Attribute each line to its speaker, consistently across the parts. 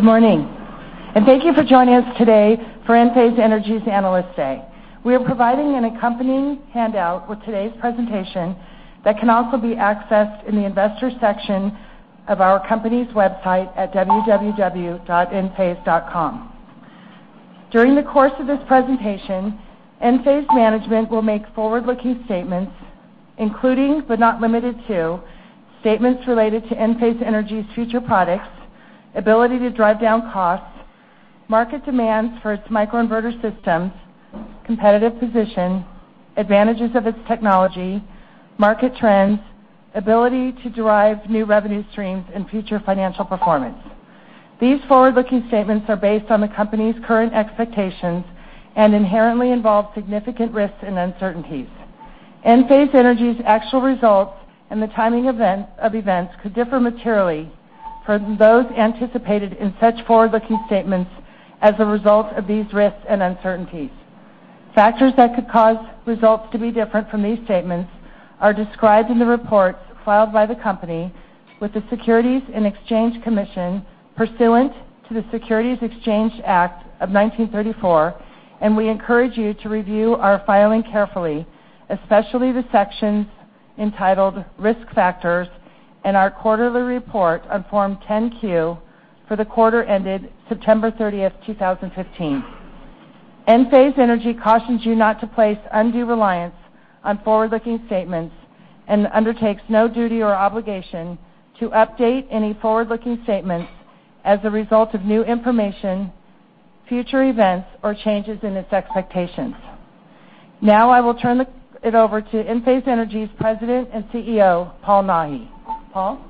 Speaker 1: Good morning, thank you for joining us today for Enphase Energy's Analyst Day. We are providing an accompanying handout with today's presentation that can also be accessed in the investors section of our company's website at www.enphase.com. During the course of this presentation, Enphase management will make forward-looking statements, including, but not limited to, statements related to Enphase Energy's future products, ability to drive down costs, market demands for its microinverter systems, competitive position, advantages of its technology, market trends, ability to derive new revenue streams, and future financial performance. These forward-looking statements are based on the company's current expectations and inherently involve significant risks and uncertainties. Enphase Energy's actual results and the timing of events could differ materially from those anticipated in such forward-looking statements as a result of these risks and uncertainties. Factors that could cause results to be different from these statements are described in the reports filed by the company with the Securities and Exchange Commission pursuant to the Securities Exchange Act of 1934. We encourage you to review our filing carefully, especially the sections entitled Risk Factors in our quarterly report on Form 10-Q for the quarter ended September 30th, 2015. Enphase Energy cautions you not to place undue reliance on forward-looking statements and undertakes no duty or obligation to update any forward-looking statements as a result of new information, future events, or changes in its expectations. I will turn it over to Enphase Energy's President and CEO, Paul Nahi. Paul.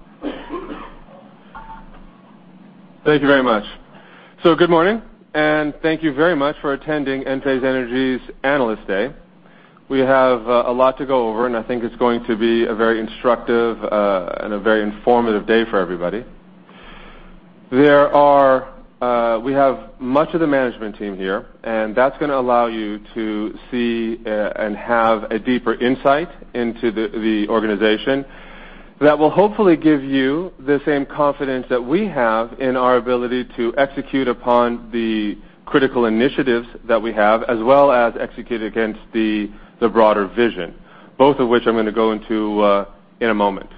Speaker 2: Thank you very much. Good morning, thank you very much for attending Enphase Energy's Analyst Day. We have a lot to go over. I think it's going to be a very instructive, a very informative day for everybody. We have much of the management team here. That's going to allow you to see and have a deeper insight into the organization that will hopefully give you the same confidence that we have in our ability to execute upon the critical initiatives that we have, as well as execute against the broader vision, both of which I'm going to go into in a moment.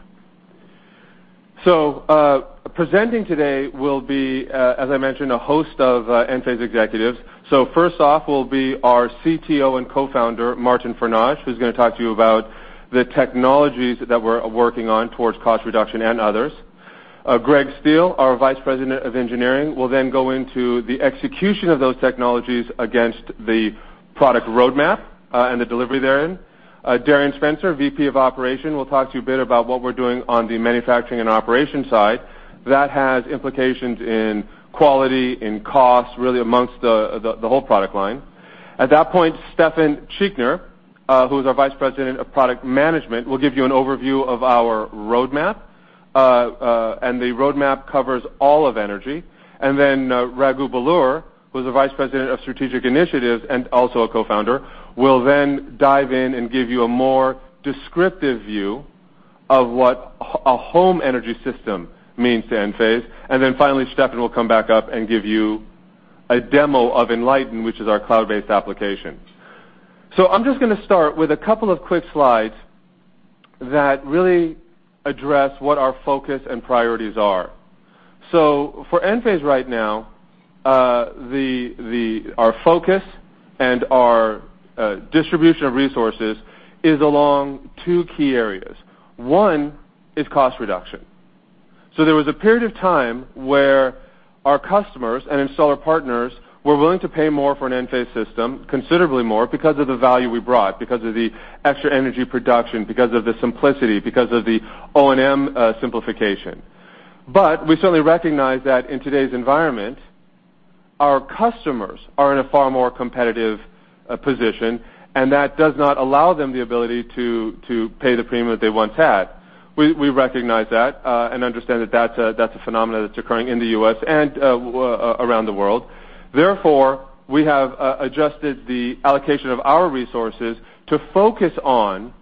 Speaker 2: Presenting today will be, as I mentioned, a host of Enphase executives. First off will be our CTO and Co-Founder, Martin Fornage, who's going to talk to you about the technologies that we're working on towards cost reduction and others. Gregory Steele, our Vice President of Engineering, will go into the execution of those technologies against the product roadmap, the delivery therein. Darin Spencer, VP of Operations, will talk to you a bit about what we're doing on the manufacturing and operations side. That has implications in quality, in cost, really amongst the whole product line. At that point, Stefan Schietinger, who is our Vice President of Product Management, will give you an overview of our roadmap. The roadmap covers all of energy. Raghu Belur, who's the Vice President of Strategic Initiatives and also a Co-Founder, will dive in and give you a more descriptive view of what a home energy system means to Enphase. Finally, Stefan will come back up and give you a demo of Enlighten, which is our cloud-based application. I'm just going to start with a couple of quick slides that really address what our focus and priorities are. For Enphase right now, our focus and our distribution of resources is along two key areas. One is cost reduction. There was a period of time where our customers and installer partners were willing to pay more for an Enphase system, considerably more, because of the value we brought, because of the extra energy production, because of the simplicity, because of the O&M simplification. We certainly recognize that in today's environment, our customers are in a far more competitive position, and that does not allow them the ability to pay the premium that they once had. We recognize that, and understand that that's a phenomenon that's occurring in the U.S. and around the world. Therefore, we have adjusted the allocation of our resources to focus on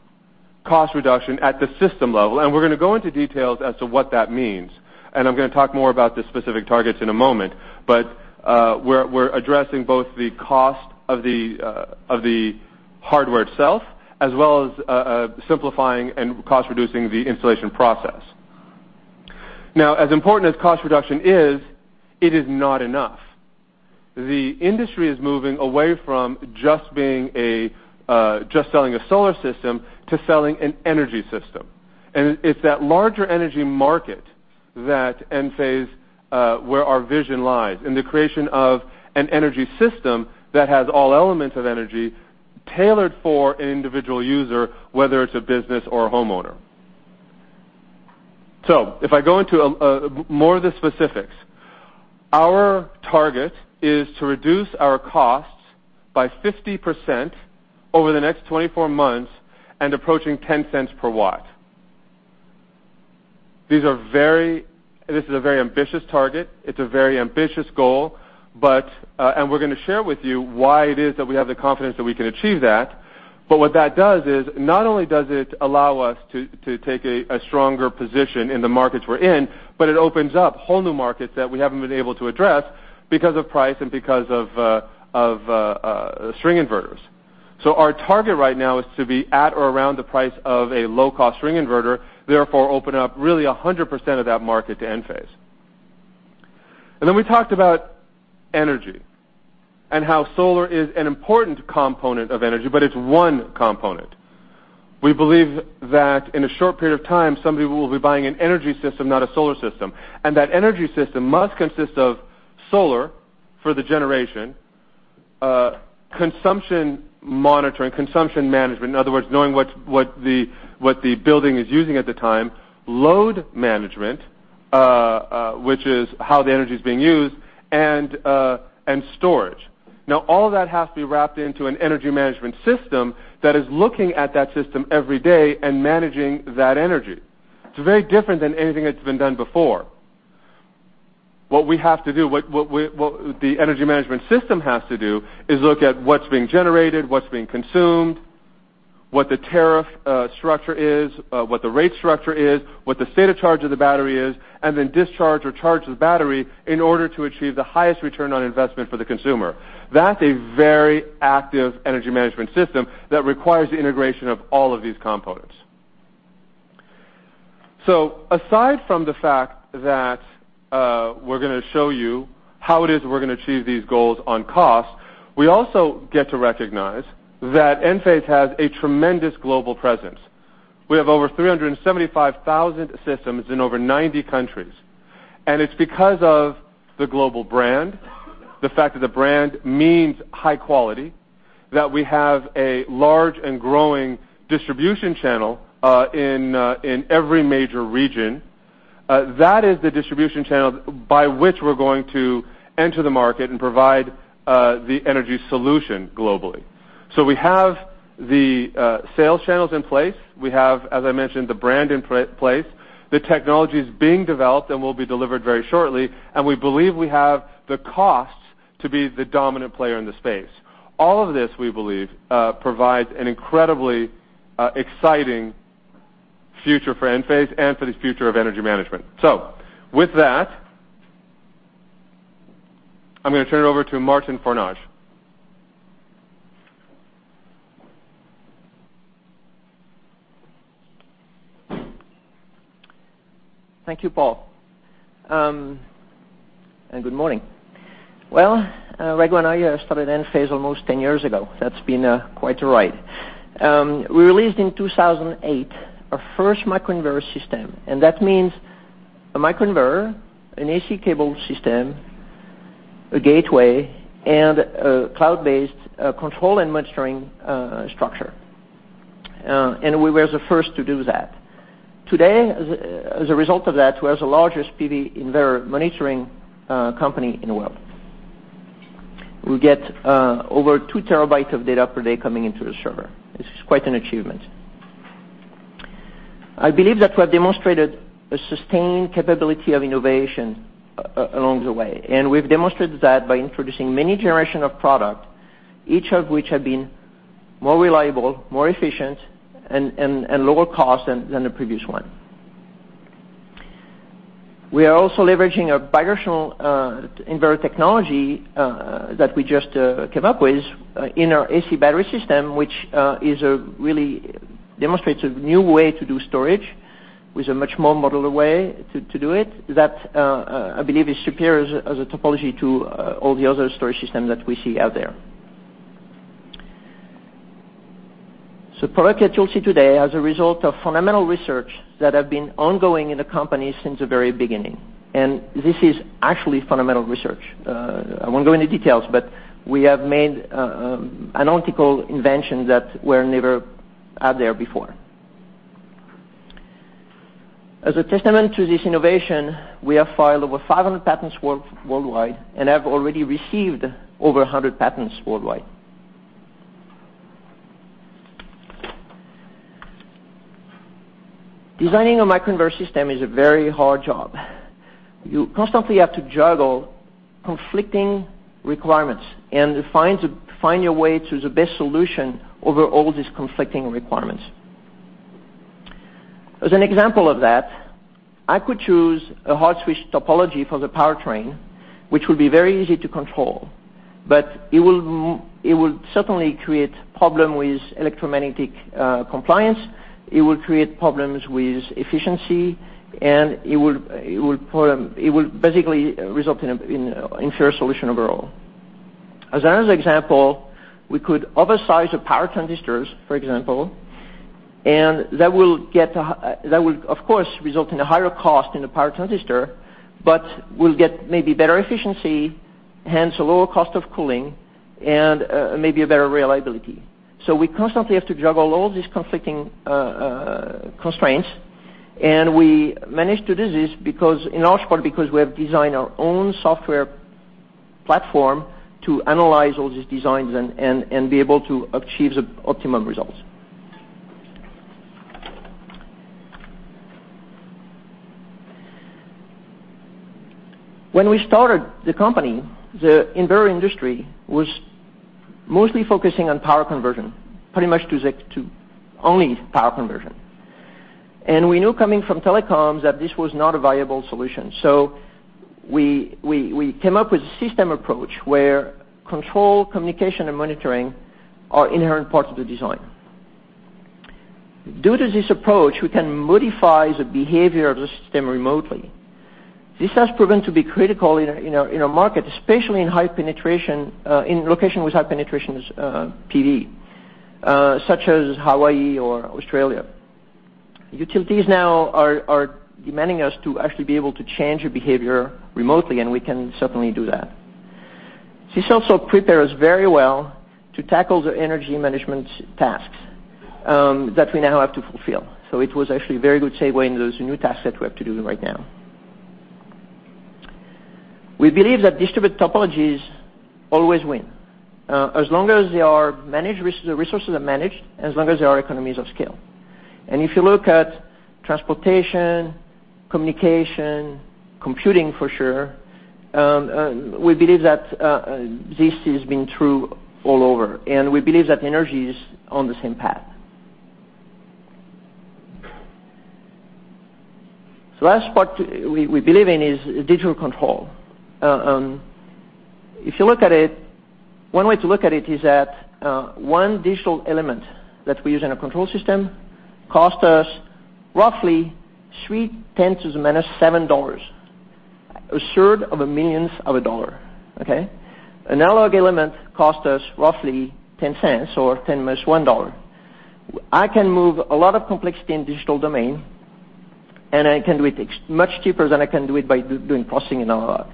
Speaker 2: cost reduction at the system level. We're going to go into details as to what that means. I'm going to talk more about the specific targets in a moment. We're addressing both the cost of the hardware itself, as well as simplifying and cost-reducing the installation process. Now, as important as cost reduction is, it is not enough. The industry is moving away from just selling a solar system to selling an energy system. It's that larger energy market where our vision lies, in the creation of an energy system that has all elements of energy tailored for an individual user, whether it's a business or a homeowner. If I go into more of the specifics, our target is to reduce our costs by 50% over the next 24 months and approaching $0.10 per watt. This is a very ambitious target. It's a very ambitious goal. We're going to share with you why it is that we have the confidence that we can achieve that. What that does is not only does it allow us to take a stronger position in the markets we're in, but it opens up whole new markets that we haven't been able to address because of price and because of string inverters. Our target right now is to be at or around the price of a low-cost string inverter, therefore open up really 100% of that market to Enphase. We talked about energy and how solar is an important component of energy. It's one component. We believe that in a short period of time, somebody will be buying an energy system, not a solar system. That energy system must consist of solar for the generation, consumption monitoring, consumption management, in other words, knowing what the building is using at the time, load management, which is how the energy is being used, and storage. Now, all that has to be wrapped into an energy management system that is looking at that system every day and managing that energy. It's very different than anything that's been done before. What the energy management system has to do is look at what's being generated, what's being consumed, what the tariff structure is, what the rate structure is, what the state of charge of the battery is, and then discharge or charge the battery in order to achieve the highest return on investment for the consumer. That's a very active energy management system that requires the integration of all of these components. Aside from the fact that we're going to show you how it is we're going to achieve these goals on cost, we also get to recognize that Enphase has a tremendous global presence. We have over 375,000 systems in over 90 countries, and it's because of the global brand, the fact that the brand means high quality, that we have a large and growing distribution channel in every major region. That is the distribution channel by which we're going to enter the market and provide the energy solution globally. We have the sales channels in place. We have, as I mentioned, the brand in place. The technology is being developed and will be delivered very shortly, we believe we have the cost to be the dominant player in the space. All of this, we believe, provides an incredibly exciting future for Enphase and for the future of energy management. With that, I'm going to turn it over to Martin Fornage.
Speaker 3: Thank you, Paul, and good morning. Well, Raghu and I started Enphase almost 10 years ago. That's been quite a ride. We released in 2008 our first microinverter system, and that means a microinverter, an AC cable system, a gateway, and a cloud-based control and monitoring structure. We were the first to do that. Today, as a result of that, we are the largest PV inverter monitoring company in the world. We get over 2 terabytes of data per day coming into the server. This is quite an achievement. I believe that we have demonstrated a sustained capability of innovation along the way, and we've demonstrated that by introducing many generation of product, each of which have been more reliable, more efficient, and lower cost than the previous one. We are also leveraging a bidirectional inverter technology that we just came up with in our AC battery system, which really demonstrates a new way to do storage, with a much more modular way to do it. That, I believe, is superior as a topology to all the other storage systems that we see out there. The product that you'll see today as a result of fundamental research that have been ongoing in the company since the very beginning. This is actually fundamental research. I won't go into details, but we have made an optical invention that were never out there before. As a testament to this innovation, we have filed over 500 patents worldwide and have already received over 100 patents worldwide. Designing a microinverter system is a very hard job. You constantly have to juggle conflicting requirements and find your way to the best solution over all these conflicting requirements. As an example of that, I could choose a hard switch topology for the powertrain, which will be very easy to control, but it will certainly create problem with electromagnetic compliance, it will create problems with efficiency, and it will basically result in inferior solution overall. As another example, we could oversize the power transistors, for example, and that will of course result in a higher cost in the power transistor, but we'll get maybe better efficiency, hence a lower cost of cooling and maybe a better reliability. We constantly have to juggle all these conflicting constraints, and we managed to do this in large part because we have designed our own software platform to analyze all these designs and be able to achieve the optimum results. When we started the company, the inverter industry was mostly focusing on power conversion. Pretty much to only power conversion. We knew coming from telecoms that this was not a viable solution. We came up with a system approach where control, communication, and monitoring are inherent parts of the design. Due to this approach, we can modify the behavior of the system remotely. This has proven to be critical in a market, especially in location with high penetration PV, such as Hawaii or Australia. Utilities now are demanding us to actually be able to change behavior remotely, and we can certainly do that. This also prepared us very well to tackle the energy management tasks that we now have to fulfill. It was actually a very good segue into the new tasks that we have to do right now. We believe that distributed topologies always win, as long as the resources are managed, and as long as there are economies of scale. If you look at transportation, communication, computing, for sure, we believe that this has been true all over, and we believe that energy is on the same path. The last part we believe in is digital control. If you look at it, one way to look at it is that one digital element that we use in a control system costs us roughly three tens to the minus seven dollars. A third of a millionth of a dollar. Okay? An analog element costs us roughly $0.10 or 10 minus one dollar. I can move a lot of complexity in digital domain, and I can do it much cheaper than I can do it by doing processing in analog.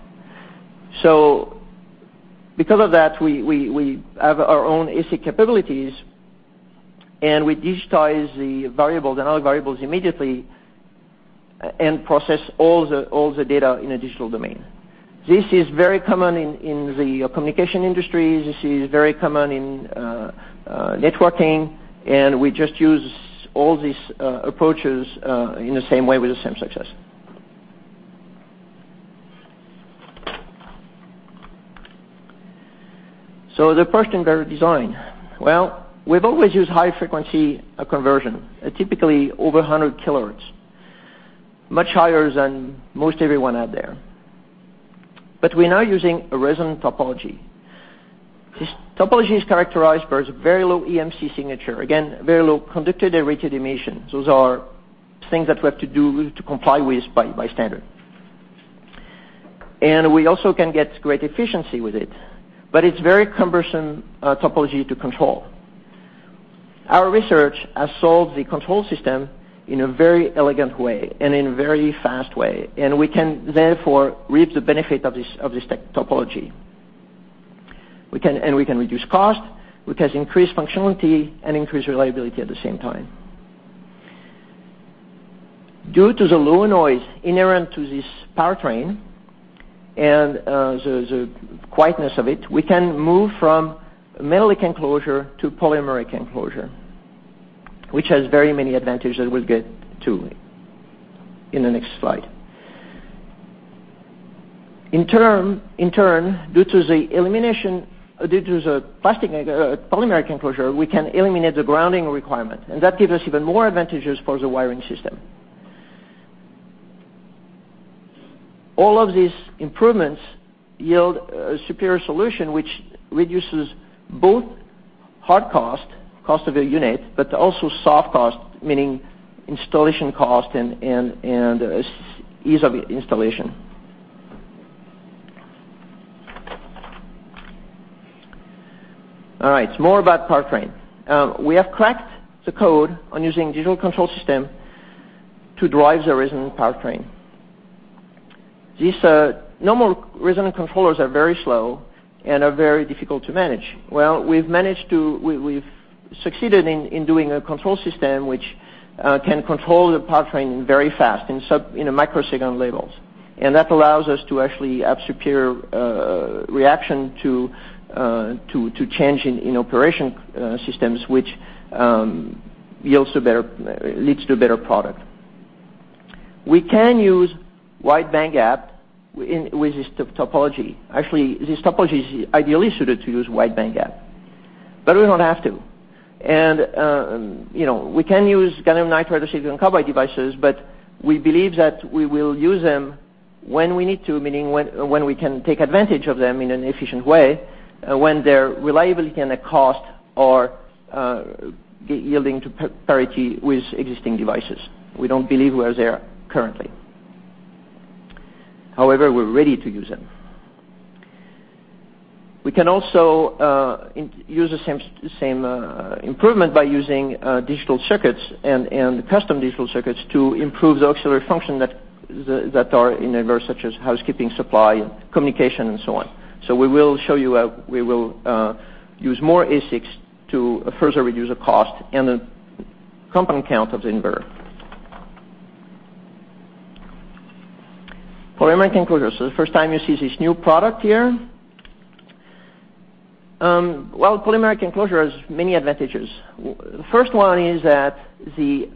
Speaker 3: Because of that, we have our own ASIC capabilities, and we digitize the analog variables immediately and process all the data in a digital domain. This is very common in the communication industry. This is very common in networking. We just use all these approaches, in the same way with the same success. The first-inverter design. Well, we've always used high frequency conversion, typically over 100 kilohertz, much higher than most everyone out there. We're now using a resonant topology. This topology is characterized by its very low EMC signature. Again, very low conducted radiated emissions. Those are things that we have to do to comply with by standard. We also can get great efficiency with it. It's very cumbersome topology to control. Our research has solved the control system in a very elegant way and in a very fast way. We can therefore reap the benefit of this topology. We can reduce cost, we can increase functionality, and increase reliability at the same time. Due to the low noise inherent to this powertrain and the quietness of it, we can move from metallic enclosure to polymeric enclosure, which has very many advantages that we'll get to in the next slide. In turn, due to the polymeric enclosure, we can eliminate the grounding requirement. That gives us even more advantages for the wiring system. All of these improvements yield a superior solution, which reduces both hard cost of a unit, but also soft cost, meaning installation cost and ease of installation. All right. More about powertrain. We have cracked the code on using digital control system to drive the resonant powertrain. These normal resonant controllers are very slow and are very difficult to manage. Well, we've succeeded in doing a control system which can control the powertrain very fast, in a microsecond levels. That allows us to actually have superior reaction to change in operation systems, which leads to a better product. We can use wide-bandgap with this topology. Actually, this topology is ideally suited to use wide-bandgap. We don't have to. We can use gallium nitride or silicon carbide devices. We believe that we will use them when we need to, meaning when we can take advantage of them in an efficient way, when their reliability and the cost are yielding to parity with existing devices. We don't believe we are there currently. However, we're ready to use them. We can also use the same improvement by using digital circuits and custom digital circuits to improve the auxiliary function that are in inverters, such as housekeeping, supply, communication, and so on. We will show you how we will use more ASICs to further reduce the cost and the component count of the inverter. Polymeric enclosure. The first time you see this new product here. Well, polymeric enclosure has many advantages. The first one is that the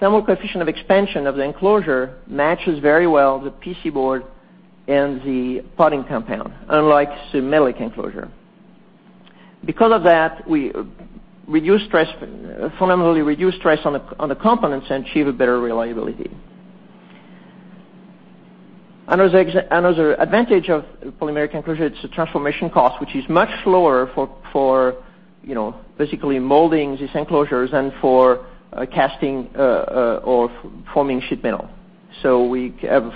Speaker 3: thermal coefficient of expansion of the enclosure matches very well the PC board and the potting compound, unlike the metallic enclosure. Because of that, we fundamentally reduce stress on the components and achieve a better reliability. Another advantage of polymeric enclosure, it's the transformation cost, which is much lower for basically molding these enclosures than for casting or forming sheet metal. We have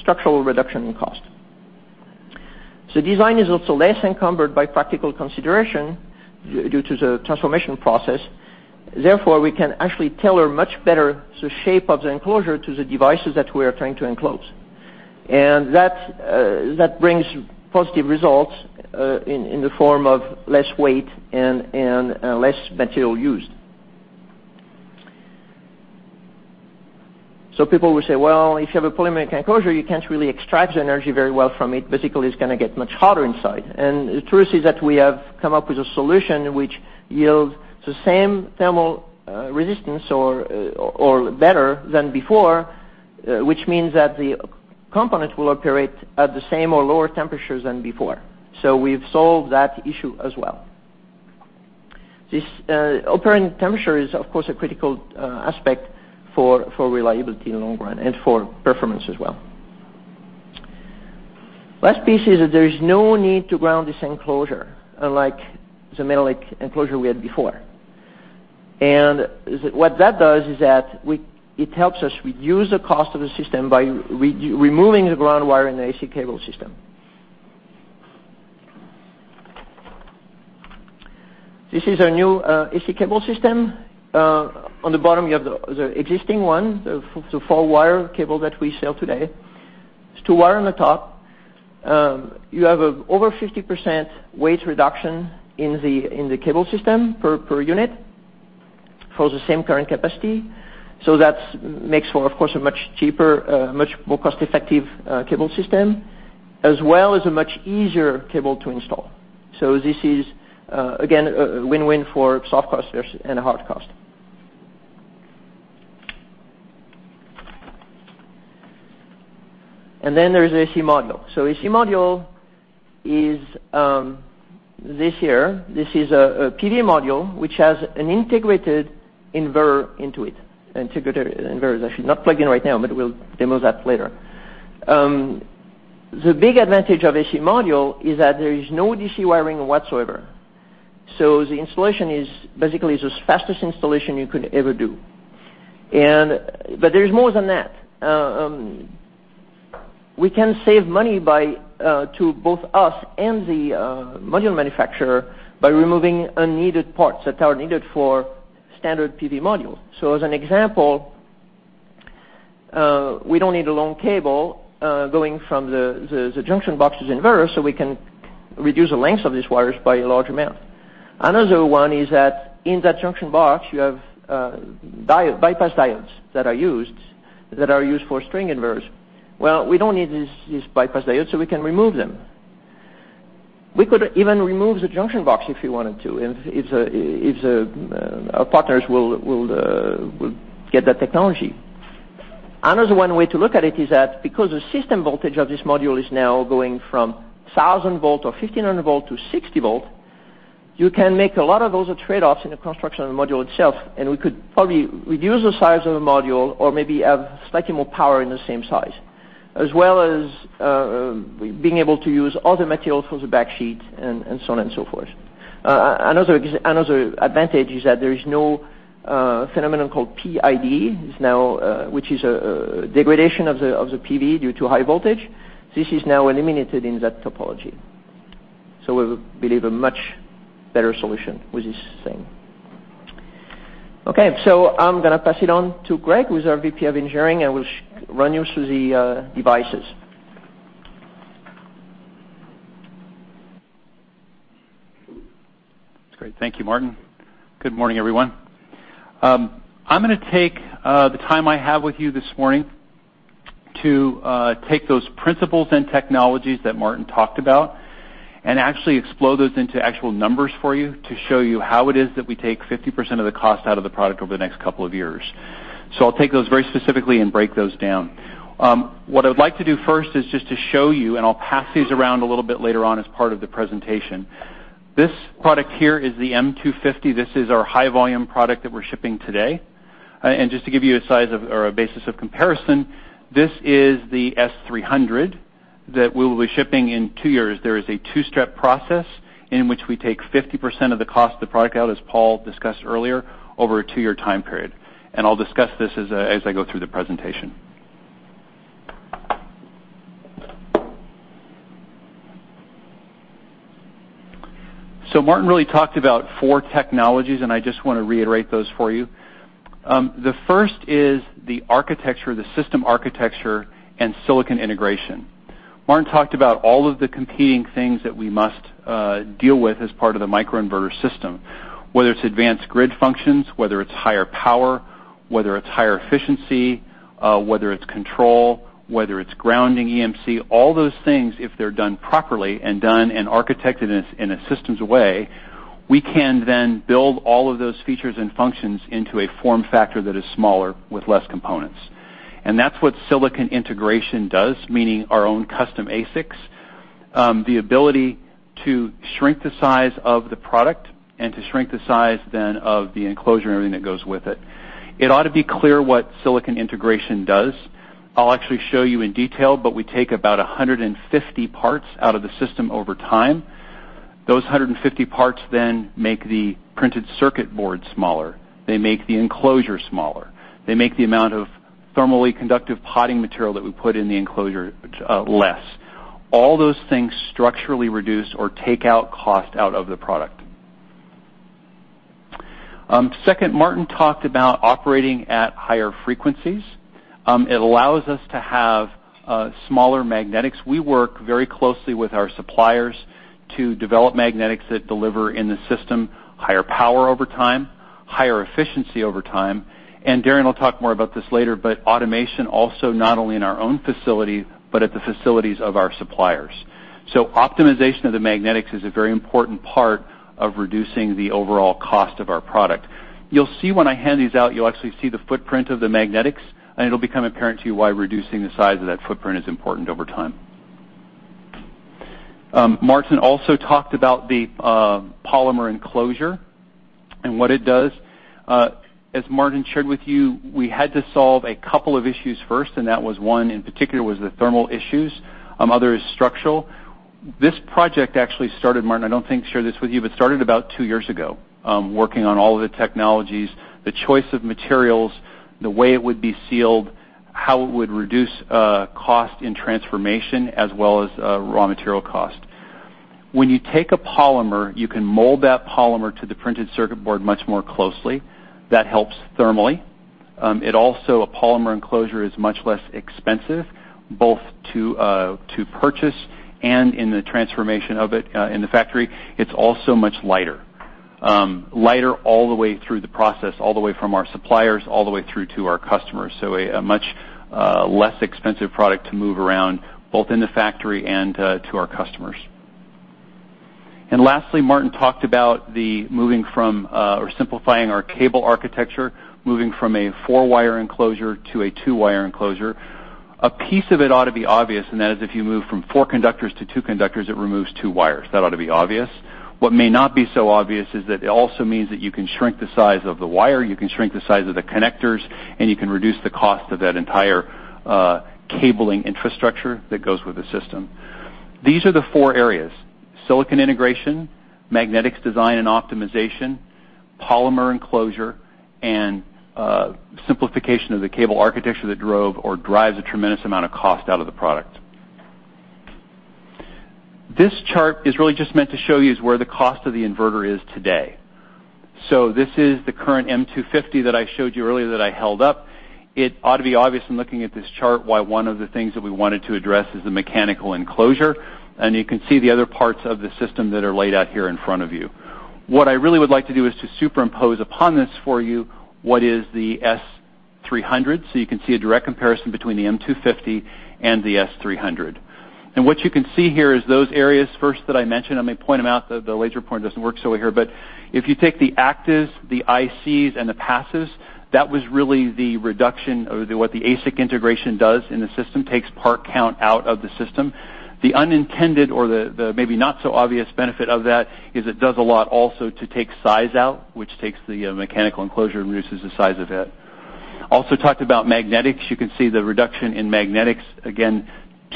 Speaker 3: structural reduction in cost. Design is also less encumbered by practical consideration due to the transformation process. Therefore, we can actually tailor much better the shape of the enclosure to the devices that we are trying to enclose. That brings positive results in the form of less weight and less material used. People will say, "Well, if you have a polymeric enclosure, you can't really extract the energy very well from it. Basically, it's going to get much hotter inside." The truth is that we have come up with a solution which yields the same thermal resistance or better than before, which means that the components will operate at the same or lower temperatures than before. We've solved that issue as well. This operating temperature is, of course, a critical aspect for reliability in the long run and for performance as well. Last piece is there is no need to ground this enclosure, unlike the metallic enclosure we had before. What that does is that it helps us reduce the cost of the system by removing the ground wire in the AC cable system. This is our new AC cable system. On the bottom, you have the existing one, the four-wire cable that we sell today. It's two-wire on the top. You have over 50% weight reduction in the cable system per unit for the same current capacity. That makes for, of course, a much cheaper, much more cost-effective cable system, as well as a much easier cable to install. This is, again, a win-win for soft cost and hard cost. Then there is AC module. AC module is this here. This is a PV module which has an integrated inverter into it. Integrated inverter is actually not plugged in right now, but we'll demo that later. The big advantage of AC module is that there is no DC wiring whatsoever. The installation is basically the fastest installation you could ever do. There's more than that. We can save money, to both us and the module manufacturer, by removing unneeded parts that are needed for standard PV modules. As an example, we don't need a long cable going from the junction box's inverter, so we can reduce the length of these wires by a large amount. Another one is that in that junction box, you have bypass diodes that are used for string inverters. We don't need these bypass diodes, so we can remove them. We could even remove the junction box if we wanted to, if our partners will get that technology. Another one way to look at it is that because the system voltage of this module is now going from 1,000 volt or 1,500 volt to 60 volt, you can make a lot of those trade-offs in the construction of the module itself, and we could probably reduce the size of the module or maybe have slightly more power in the same size, as well as being able to use other materials for the backsheet and so on and so forth. Another advantage is that there is no phenomenon called PID, which is a degradation of the PV due to high voltage. This is now eliminated in that topology. We believe a much better solution with this thing. Okay. I'm going to pass it on to Greg, who's our VP of Engineering, and we'll run you through the devices.
Speaker 4: That's great. Thank you, Martin. Good morning, everyone. I'm going to take the time I have with you this morning to take those principles and technologies that Martin talked about and actually explode those into actual numbers for you to show you how it is that we take 50% of the cost out of the product over the next couple of years. I'll take those very specifically and break those down. What I would like to do first is just to show you, and I'll pass these around a little bit later on as part of the presentation. This product here is the M250. This is our high-volume product that we're shipping today. Just to give you a size of, or a basis of comparison, this is the S300 that we will be shipping in two years. There is a two-step process in which we take 50% of the cost of the product out, as Paul discussed earlier, over a two-year time period. I'll discuss this as I go through the presentation. Martin really talked about four technologies, I just want to reiterate those for you. The first is the architecture, the system architecture, and silicon integration. Martin talked about all of the competing things that we must deal with as part of the microinverter system. Whether it's advanced grid functions, whether it's higher power, whether it's higher efficiency, whether it's control, whether it's grounding EMC, all those things, if they're done properly and done and architected in a systems way, we can then build all of those features and functions into a form factor that is smaller with less components. That's what silicon integration does, meaning our own custom ASICs, the ability to shrink the size of the product and to shrink the size then of the enclosure and everything that goes with it. It ought to be clear what silicon integration does. I'll actually show you in detail, but we take about 150 parts out of the system over time. Those 150 parts then make the printed circuit board smaller. They make the enclosure smaller. They make the amount of thermally conductive potting material that we put in the enclosure less. All those things structurally reduce or take out cost out of the product. Second, Martin talked about operating at higher frequencies. It allows us to have smaller magnetics. We work very closely with our suppliers to develop magnetics that deliver in the system, higher power over time, higher efficiency over time, Darin will talk more about this later, but automation also not only in our own facility, but at the facilities of our suppliers. Optimization of the magnetics is a very important part of reducing the overall cost of our product. You'll see when I hand these out, you'll actually see the footprint of the magnetics, it'll become apparent to you why reducing the size of that footprint is important over time. Martin also talked about the polymer enclosure and what it does. As Martin shared with you, we had to solve a couple of issues first, that was one in particular was the thermal issues. Other is structural. This project actually started, Martin, I don't think shared this with you, but started about two years ago, working on all of the technologies, the choice of materials, the way it would be sealed, how it would reduce cost in transformation, as well as raw material cost. When you take a polymer, you can mold that polymer to the printed circuit board much more closely. That helps thermally. A polymer enclosure is much less expensive, both to purchase and in the transformation of it in the factory. It's also much lighter. Lighter all the way through the process, all the way from our suppliers, all the way through to our customers. A much less expensive product to move around, both in the factory and to our customers. Lastly, Martin talked about the moving from or simplifying our cable architecture, moving from a four-wire enclosure to a two-wire enclosure. A piece of it ought to be obvious, that is if you move from 4 conductors to 2 conductors, it removes 2 wires. That ought to be obvious. What may not be so obvious is that it also means that you can shrink the size of the wire, you can shrink the size of the connectors, and you can reduce the cost of that entire cabling infrastructure that goes with the system. These are the four areas, silicon integration, magnetics design and optimization, polymer enclosure, and simplification of the cable architecture that drove or drives a tremendous amount of cost out of the product. This chart is really just meant to show you is where the cost of the inverter is today. This is the current M250 that I showed you earlier that I held up. It ought to be obvious from looking at this chart why one of the things that we wanted to address is the mechanical enclosure, you can see the other parts of the system that are laid out here in front of you. What I really would like to do is to superimpose upon this for you what is the S300, you can see a direct comparison between the M250 and the S300. What you can see here is those areas first that I mentioned, I'm going to point them out, the laser pointer doesn't work so here, but if you take the actives, the ICs, and the passives, that was really the reduction of what the ASIC integration does in the system, takes part count out of the system. The unintended or the maybe not so obvious benefit of that is it does a lot also to take size out, which takes the mechanical enclosure and reduces the size of it. Also talked about magnetics. You can see the reduction in magnetics. Again,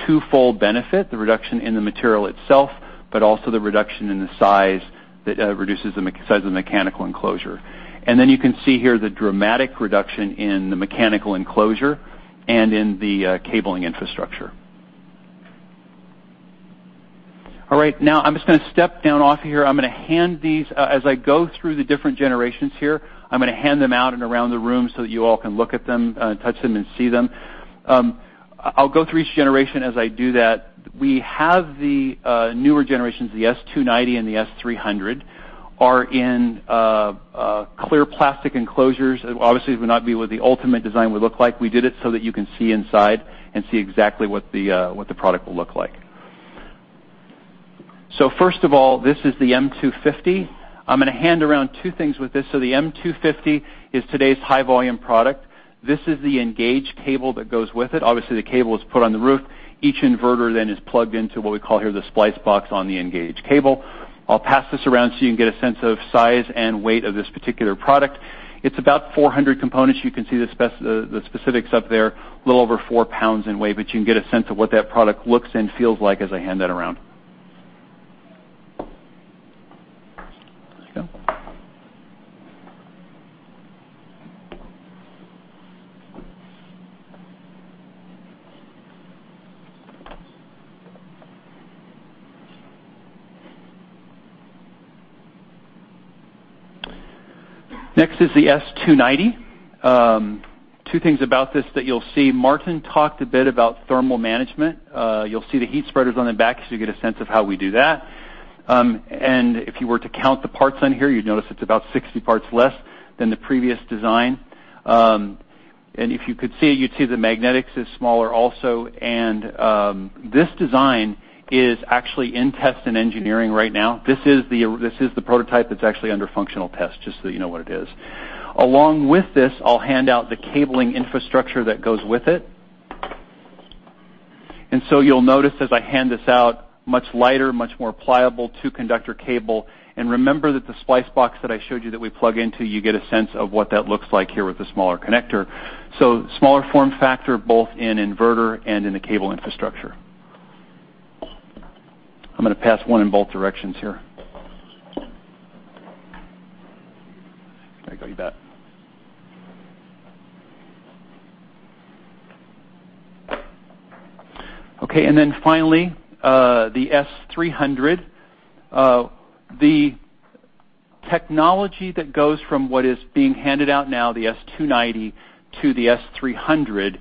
Speaker 4: twofold benefit, the reduction in the material itself, but also the reduction in the size, that reduces the size of the mechanical enclosure. Then you can see here the dramatic reduction in the mechanical enclosure and in the cabling infrastructure. Now I'm just going to step down off of here. As I go through the different generations here, I'm going to hand them out and around the room so that you all can look at them, touch them, and see them. I'll go through each generation as I do that. We have the newer generations, the S290 and the S300 are in clear plastic enclosures. Obviously, it would not be what the ultimate design would look like. We did it so that you can see inside and see exactly what the product will look like. First of all, this is the M250. I'm going to hand around two things with this. The M250 is today's high-volume product. This is the Engage Cable that goes with it. Obviously, the cable is put on the roof. Each inverter then is plugged into what we call here the splice box on the Engage Cable. I'll pass this around so you can get a sense of size and weight of this particular product. It's about 400 components. You can see the specifics up there, a little over four pounds in weight, but you can get a sense of what that product looks and feels like as I hand that around. There you go. Next is the S290. Two things about this that you'll see. Martin talked a bit about thermal management. You'll see the heat spreaders on the back, so you get a sense of how we do that. If you were to count the parts on here, you'd notice it's about 60 parts less than the previous design. If you could see, you'd see the magnetics is smaller also. This design is actually in test in engineering right now. This is the prototype that's actually under functional test, just so that you know what it is. Along with this, I'll hand out the cabling infrastructure that goes with it. You'll notice as I hand this out, much lighter, much more pliable, two-conductor cable. Remember that the splice box that I showed you that we plug into, you get a sense of what that looks like here with the smaller connector. Smaller form factor, both in inverter and in the cable infrastructure. I'm going to pass one in both directions here. There you go. You bet. Finally, the S300. The technology that goes from what is being handed out now, the S290, to the S300,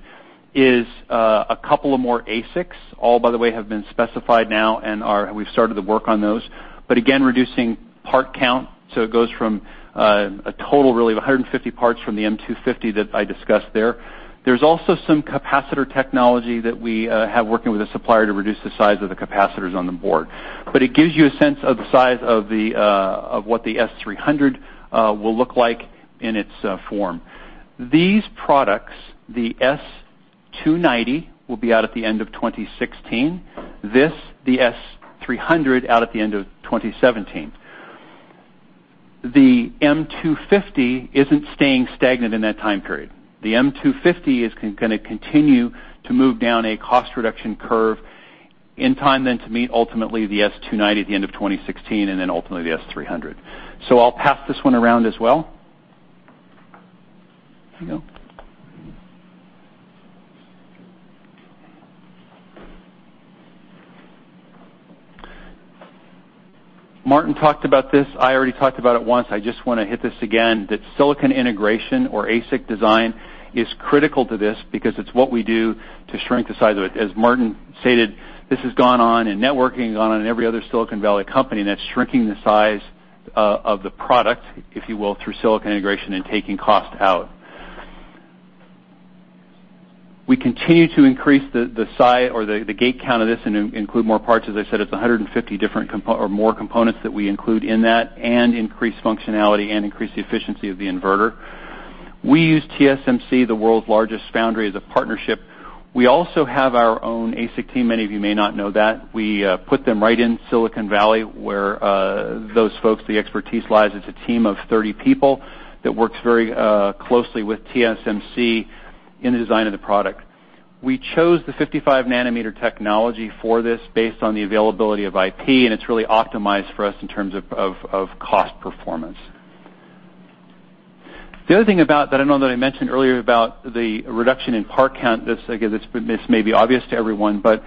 Speaker 4: is a couple of more ASICs. All, by the way, have been specified now, and we've started the work on those. Again, reducing part count. It goes from a total really of 150 parts from the M250 that I discussed there. There's also some capacitor technology that we have working with a supplier to reduce the size of the capacitors on the board. It gives you a sense of the size of what the S300 will look like in its form. These products, the S290, will be out at the end of 2016. This, the S300, out at the end of 2017. The M250 isn't staying stagnant in that time period. The M250 is going to continue to move down a cost-reduction curve in time then to meet ultimately the S290 at the end of 2016 and then ultimately the S300. I'll pass this one around as well. Here you go. Martin talked about this. I already talked about it once. I just want to hit this again, that silicon integration or ASIC design is critical to this because it's what we do to shrink the size of it. As Martin stated, this has gone on in networking, gone on in every other Silicon Valley company, that's shrinking the size of the product, if you will, through silicon integration and taking cost out. We continue to increase the gate count of this and include more parts. As I said, it's 150 different or more components that we include in that and increase functionality and increase the efficiency of the inverter. We use TSMC, the world's largest foundry, as a partnership. We also have our own ASIC team. Many of you may not know that. We put them right in Silicon Valley, where those folks, the expertise lies. It's a team of 30 people that works very closely with TSMC in the design of the product. We chose the 55-nanometer technology for this based on the availability of IP. It's really optimized for us in terms of cost performance. The other thing about that I know that I mentioned earlier about the reduction in part count, this may be obvious to everyone, but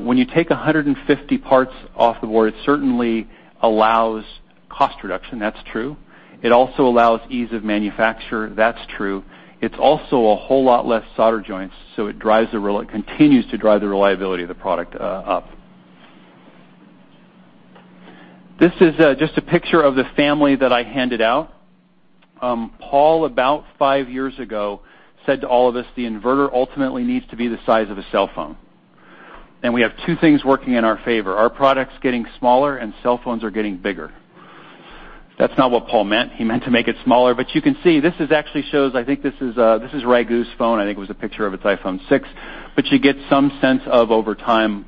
Speaker 4: when you take 150 parts off the board, it certainly allows cost reduction, that's true. It also allows ease of manufacture, that's true. It's also a whole lot less solder joints, so it continues to drive the reliability of the product up. This is just a picture of the family that I handed out. Paul, about five years ago, said to all of us, "The inverter ultimately needs to be the size of a cell phone." We have two things working in our favor. Our product's getting smaller, and cell phones are getting bigger. That's not what Paul meant. He meant to make it smaller. You can see, this actually shows, I think this is Raghu's phone. I think it was a picture of his iPhone 6. You get some sense of over time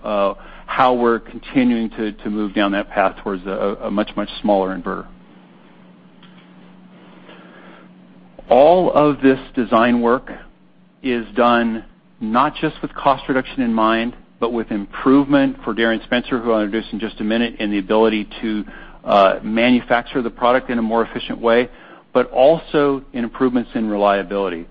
Speaker 4: how we're continuing to move down that path towards a much, much smaller inverter. All of this design work is done not just with cost reduction in mind, but with improvement for Darin Spencer, who I'll introduce in just a minute, and the ability to manufacture the product in a more efficient way, but also in improvements in reliability.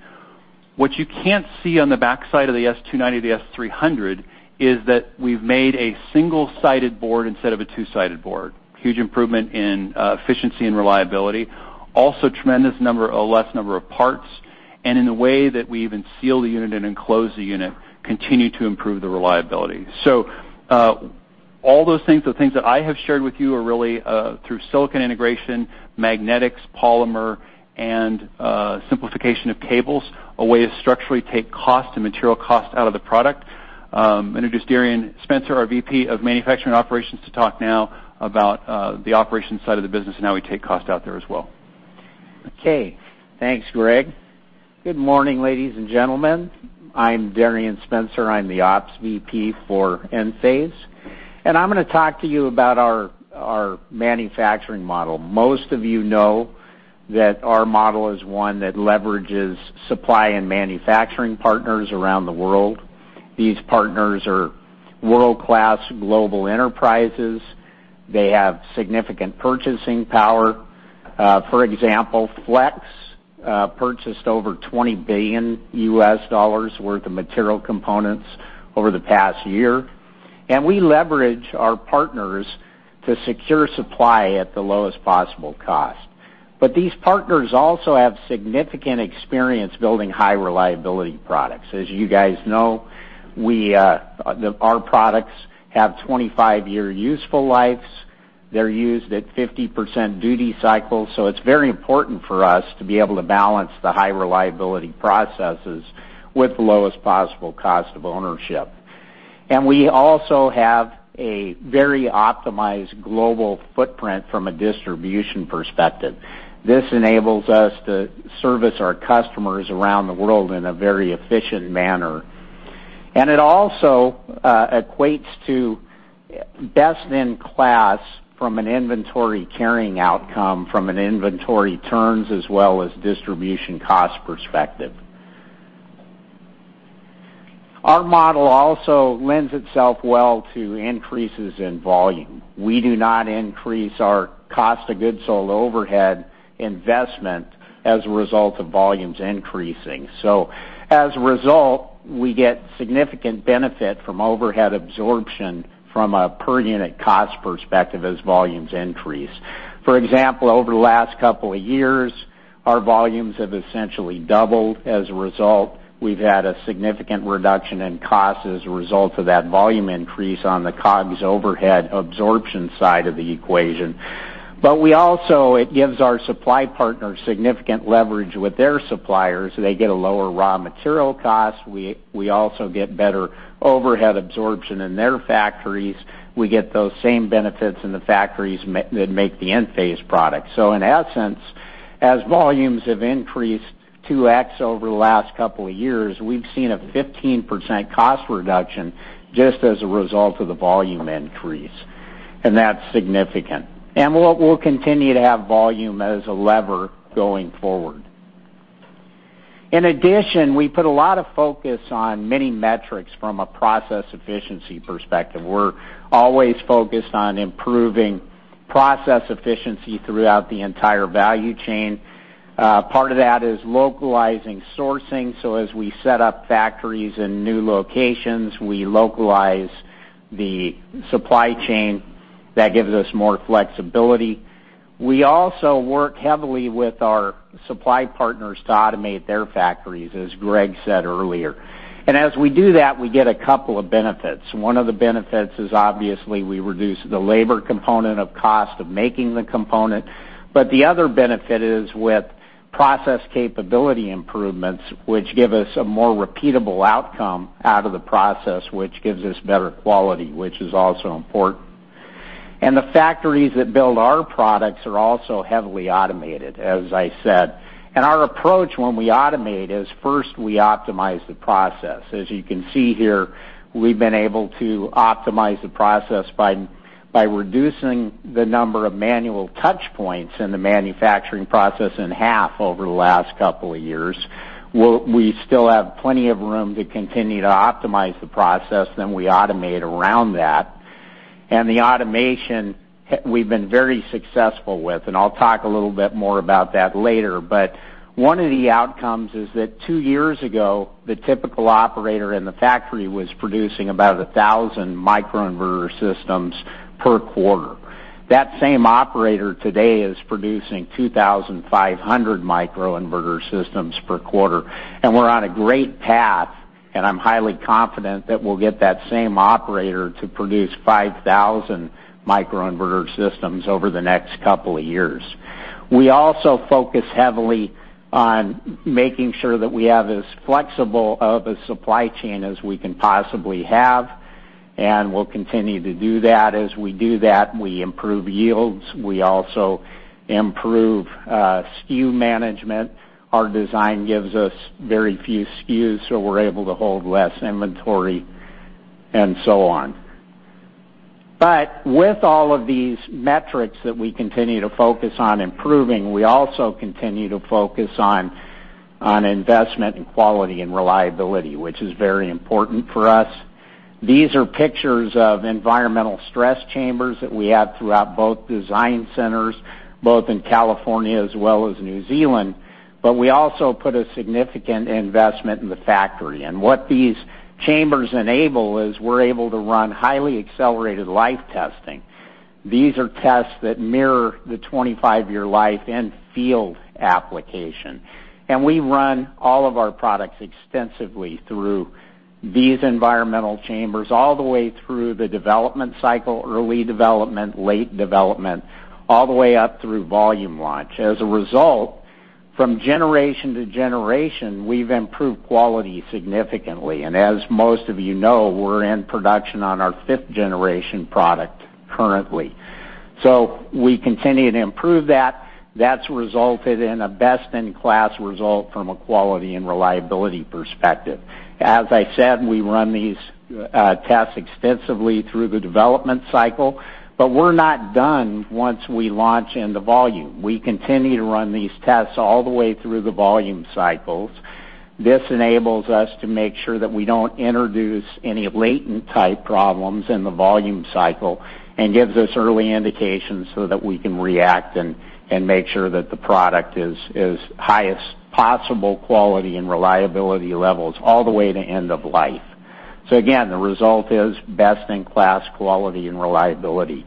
Speaker 4: What you can't see on the backside of the S290, the S300, is that we've made a single-sided board instead of a two-sided board. Huge improvement in efficiency and reliability. Also tremendous number or less number of parts. In the way that we even seal the unit and enclose the unit, continue to improve the reliability. All those things, the things that I have shared with you are really through silicon integration, magnetics, polymer, and simplification of cables, a way to structurally take cost and material cost out of the product. I'm going to introduce Darin Spencer, our VP of Manufacturing Operations, to talk now about the operations side of the business and how we take cost out there as well.
Speaker 5: Okay. Thanks, Greg. Good morning, ladies and gentlemen. I'm Darin Spencer. I'm the Ops VP for Enphase, I'm going to talk to you about our manufacturing model. Most of you know that our model is one that leverages supply and manufacturing partners around the world. These partners are world-class global enterprises. They have significant purchasing power. For example, Flex purchased over $20 billion worth of material components over the past year. We leverage our partners to secure supply at the lowest possible cost. These partners also have significant experience building high-reliability products. As you guys know, our products have 25-year useful lives. They're used at 50% duty cycle. It's very important for us to be able to balance the high-reliability processes with the lowest possible cost of ownership. We also have a very optimized global footprint from a distribution perspective. This enables us to service our customers around the world in a very efficient manner. It also equates to best-in-class from an inventory carrying outcome, from an inventory turns, as well as distribution cost perspective. Our model also lends itself well to increases in volume. We do not increase our cost of goods sold overhead investment as a result of volumes increasing. As a result, we get significant benefit from overhead absorption from a per-unit cost perspective as volumes increase. For example, over the last couple of years, our volumes have essentially doubled. As a result, we've had a significant reduction in cost as a result of that volume increase on the COGS overhead absorption side of the equation. It gives our supply partners significant leverage with their suppliers. They get a lower raw material cost. We also get better overhead absorption in their factories. We get those same benefits in the factories that make the Enphase product. In that sense, as volumes have increased 2X over the last couple of years, we've seen a 15% cost reduction just as a result of the volume increase, and that's significant. We'll continue to have volume as a lever going forward. In addition, we put a lot of focus on many metrics from a process efficiency perspective. We're always focused on improving process efficiency throughout the entire value chain. Part of that is localizing sourcing, so as we set up factories in new locations, we localize the supply chain. That gives us more flexibility. We also work heavily with our supply partners to automate their factories, as Greg said earlier. As we do that, we get a couple of benefits. One of the benefits is obviously we reduce the labor component of cost of making the component. The other benefit is with process capability improvements, which give us a more repeatable outcome out of the process, which gives us better quality, which is also important. The factories that build our products are also heavily automated, as I said. Our approach when we automate is first we optimize the process. As you can see here, we've been able to optimize the process by reducing the number of manual touchpoints in the manufacturing process in half over the last couple of years. We still have plenty of room to continue to optimize the process, then we automate around that. The automation we've been very successful with, and I'll talk a little bit more about that later. One of the outcomes is that two years ago, the typical operator in the factory was producing about 1,000 microinverter systems per quarter. That same operator today is producing 2,500 microinverter systems per quarter. We're on a great path, and I'm highly confident that we'll get that same operator to produce 5,000 microinverter systems over the next couple of years. We also focus heavily on making sure that we have as flexible of a supply chain as we can possibly have, and we'll continue to do that. As we do that, we improve yields. We also improve SKU management. Our design gives us very few SKUs, so we're able to hold less inventory and so on. With all of these metrics that we continue to focus on improving, we also continue to focus on investment in quality and reliability, which is very important for us. These are pictures of environmental stress chambers that we have throughout both design centers, both in California as well as New Zealand. We also put a significant investment in the factory. What these chambers enable is we're able to run highly accelerated life testing. These are tests that mirror the 25-year life in field application. We run all of our products extensively through these environmental chambers, all the way through the development cycle, early development, late development, all the way up through volume launch. As a result, from generation to generation, we've improved quality significantly. As most of you know, we're in production on our fifth-generation product currently. We continue to improve that. That's resulted in a best-in-class result from a quality and reliability perspective. As I said, we run these tests extensively through the development cycle, but we're not done once we launch into volume. We continue to run these tests all the way through the volume cycles. This enables us to make sure that we don't introduce any latent type problems in the volume cycle and gives us early indications so that we can react and make sure that the product is highest possible quality and reliability levels all the way to end of life. Again, the result is best-in-class quality and reliability.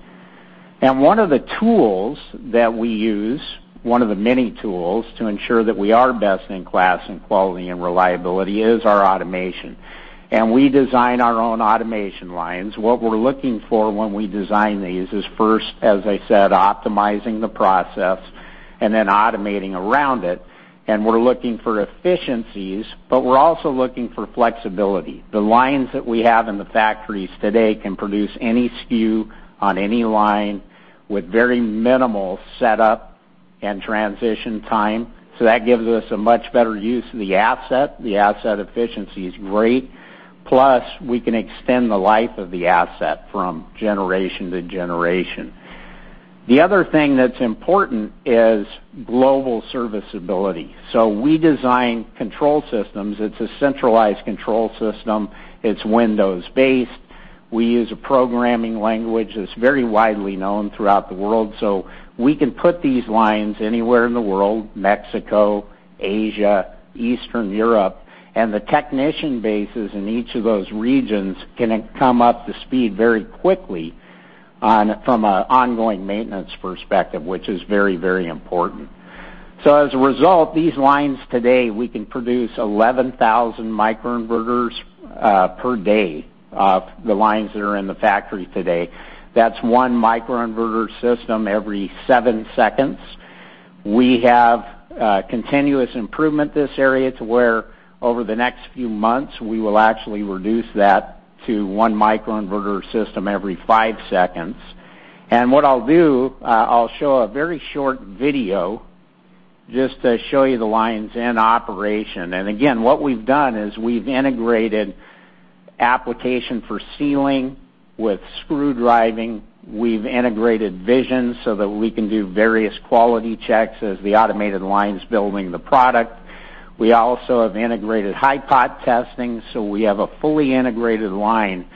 Speaker 5: One of the tools that we use, one of the many tools to ensure that we are best-in-class in quality and reliability, is our automation. We design our own automation lines. What we're looking for when we design these is first, as I said, optimizing the process and then automating around it. We're looking for efficiencies, but we're also looking for flexibility. The lines that we have in the factories today can produce any SKU on any line with very minimal setup and transition time. That gives us a much better use of the asset. The asset efficiency is great. Plus, we can extend the life of the asset from generation to generation. The other thing that's important is global serviceability. We design control systems. It's a centralized control system. It's Windows-based. We use a programming language that's very widely known throughout the world. We can put these lines anywhere in the world, Mexico, Asia, Eastern Europe, and the technician bases in each of those regions can come up to speed very quickly from an ongoing maintenance perspective, which is very important. As a result, these lines today, we can produce 11,000 microinverters per day, the lines that are in the factory today. That's one microinverter system every seven seconds. We have continuous improvement this area to where, over the next few months, we will actually reduce that to one microinverter system every five seconds. What I'll do, I'll show a very short video just to show you the lines in operation. Again, what we've done is we've integrated application for sealing with screw driving. We've integrated vision so that we can do various quality checks as the automated line's building the product. We also have integrated hipot testing, so we have a fully integrated line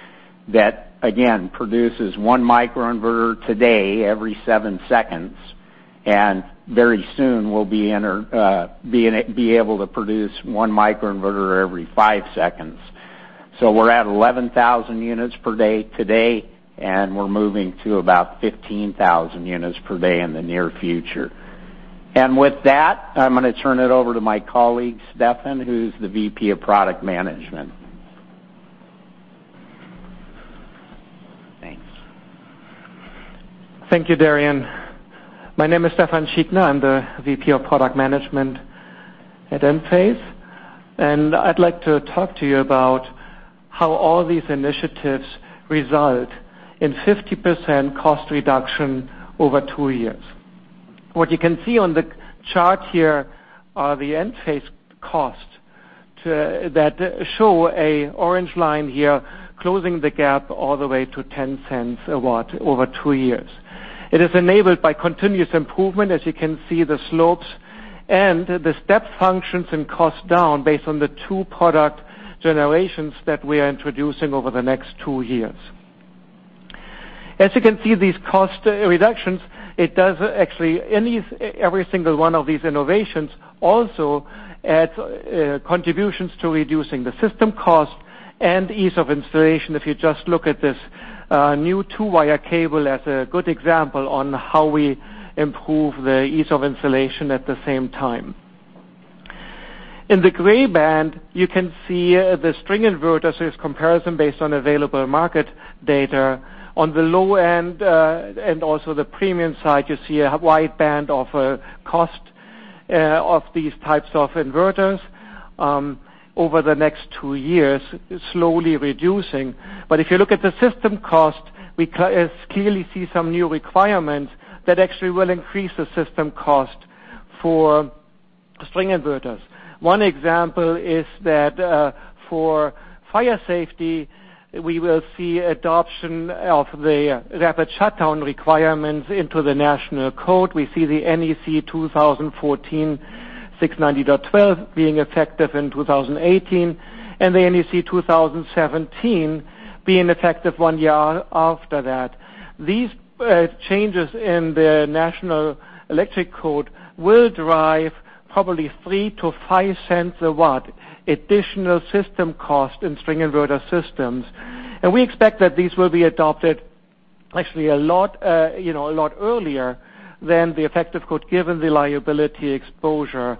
Speaker 5: that, again, produces one microinverter today every seven seconds. Very soon, we'll be able to produce one microinverter every five seconds. We're at 11,000 units per day today, we're moving to about 15,000 units per day in the near future. With that, I'm going to turn it over to my colleague, Stefan, who's the VP of Product Management. Thanks.
Speaker 6: Thank you, Darin. My name is Stefan Schietinger. I'm the VP of Product Management at Enphase. I'd like to talk to you about how all these initiatives result in 50% cost reduction over two years. What you can see on the chart here are the Enphase costs that show an orange line here closing the gap all the way to $0.10 a watt over two years. It is enabled by continuous improvement, as you can see the slopes, and the step functions in cost down based on the two product generations that we are introducing over the next two years. As you can see, these cost reductions, every single one of these innovations also adds contributions to reducing the system cost and ease of installation, if you just look at this new two-wire cable as a good example on how we improve the ease of installation at the same time. In the gray band, you can see the string inverters. There's comparison based on available market data. On the low end and also the premium side, you see a wide band of cost of these types of inverters. Over the next two years, slowly reducing. If you look at the system cost, we clearly see some new requirements that actually will increase the system cost for string inverters. One example is that for fire safety, we will see adoption of the rapid shutdown requirements into the National Code. We see the NEC 2014 690.12 being effective in 2018, the NEC 2017 being effective one year after that. These changes in the National Electrical Code will drive probably $0.03-$0.05 a watt additional system cost in string inverter systems. We expect that these will be adopted actually a lot earlier than the effective code, given the liability exposure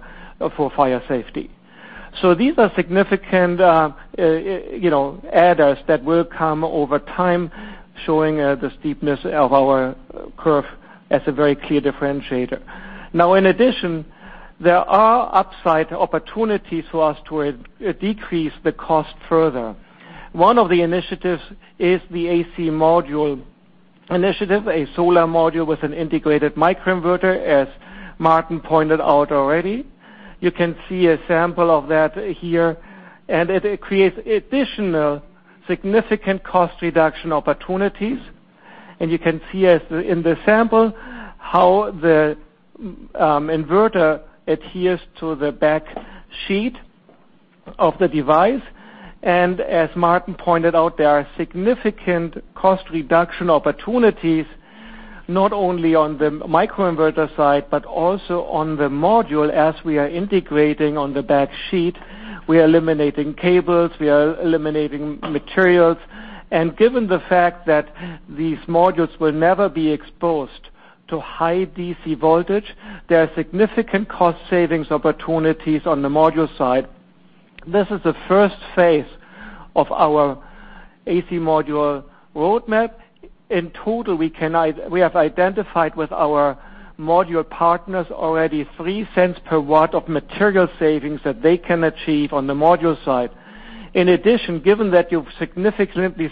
Speaker 6: for fire safety. These are significant add-ons that will come over time, showing the steepness of our curve as a very clear differentiator. Now, in addition, there are upside opportunities for us to decrease the cost further. One of the initiatives is the AC module initiative, a solar module with an integrated microinverter, as Martin pointed out already. You can see a sample of that here, and it creates additional significant cost reduction opportunities. You can see in the sample how the inverter adheres to the back sheet of the device. As Martin pointed out, there are significant cost reduction opportunities, not only on the microinverter side, but also on the module as we are integrating on the back sheet. We are eliminating cables, we are eliminating materials. Given the fact that these modules will never be exposed to high DC voltage, there are significant cost savings opportunities on the module side. This is the first phase of our AC module roadmap. In total, we have identified with our module partners already $0.03 per watt of material savings that they can achieve on the module side. In addition, given that you've significantly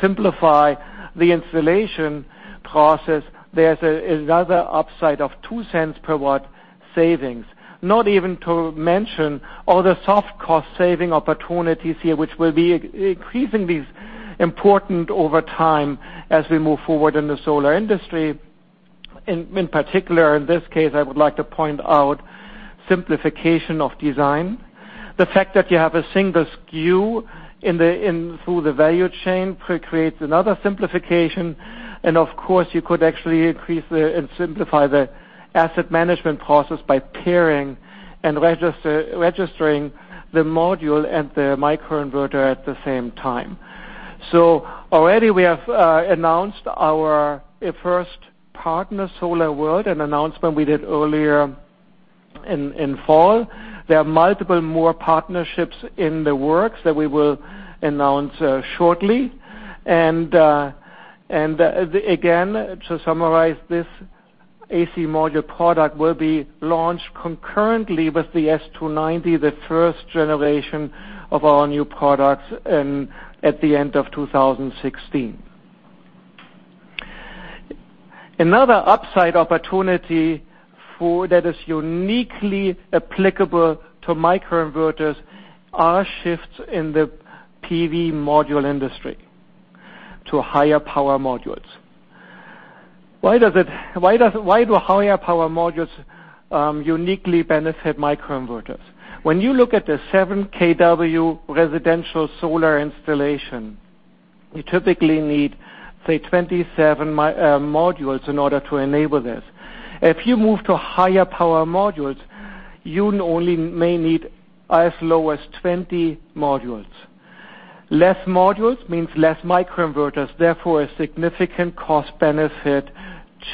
Speaker 6: simplified the installation process, there's another upside of $0.02 per watt savings. Not even to mention all the soft cost-saving opportunities here which will be increasingly important over time as we move forward in the solar industry. In particular, in this case, I would like to point out simplification of design. The fact that you have a single SKU through the value chain creates another simplification, and of course, you could actually increase and simplify the asset management process by pairing and registering the module and the microinverter at the same time. So already we have announced our first partner SolarWorld, an announcement we did earlier in fall. There are multiple more partnerships in the works that we will announce shortly. To summarize, this AC module product will be launched concurrently with the S290, the first generation of our new products at the end of 2016. Another upside opportunity that is uniquely applicable to microinverters are shifts in the PV module industry to higher power modules. Why do higher power modules uniquely benefit microinverters? When you look at the 7 kW residential solar installation, you typically need, say, 27 modules in order to enable this. If you move to higher power modules, you only may need as low as 20 modules. Less modules means less microinverters, therefore a significant cost benefit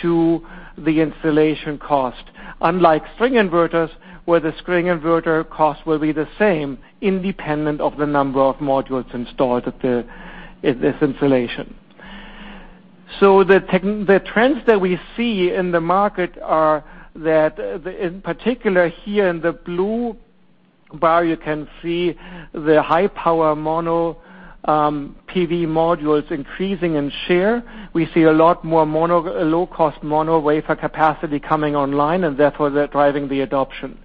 Speaker 6: to the installation cost. Unlike string inverters, where the string inverter cost will be the same independent of the number of modules installed at this installation. The trends that we see in the market are that, in particular here in the blue bar, you can see the high power mono PV modules increasing in share. We see a lot more low-cost mono wafer capacity coming online, and therefore they're driving the adoption.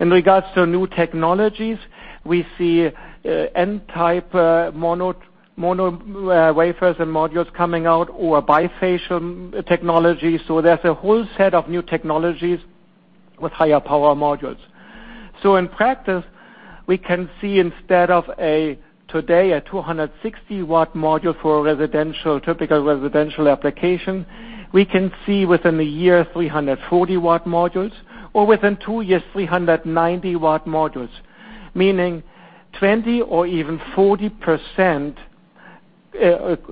Speaker 6: In regards to new technologies, we see N-type mono wafers and modules coming out or bifacial technology. There's a whole set of new technologies with higher power modules. In practice, we can see instead of today a 260-watt module for a typical residential application, we can see within a year 340-watt modules or within two years 390-watt modules, meaning 20% or even 40%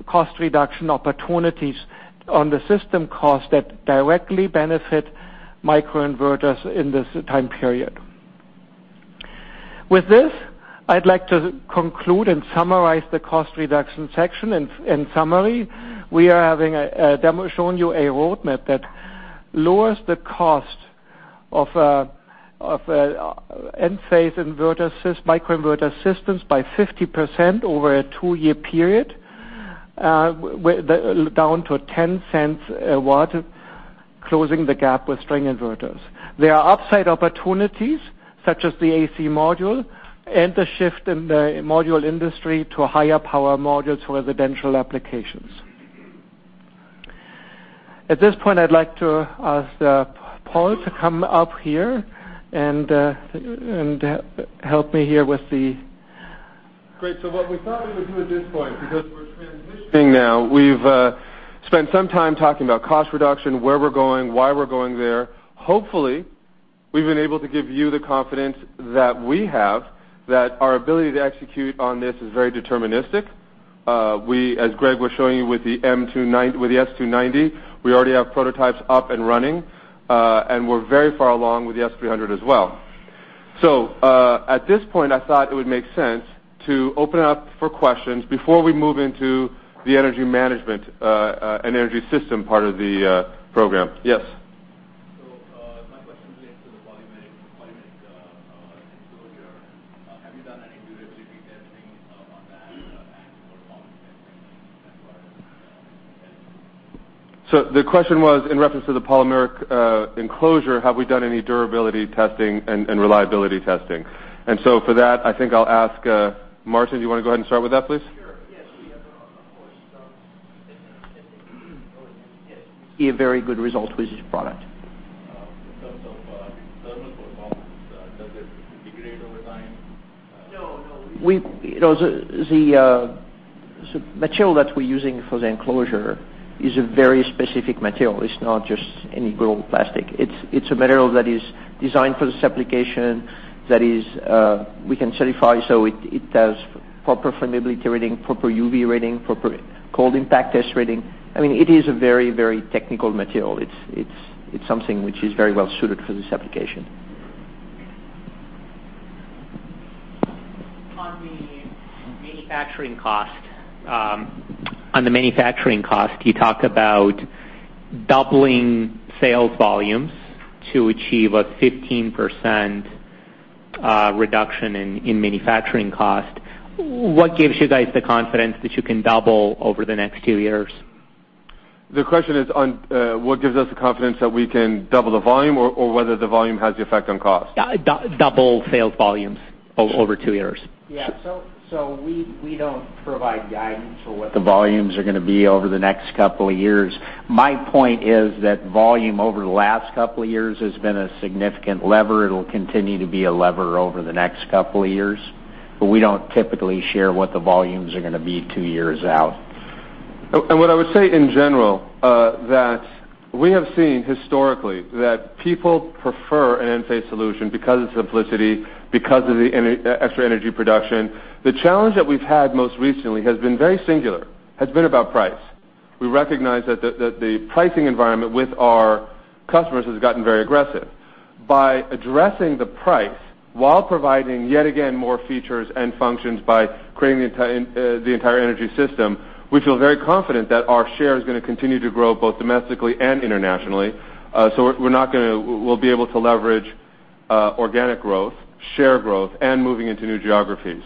Speaker 6: cost reduction opportunities on the system cost that directly benefit microinverters in this time period. With this, I'd like to conclude and summarize the cost reduction section. In summary, we are having a demo showing you a roadmap that lowers the cost of Enphase microinverter systems by 50% over a two-year period, down to $0.10 a watt, closing the gap with string inverters. There are upside opportunities, such as the AC module and the shift in the module industry to higher power modules for residential applications. At this point, I'd like to ask Paul to come up here and help me here with the-
Speaker 2: Great. What we thought we would do at this point, because we're transitioning now, we've spent some time talking about cost reduction, where we're going, why we're going there. Hopefully, we've been able to give you the confidence that we have that our ability to execute on this is very deterministic. As Greg was showing you with the S290, we already have prototypes up and running, and we're very far along with the S300 as well. At this point, I thought it would make sense to open up for questions before we move into the energy management and energy system part of the program. Yes.
Speaker 7: My question relates to the polymeric enclosure. Have you done any durability testing on that and what polymer are you planning to use as far as
Speaker 2: The question was in reference to the polymeric enclosure, have we done any durability testing and reliability testing? For that, I think I'll ask Martin, do you want to go ahead and start with that, please?
Speaker 3: Sure. Yes, we have, of course, done significant testing. Yes, we see a very good result with this product.
Speaker 7: In terms of thermal performance, does it degrade over time?
Speaker 3: No. The material that we're using for the enclosure is a very specific material. It's not just any normal plastic. It's a material that is designed for this application, that we can certify so it has proper flammability rating, proper UV rating, proper cold impact test rating. It is a very technical material. It's something which is very well-suited for this application.
Speaker 7: On the manufacturing cost, you talked about doubling sales volumes to achieve a 15% reduction in manufacturing cost. What gives you guys the confidence that you can double over the next two years?
Speaker 2: The question is on what gives us the confidence that we can double the volume or whether the volume has the effect on cost?
Speaker 7: Double sales volumes over two years.
Speaker 5: Yeah. We don't provide guidance for what the volumes are going to be over the next couple of years. My point is that volume over the last couple of years has been a significant lever. It'll continue to be a lever over the next couple of years. We don't typically share what the volumes are going to be two years out.
Speaker 2: What I would say in general, that we have seen historically that people prefer an Enphase solution because of simplicity, because of the extra energy production. The challenge that we've had most recently has been very singular, has been about price. We recognize that the pricing environment with our customers has gotten very aggressive. By addressing the price while providing, yet again, more features and functions by creating the entire energy system, we feel very confident that our share is going to continue to grow both domestically and internationally. We'll be able to leverage organic growth, share growth, and moving into new geographies.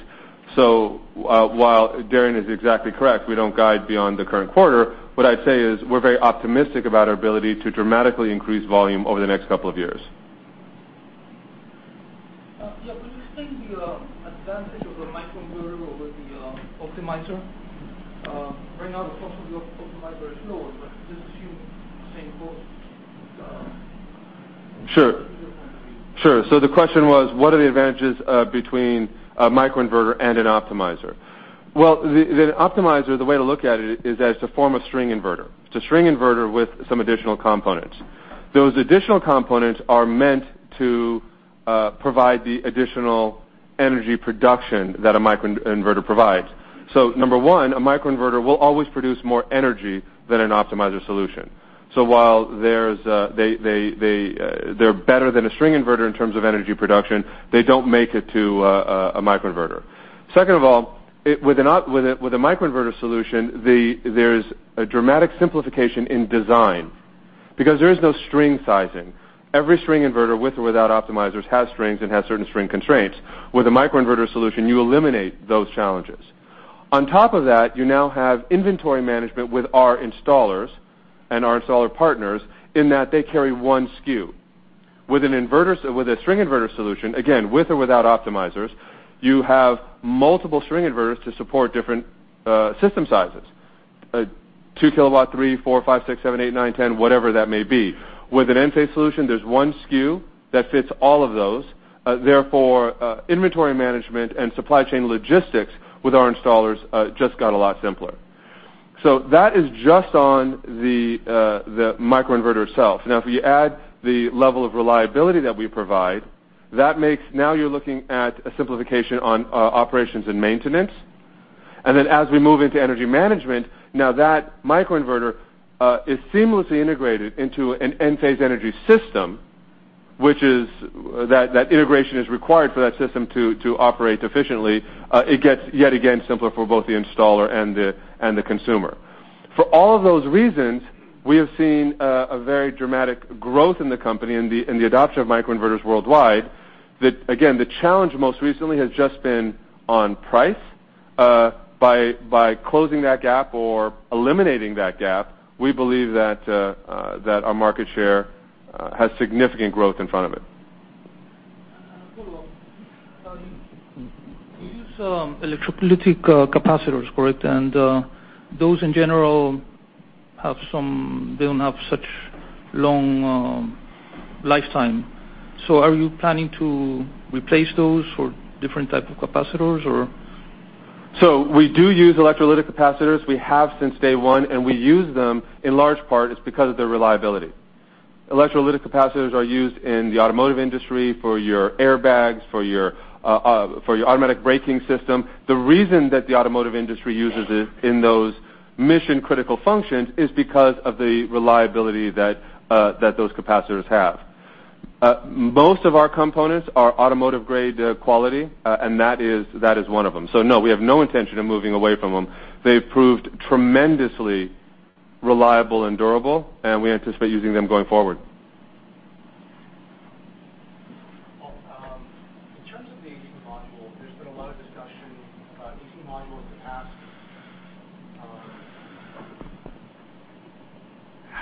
Speaker 2: While Darin is exactly correct, we don't guide beyond the current quarter, what I'd say is we're very optimistic about our ability to dramatically increase volume over the next couple of years.
Speaker 7: Yeah. Could you explain the advantage of the microinverter over the optimizer? Right now, the cost of the optimizer is lower, but let's assume same cost.
Speaker 2: The question was, what are the advantages between a microinverter and an optimizer? The optimizer, the way to look at it is as a form of string inverter. It's a string inverter with some additional components. Those additional components are meant to provide the additional energy production that a microinverter provides. Number 1, a microinverter will always produce more energy than an optimizer solution. While they're better than a string inverter in terms of energy production, they don't make it to a microinverter. Second of all, with a microinverter solution, there's a dramatic simplification in design because there is no string sizing. Every string inverter, with or without optimizers, has strings and has certain string constraints. With a microinverter solution, you eliminate those challenges. On top of that, you now have inventory management with our installers and our installer partners in that they carry 1 SKU. With a string inverter solution, again, with or without optimizers, you have multiple string inverters to support different system sizes. 2 kilowatt, three, four, five, six, seven, eight, nine, 10, whatever that may be. With an Enphase solution, there's 1 SKU that fits all of those. Therefore, inventory management and supply chain logistics with our installers just got a lot simpler. That is just on the microinverter itself. Now, if you add the level of reliability that we provide, now you're looking at a simplification on operations and maintenance. As we move into energy management, now that microinverter is seamlessly integrated into an Enphase Energy system, which is that integration is required for that system to operate efficiently. It gets, yet again, simpler for both the installer and the consumer. For all of those reasons, we have seen a very dramatic growth in the company in the adoption of microinverters worldwide, that again, the challenge most recently has just been on price. By closing that gap or eliminating that gap, we believe that our market share has significant growth in front of it.
Speaker 7: Follow-up. You use electrolytic capacitors, correct? Those in general don't have such long lifetime. Are you planning to replace those for different type of capacitors or?
Speaker 2: We do use electrolytic capacitors. We have since day one, we use them in large part it's because of their reliability. Electrolytic capacitors are used in the automotive industry for your airbags, for your automatic braking system. The reason that the automotive industry uses it in those mission-critical functions is because of the reliability that those capacitors have. Most of our components are automotive-grade quality, that is one of them. No, we have no intention of moving away from them. They've proved tremendously reliable and durable, we anticipate using them going forward.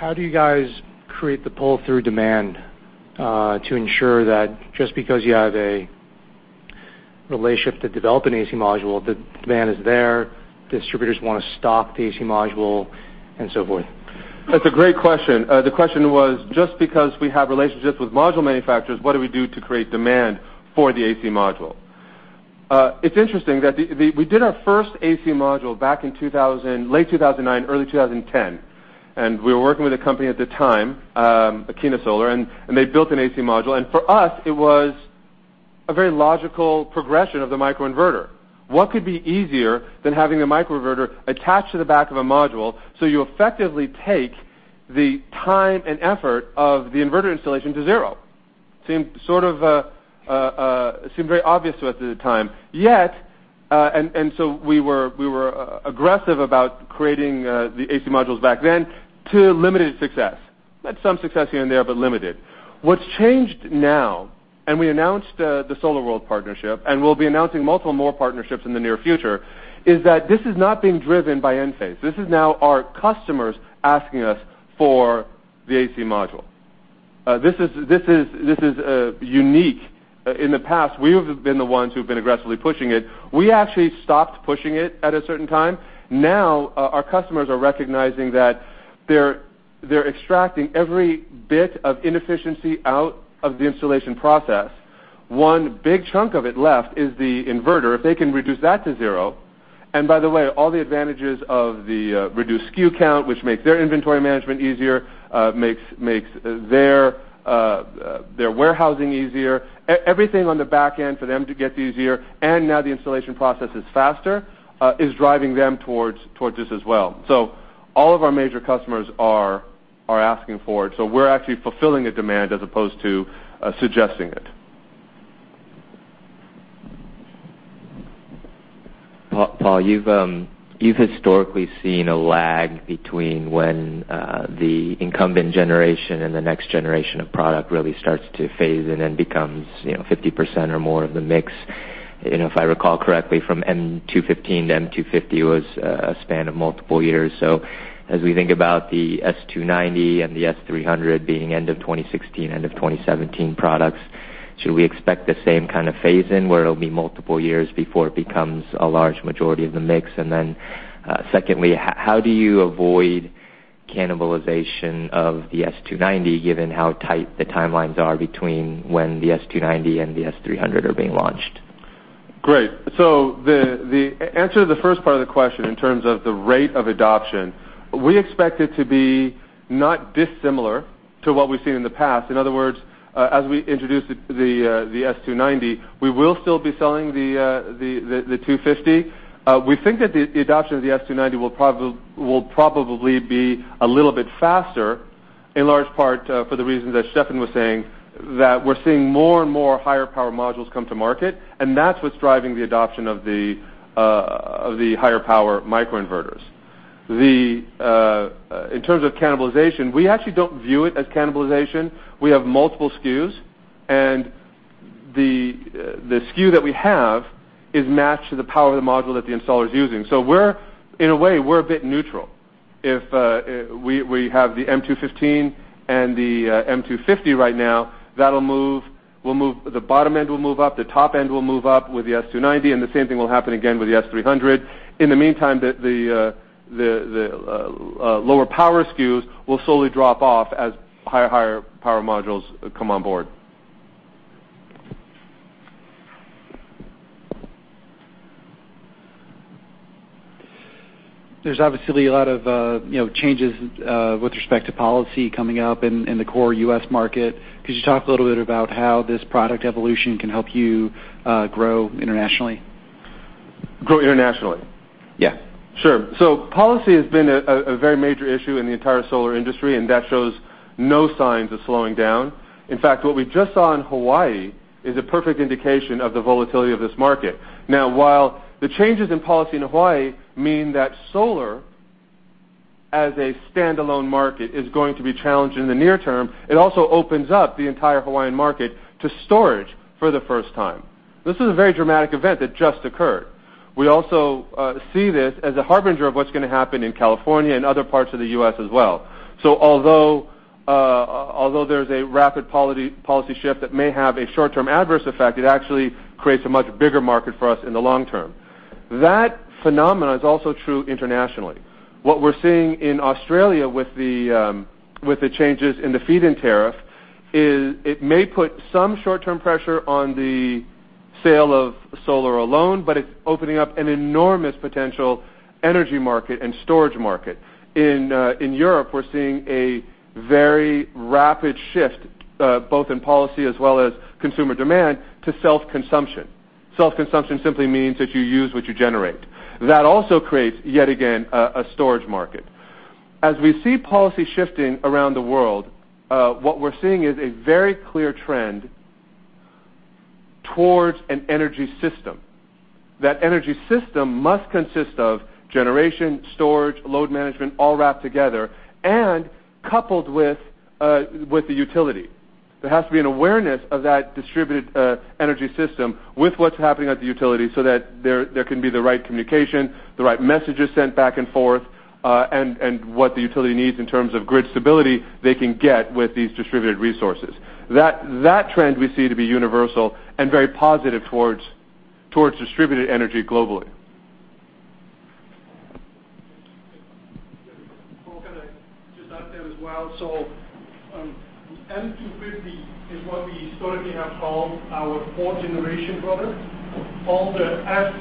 Speaker 7: Just on the AC module, there's been a lot of discussion about AC modules in the past. How do you guys create the pull-through demand to ensure that just because you have a relationship to develop an AC module, the demand is there, distributors want to stock the AC module, and so forth?
Speaker 2: That's a great question. The question was, just because we have relationships with module manufacturers, what do we do to create demand for the AC module? It's interesting that we did our first AC module back in late 2009, early 2010. We were working with a company at the time, Aktina Solar, and they built an AC module. For us, it was a very logical progression of the microinverter. What could be easier than having the microinverter attached to the back of a module so you effectively take the time and effort of the inverter installation to zero? Seemed very obvious to us at the time. We were aggressive about creating the AC modules back then to limited success. Had some success here and there, but limited. What's changed now, we announced the SolarWorld partnership, we'll be announcing multiple more partnerships in the near future, is that this is not being driven by Enphase. This is now our customers asking us for the AC module. This is unique. In the past, we have been the ones who've been aggressively pushing it. We actually stopped pushing it at a certain time. Our customers are recognizing that they're extracting every bit of inefficiency out of the installation process. One big chunk of it left is the inverter. If they can reduce that to zero, all the advantages of the reduced SKU count, which makes their inventory management easier, makes their warehousing easier, everything on the back end for them to get easier, now the installation process is faster, is driving them towards this as well. All of our major customers are asking for it. We're actually fulfilling a demand as opposed to suggesting it.
Speaker 7: Paul, you've historically seen a lag between when the incumbent generation the next generation of product really starts to phase in becomes 50% or more of the mix. If I recall correctly, from M215 to M250 was a span of multiple years. As we think about the S290 the S300 being end of 2016, end of 2017 products, should we expect the same kind of phase in where it'll be multiple years before it becomes a large majority of the mix? Secondly, how do you avoid cannibalization of the S290 given how tight the timelines are between when the S290 the S300 are being launched?
Speaker 2: Great. The answer to the first part of the question in terms of the rate of adoption, we expect it to be not dissimilar to what we've seen in the past. In other words, as we introduce the S290, we will still be selling the 250. We think that the adoption of the S290 will probably be a little bit faster, in large part for the reasons that Stefan was saying, that we're seeing more and more higher power modules come to market, that's what's driving the adoption of the higher power microinverters. In terms of cannibalization, we actually don't view it as cannibalization. We have multiple SKUs, the SKU that we have is matched to the power of the module that the installer is using. In a way, we're a bit neutral. If we have the M215 and the M250 right now, the bottom end will move up, the top end will move up with the S290, and the same thing will happen again with the S300. In the meantime, the lower power SKUs will slowly drop off as higher power modules come on board.
Speaker 7: There's obviously a lot of changes with respect to policy coming up in the core U.S. market. Could you talk a little bit about how this product evolution can help you grow internationally?
Speaker 2: Grow internationally?
Speaker 7: Yeah.
Speaker 2: Sure. Policy has been a very major issue in the entire solar industry, and that shows no signs of slowing down. In fact, what we just saw in Hawaii is a perfect indication of the volatility of this market. Now, while the changes in policy in Hawaii mean that solar as a standalone market is going to be challenged in the near term, it also opens up the entire Hawaiian market to storage for the first time. This is a very dramatic event that just occurred. We also see this as a harbinger of what's going to happen in California and other parts of the U.S. as well. Although there's a rapid policy shift that may have a short-term adverse effect, it actually creates a much bigger market for us in the long term. That phenomenon is also true internationally. What we're seeing in Australia with the changes in the feed-in tariff is it may put some short-term pressure on the sale of solar alone, but it's opening up an enormous potential energy market and storage market. In Europe, we're seeing a very rapid shift, both in policy as well as consumer demand, to self-consumption. Self-consumption simply means that you use what you generate. That also creates, yet again, a storage market. As we see policy shifting around the world, what we're seeing is a very clear trend towards an energy system. That energy system must consist of generation, storage, load management, all wrapped together and coupled with the utility. There has to be an awareness of that distributed energy system with what's happening at the utility so that there can be the right communication, the right messages sent back and forth, and what the utility needs in terms of grid stability they can get with these distributed resources. That trend we see to be universal and very positive towards distributed energy globally.
Speaker 8: Paul, can I just add there as well? M250 is what we historically have called our fourth-generation product. All the S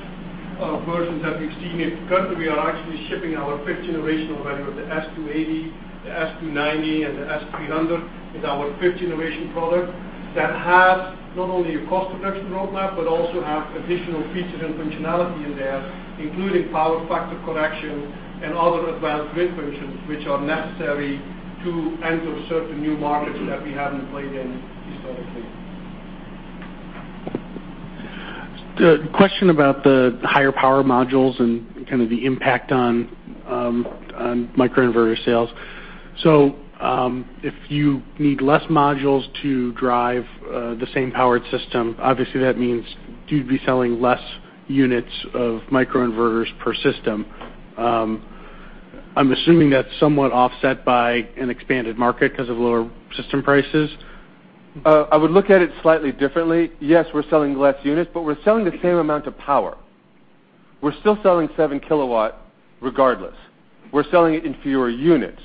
Speaker 8: versions that we've seen here currently, we are actually shipping our fifth-generation value of the S280, the S290, and the S300 is our fifth-generation product that has not only a cost-reduction roadmap, but also have additional features and functionality in there, including power factor correction and other advanced grid functions which are necessary to enter certain new markets that we haven't played in historically.
Speaker 7: The question about the higher power modules and kind of the impact on microinverter sales. If you need less modules to drive the same powered system, obviously that means you'd be selling less units of microinverters per system. I'm assuming that's somewhat offset by an expanded market because of lower system prices.
Speaker 2: I would look at it slightly differently. Yes, we're selling less units, but we're selling the same amount of power. We're still selling 7 kilowatt regardless. We're selling it in fewer units.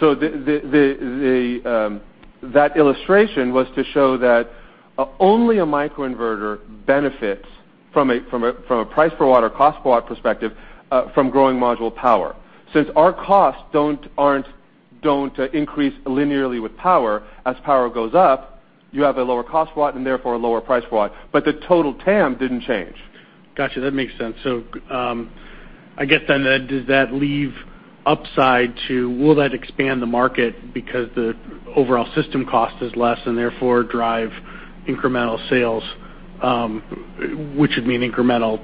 Speaker 2: That illustration was to show that only a microinverter benefits from a price per watt or cost per watt perspective from growing module power. Since our costs don't increase linearly with power, as power goes up, you have a lower cost watt and therefore a lower price watt. The total TAM didn't change.
Speaker 7: Got you. That makes sense. I guess then, does that leave upside to will that expand the market because the overall system cost is less and therefore drive incremental sales, which would mean incremental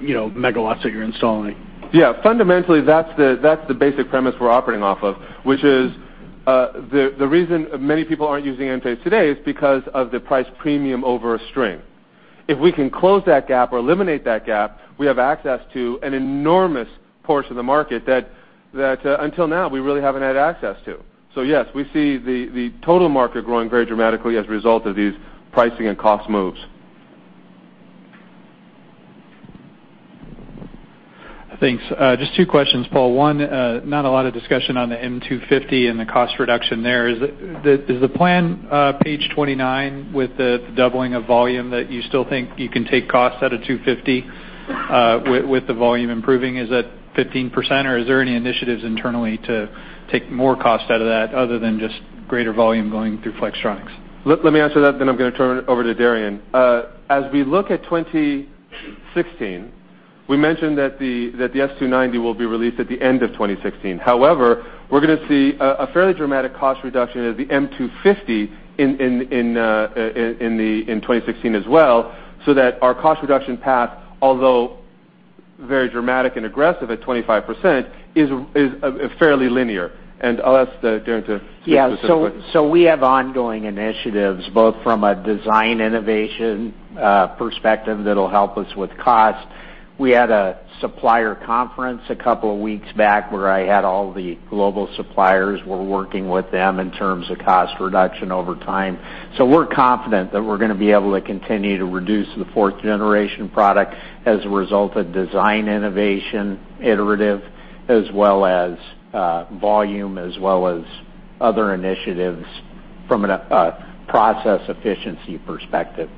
Speaker 7: megawatts that you're installing?
Speaker 2: Yeah. Fundamentally, that's the basic premise we're operating off of, which is the reason many people aren't using Enphase today is because of the price premium over a string. If we can close that gap or eliminate that gap, we have access to an enormous portion of the market that, until now, we really haven't had access to. Yes, we see the total market growing very dramatically as a result of these pricing and cost moves.
Speaker 7: Thanks. Just two questions, Paul. One, not a lot of discussion on the M250 and the cost reduction there. Is the plan page 29 with the doubling of volume that you still think you can take costs out of 250 with the volume improving, is that 15%, or is there any initiatives internally to take more cost out of that other than just greater volume going through Flextronics?
Speaker 2: Let me answer that, then I'm going to turn it over to Darin. As we look at 2016, we mentioned that the S290 will be released at the end of 2016. However, we're going to see a fairly dramatic cost reduction of the M250 in 2016 as well, so that our cost reduction path, although very dramatic and aggressive at 25%, is fairly linear.
Speaker 5: Yeah. We have ongoing initiatives, both from a design innovation perspective that'll help us with cost. We had a supplier conference a couple of weeks back where I had all the global suppliers, we're working with them in terms of cost reduction over time. We're confident that we're going to be able to continue to reduce the fourth-generation product as a result of design innovation, iterative, as well as volume, as well as other initiatives from a process efficiency perspective.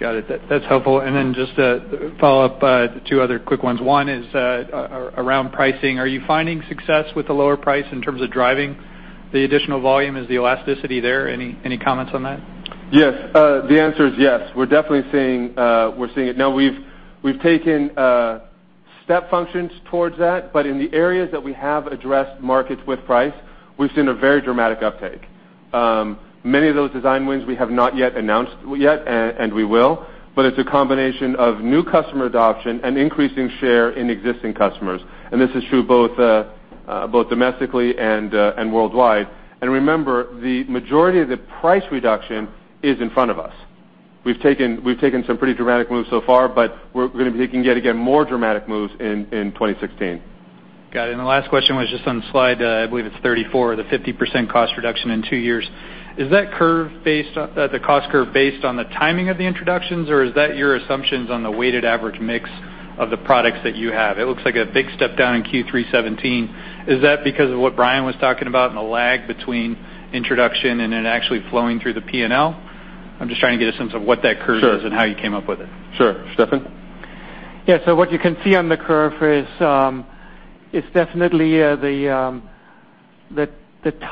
Speaker 7: Got it. That's helpful. Then just to follow up, two other quick ones. One is around pricing. Are you finding success with the lower price in terms of driving the additional volume? Is the elasticity there? Any comments on that?
Speaker 2: Yes. The answer is yes. We're definitely seeing it now. We've taken step functions towards that, in the areas that we have addressed markets with price, we've seen a very dramatic uptake. Many of those design wins we have not yet announced yet, we will, it's a combination of new customer adoption and increasing share in existing customers. This is true both domestically and worldwide. Remember, the majority of the price reduction is in front of us. We've taken some pretty dramatic moves so far, we're going to be taking yet again more dramatic moves in 2016.
Speaker 7: Got it. The last question was just on slide 34, the 50% cost reduction in two years. Is the cost curve based on the timing of the introductions, or is that your assumptions on the weighted average mix of the products that you have? It looks like a big step down in Q3 2017. Is that because of what Brian was talking about and the lag between introduction and it actually flowing through the P&L? I'm just trying to get a sense of what that curve is-
Speaker 2: Sure
Speaker 7: How you came up with it.
Speaker 2: Sure. Stefan?
Speaker 6: Yeah. What you can see on the curve is it's definitely the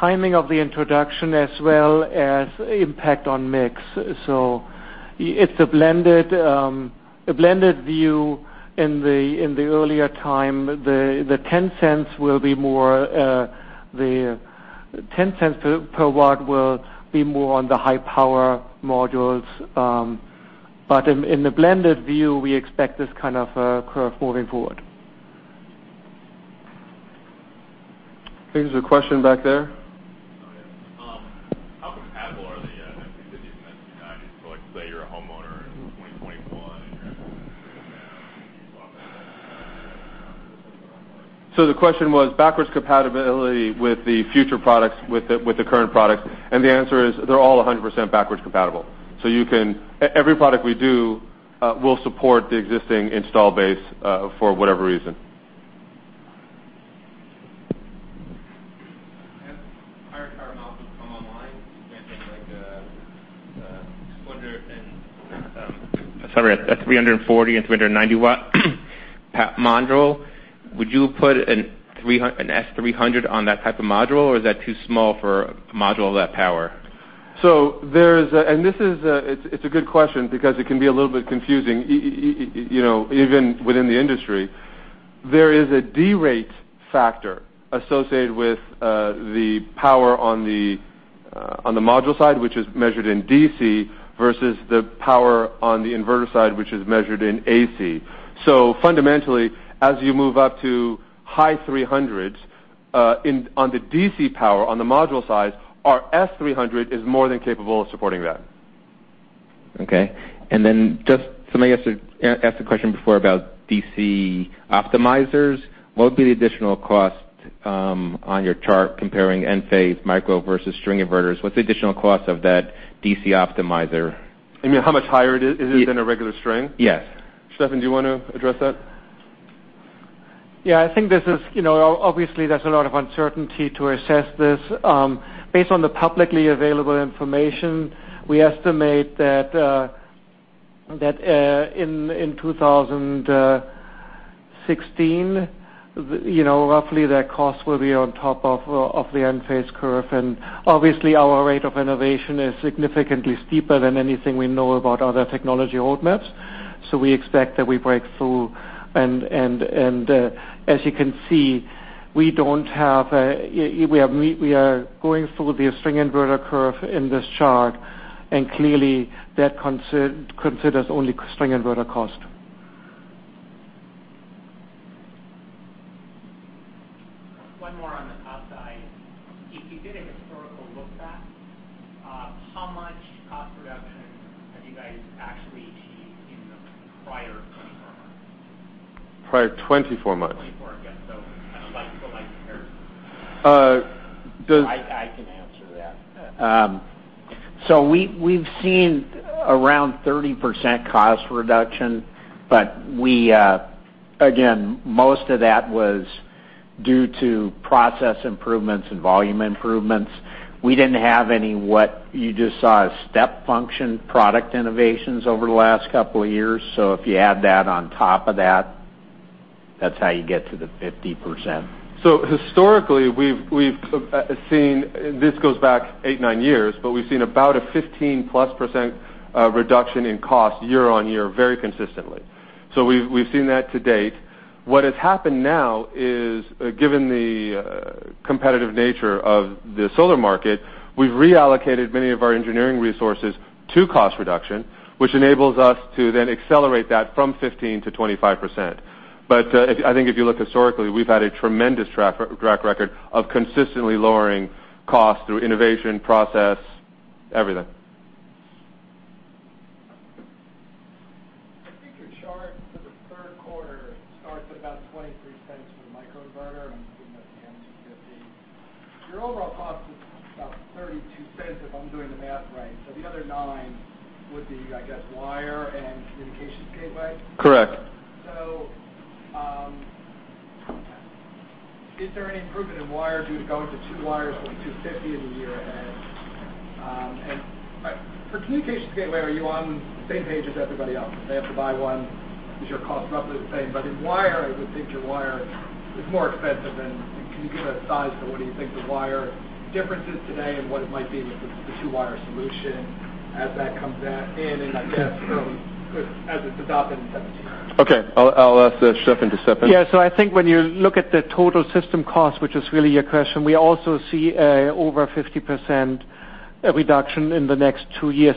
Speaker 6: timing of the introduction as well as impact on mix. It's a blended view in the earlier time. The $0.10 will be more the- $0.10 per watt will be more on the high-power modules. In the blended view, we expect this kind of a curve moving forward.
Speaker 2: I think there's a question back there.
Speaker 9: Yeah. How compatible are the M250s and M190s? Let's say you're a homeowner in 2021, and you have a string of panels on the roof. How does that work?
Speaker 2: The question was backwards compatibility with the future products, with the current products, and the answer is, they're all 100% backwards compatible. Every product we do will support the existing install base for whatever reason.
Speaker 7: As higher power modules come online, something like a 340 and 390-watt module, would you put an S300 on that type of module, or is that too small for a module of that power?
Speaker 2: It's a good question because it can be a little bit confusing, even within the industry. There is a derate factor associated with the power on the module side, which is measured in DC, versus the power on the inverter side, which is measured in AC. Fundamentally, as you move up to high 300s on the DC power, on the module side, our S300 is more than capable of supporting that.
Speaker 7: Okay. Then just somebody asked a question before about DC optimizers. What would be the additional cost on your chart comparing Enphase Micro versus string inverters? What's the additional cost of that DC optimizer?
Speaker 2: You mean how much higher it is than a regular string?
Speaker 7: Yes.
Speaker 2: Stefan, do you want to address that?
Speaker 6: Yeah. Obviously, there is a lot of uncertainty to assess this. Based on the publicly available information, we estimate that in 2016, roughly that cost will be on top of the Enphase curve. Obviously, our rate of innovation is significantly steeper than anything we know about other technology roadmaps, so we expect that we break through. As you can see, we are going through the string inverter curve in this chart, and clearly, that considers only string inverter cost.
Speaker 7: One more on the cost side. If you did a historical look back, how much cost reduction have you guys actually achieved in the prior 24 months?
Speaker 2: Prior 24 months.
Speaker 7: 24, yeah. Like for like comparison.
Speaker 2: Uh, does-
Speaker 5: I can answer that. We've seen around 30% cost reduction, but again, most of that was due to process improvements and volume improvements. We didn't have any, what you just saw as step function product innovations over the last couple of years. If you add that on top of that's how you get to the 50%.
Speaker 2: Historically, this goes back eight, nine years, but we've seen about a 15-plus % reduction in cost year-over-year very consistently. We've seen that to date. What has happened now is, given the competitive nature of the solar market, we've reallocated many of our engineering resources to cost reduction, which enables us to then accelerate that from 15%-25%. I think if you look historically, we've had a tremendous track record of consistently lowering costs through innovation, process, everything.
Speaker 9: I think your chart for the third quarter starts at about $0.23 for the microinverter, and I'm assuming that's the M250. Your overall cost is about $0.32, if I'm doing the math right. The other 9 would be, I guess, wire and communications gateway?
Speaker 2: Correct.
Speaker 9: Is there any improvement in wire if you would go into 2 wires from 250 in the year ahead? For communications gateway, are you on the same page as everybody else? If they have to buy one, is your cost roughly the same? In wire, I would think your wire is more expensive than Can you give a size for what do you think the wire difference is today and what it might be with the two-wire solution as that comes in, and I guess, early as it's adopted in 2017?
Speaker 2: Okay, I'll ask Stefan to step in.
Speaker 6: Yeah. I think when you look at the total system cost, which is really your question, we also see over 50% reduction in the next 2 years.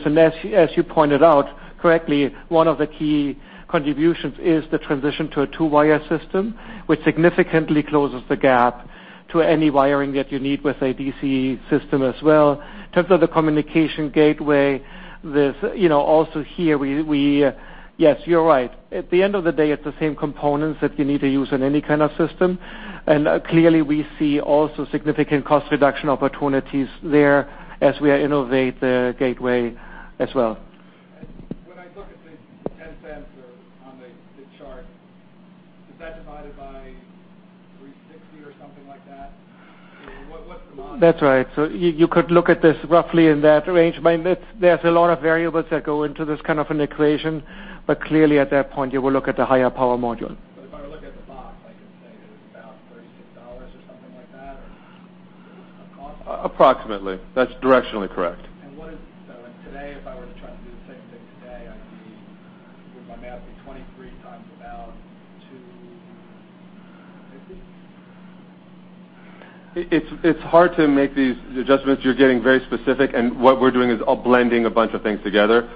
Speaker 6: As you pointed out correctly, one of the key contributions is the transition to a two-wire system, which significantly closes the gap to any wiring that you need with a DC system as well. In terms of the communication gateway, yes, you're right. At the end of the day, it's the same components that you need to use in any kind of system, clearly, we see also significant cost reduction opportunities there as we innovate the gateway as well.
Speaker 9: When I look at the $0.10 on the chart, is that divided by 360 or something like that? What's the module?
Speaker 6: That's right. You could look at this roughly in that range. There's a lot of variables that go into this kind of an equation, but clearly, at that point, you will look at the higher power module.
Speaker 9: If I were looking at the box, I could say it was about $36 or something like that as a cost?
Speaker 2: Approximately. That's directionally correct.
Speaker 9: Today, if I were to try to do the same thing today, I'd be With my math be 23 times about two, I think
Speaker 2: It's hard to make these adjustments. You're getting very specific, and what we're doing is all blending a bunch of things together.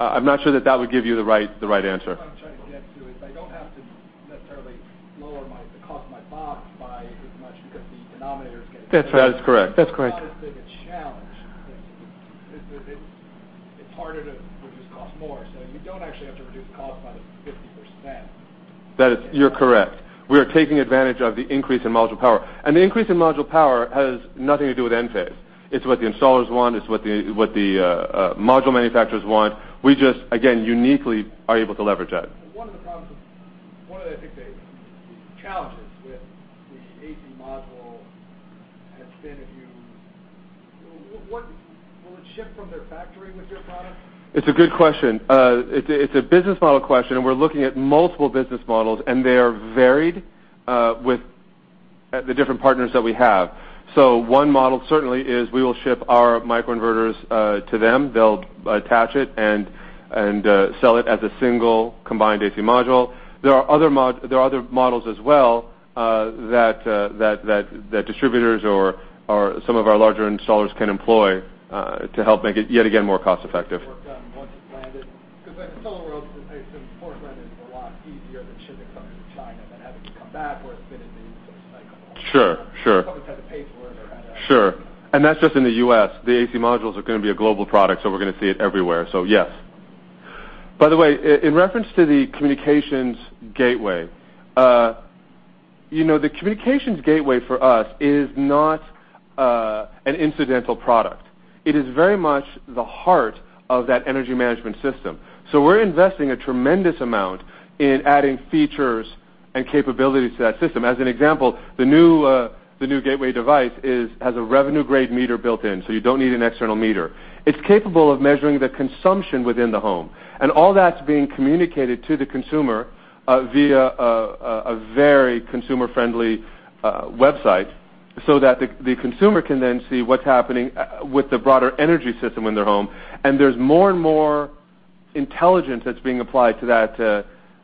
Speaker 2: I'm not sure that that would give you the right answer.
Speaker 9: What I'm trying to get to is I don't have to necessarily lower the cost of my BoP by as much because the denominator
Speaker 2: That's right. That is correct.
Speaker 9: Obviously, the challenge is it's harder to reduce cost more, so you don't actually have to reduce cost by the 50%.
Speaker 2: You're correct. We are taking advantage of the increase in module power. The increase in module power has nothing to do with Enphase. It's what the installers want. It's what the module manufacturers want. We just, again, uniquely are able to leverage that.
Speaker 7: One of, I think, the challenges with the AC module has been, Will it ship from their factory with your product?
Speaker 2: It's a good question. It's a business model question. We're looking at multiple business models, and they are varied with the different partners that we have. One model certainly is we will ship our microinverters to them, they'll attach it, and sell it as a single combined AC module. There are other models as well that distributors or some of our larger installers can employ to help make it, yet again, more cost-effective.
Speaker 7: Work done once it's landed, because in the solar world, it's important that it's a lot easier than shipping it from China than having to come back where it's been in the cycle.
Speaker 2: Sure.
Speaker 7: Companies had to pay for it or had to-
Speaker 2: Sure. That's just in the U.S. The AC modules are going to be a global product. We're going to see it everywhere. Yes. By the way, in reference to the communications gateway, the communications gateway for us is not an incidental product. It is very much the heart of that energy management system. We're investing a tremendous amount in adding features and capabilities to that system. As an example, the new gateway device has a revenue-grade meter built in. You don't need an external meter. It's capable of measuring the consumption within the home. All that's being communicated to the consumer via a very consumer-friendly website that the consumer can then see what's happening with the broader energy system in their home. There's more and more intelligence that's being applied to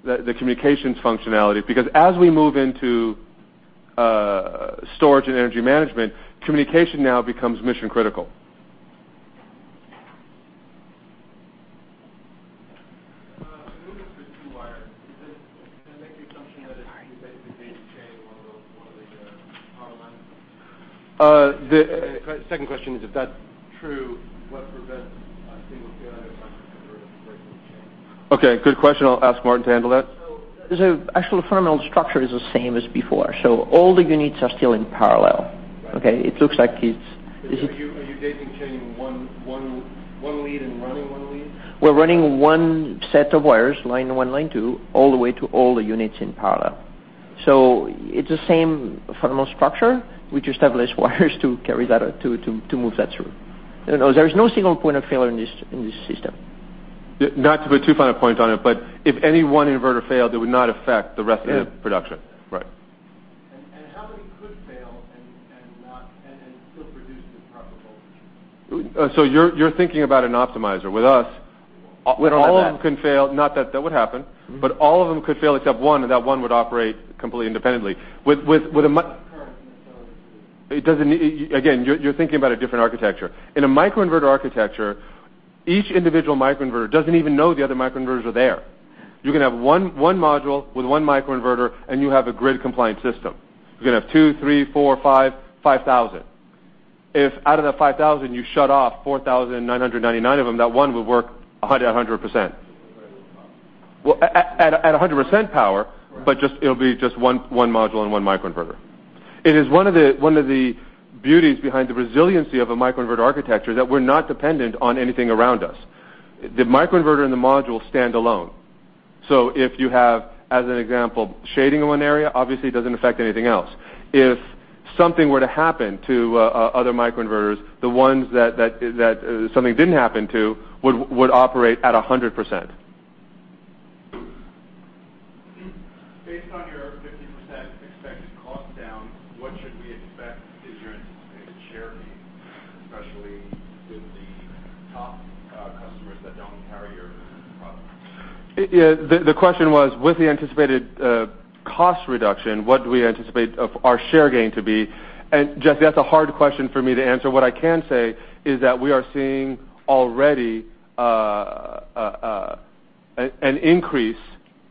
Speaker 2: the communications functionality. As we move into storage and energy management, communication now becomes mission-critical.
Speaker 7: Moving to two wires, can I make the assumption that it's basically daisy chaining one of the power lines?
Speaker 2: The-
Speaker 7: The second question is, if that's true, what prevents a single point of failure from breaking the chain?
Speaker 2: Okay. Good question. I'll ask Martin to handle that.
Speaker 3: Actually, the fundamental structure is the same as before. All the units are still in parallel.
Speaker 7: Right.
Speaker 3: Okay? It looks like it's
Speaker 7: Are you daisy chaining one lead and running one lead?
Speaker 3: We're running one set of wires, line one, line two, all the way to all the units in parallel. It's the same fundamental structure. We just have less wires to carry that, to move that through. In other words, there is no single point of failure in this system.
Speaker 2: Not to put too fine a point on it, if any one inverter failed, it would not affect the rest of the production.
Speaker 3: Yeah.
Speaker 2: Right.
Speaker 7: How many could fail and still produce a profitable-
Speaker 2: You're thinking about an optimizer. With us-
Speaker 7: With all of them.
Speaker 2: all of them can fail, not that that would happen, but all of them could fail except one, and that one would operate completely independently.
Speaker 7: With enough current, you could still lose.
Speaker 2: You're thinking about a different architecture. In a microinverter architecture, each individual microinverter doesn't even know the other microinverters are there. You can have one module with one microinverter, and you have a grid-compliant system. You can have two, three, four, five, 5,000. If out of that 5,000, you shut off 4,999 of them, that one would work 100%.
Speaker 7: At what power?
Speaker 2: At 100% power.
Speaker 7: Right
Speaker 2: It'll be just one module and one microinverter. It is one of the beauties behind the resiliency of a microinverter architecture that we're not dependent on anything around us. The microinverter and the module stand alone. If you have, as an example, shading in one area, obviously it doesn't affect anything else. If something were to happen to other microinverters, the ones that something didn't happen to would operate at 100%.
Speaker 7: Based on your 50% expected cost down, what should we expect is your anticipated share gain, especially with the top customers that don't carry your products?
Speaker 2: The question was, with the anticipated cost reduction, what do we anticipate our share gain to be? Jesse, that's a hard question for me to answer. What I can say is that we are seeing already an increase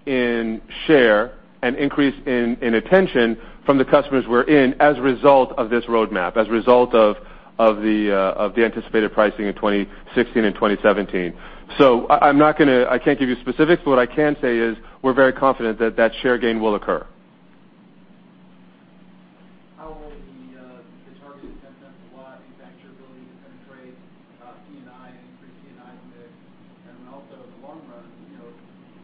Speaker 2: in share, an increase in attention from the customers we're in as a result of this roadmap, as a result of the anticipated pricing in 2016 and 2017. I can't give you specifics, but what I can say is we're very confident that that share gain will occur.
Speaker 7: How will the targeted $0.10 Watt impact your ability to penetrate C&I and pre-C&I mix? In the long run,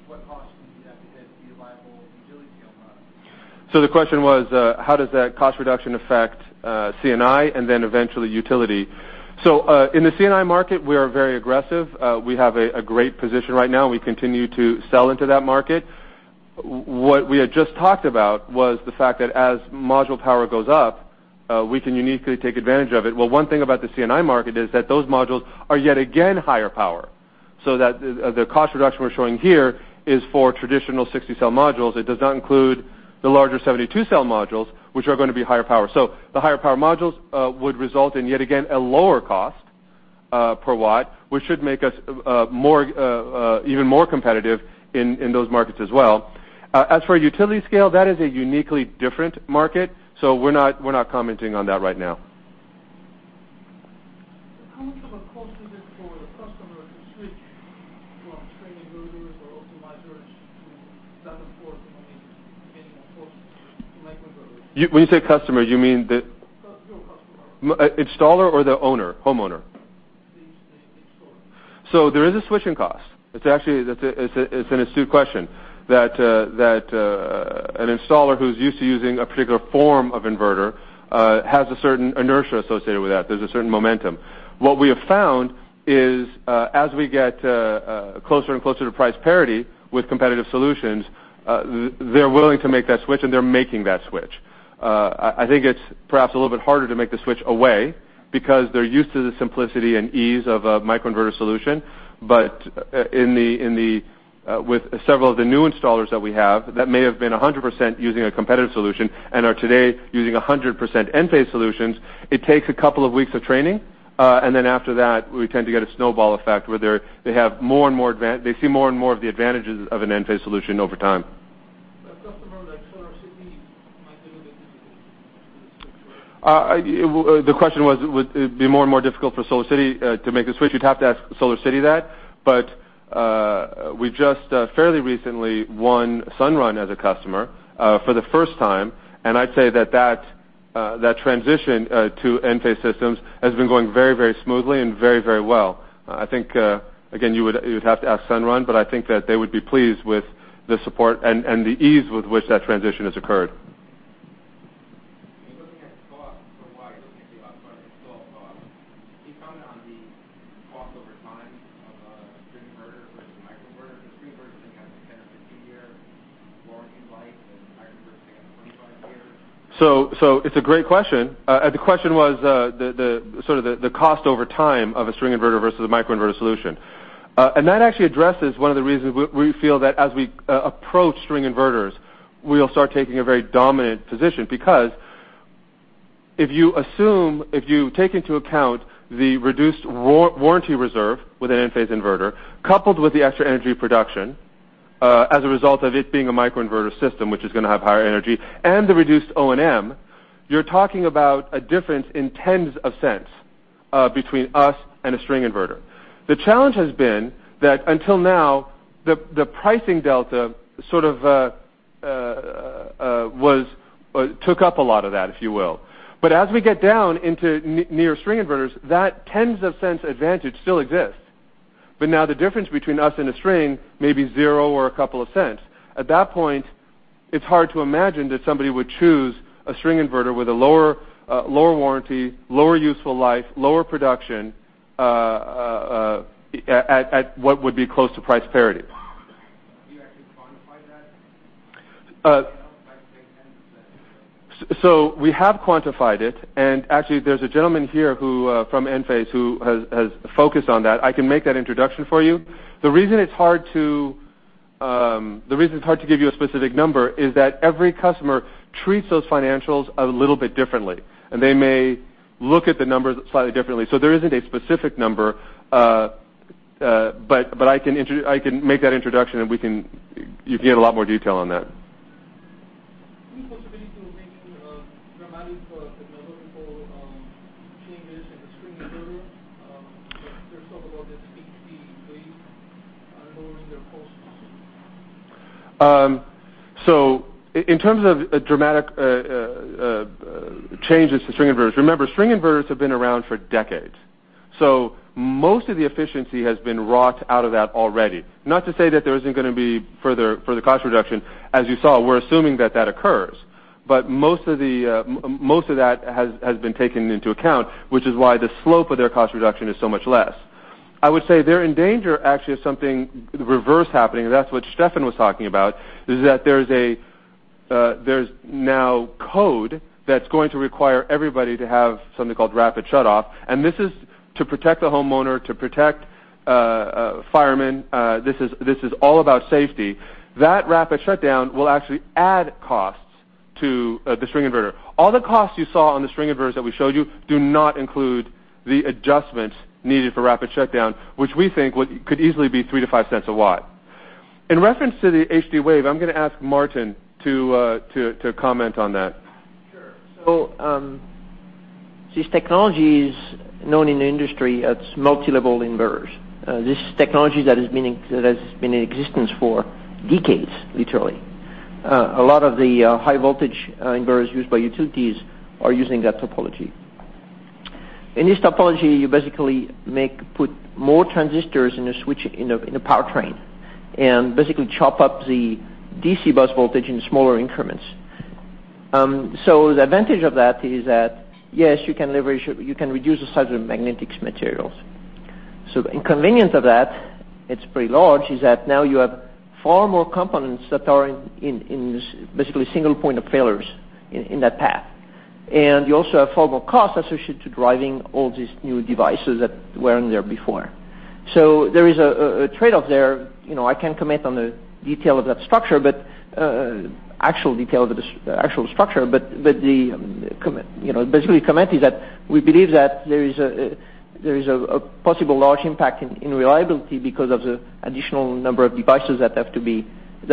Speaker 7: what costs do you have to hit to be a viable utility tier model?
Speaker 2: The question was, how does that cost reduction affect C&I and eventually utility? In the C&I market, we are very aggressive. We have a great position right now. We continue to sell into that market. What we had just talked about was the fact that as module power goes up, we can uniquely take advantage of it. Well, one thing about the C&I market is that those modules are yet again higher power, that the cost reduction we're showing here is for traditional 60-cell modules. It does not include the larger 72-cell modules, which are going to be higher power. The higher-power modules would result in, yet again, a lower cost per watt, which should make us even more competitive in those markets as well. As for utility scale, that is a uniquely different market, we're not commenting on that right now.
Speaker 7: How much of a cost is it for the customer to switch from string inverters or optimizers, I mean, getting accustomed to microinverters?
Speaker 2: When you say customer, you mean?
Speaker 7: Your customer.
Speaker 2: Installer or the owner, homeowner?
Speaker 7: The installer.
Speaker 2: There is a switching cost. It's an astute question that an installer who's used to using a particular form of inverter has a certain inertia associated with that. There's a certain momentum. What we have found is, as we get closer and closer to price parity with competitive solutions, they're willing to make that switch, and they're making that switch. I think it's perhaps a little bit harder to make the switch away because they're used to the simplicity and ease of a microinverter solution. With several of the new installers that we have, that may have been 100% using a competitive solution and are today using 100% Enphase solutions, it takes a couple of weeks of training, and then after that, we tend to get a snowball effect where they see more and more of the advantages of an Enphase solution over time.
Speaker 7: A customer like SolarCity might be a little bit difficult to switch, right?
Speaker 2: The question was, would it be more and more difficult for SolarCity to make the switch? You'd have to ask SolarCity that. We just fairly recently won Sunrun as a customer for the first time. I'd say that that transition to Enphase systems has been going very smoothly and very well. I think, again, you would have to ask Sunrun, but I think that they would be pleased with the support and the ease with which that transition has occurred.
Speaker 7: In looking at cost per watt, looking at the upfront install cost, can you comment on the cost over time of a string inverter versus a microinverter? String inverters, I think, have a 10 or 15-year warranty life, and microinverters may have a 25-year.
Speaker 2: It's a great question. The question was the cost over time of a string inverter versus a microinverter solution. That actually addresses one of the reasons we feel that as we approach string inverters, we'll start taking a very dominant position. If you take into account the reduced warranty reserve with an Enphase inverter, coupled with the extra energy production as a result of it being a microinverter system, which is going to have higher energy, and the reduced O&M, you're talking about a difference in tens of cents between us and a string inverter. The challenge has been that until now, the pricing delta sort of took up a lot of that, if you will. As we get down into near string inverters, that tens of cents advantage still exists. now the difference between us and a string may be zero or a couple of cents. At that point, it's hard to imagine that somebody would choose a string inverter with a lower warranty, lower useful life, lower production, at what would be close to price parity.
Speaker 7: Have you actually quantified that? You know, by tens of cents.
Speaker 2: we have quantified it, and actually, there's a gentleman here from Enphase who has focused on that. I can make that introduction for you. The reason it's hard to give you a specific number is that every customer treats those financials a little bit differently, and they may look at the numbers slightly differently. there isn't a specific number. I can make that introduction, and you can get a lot more detail on that.
Speaker 7: Any possibility of making dramatic technological changes in the string inverter? They talk about this HD-Wave lowering their costs.
Speaker 2: In terms of dramatic changes to string inverters, remember, string inverters have been around for decades. Most of the efficiency has been wrought out of that already. Not to say that there isn't going to be further cost reduction. As you saw, we're assuming that that occurs. Most of that has been taken into account, which is why the slope of their cost reduction is so much less. I would say they're in danger, actually, of something reverse happening. That's what Stefan was talking about, is that there's now code that's going to require everybody to have something called rapid shutdown. This is to protect the homeowner, to protect firemen. This is all about safety. That rapid shutdown will actually add costs to the string inverter. All the costs you saw on the string inverters that we showed you do not include the adjustments needed for rapid shutdown, which we think could easily be $0.03-$0.05 a watt. In reference to the HD-Wave, I'm going to ask Martin to comment on that.
Speaker 3: Sure. This technology is known in the industry as multilevel inverters. This technology has been in existence for decades, literally. A lot of the high-voltage inverters used by utilities are using that topology. In this topology, you basically put more transistors in a powertrain and basically chop up the DC bus voltage in smaller increments. The advantage of that is that, yes, you can reduce the size of magnetics materials. The inconvenience of that, it's pretty large, is that now you have far more components that are in, basically, single point of failures in that path. You also have far more cost associated to driving all these new devices that weren't there before. There is a trade-off there. I can't comment on the detail of that structure, actual detail of the actual structure, basically, the comment is that we believe that there is a possible large impact in reliability because of the additional number of devices that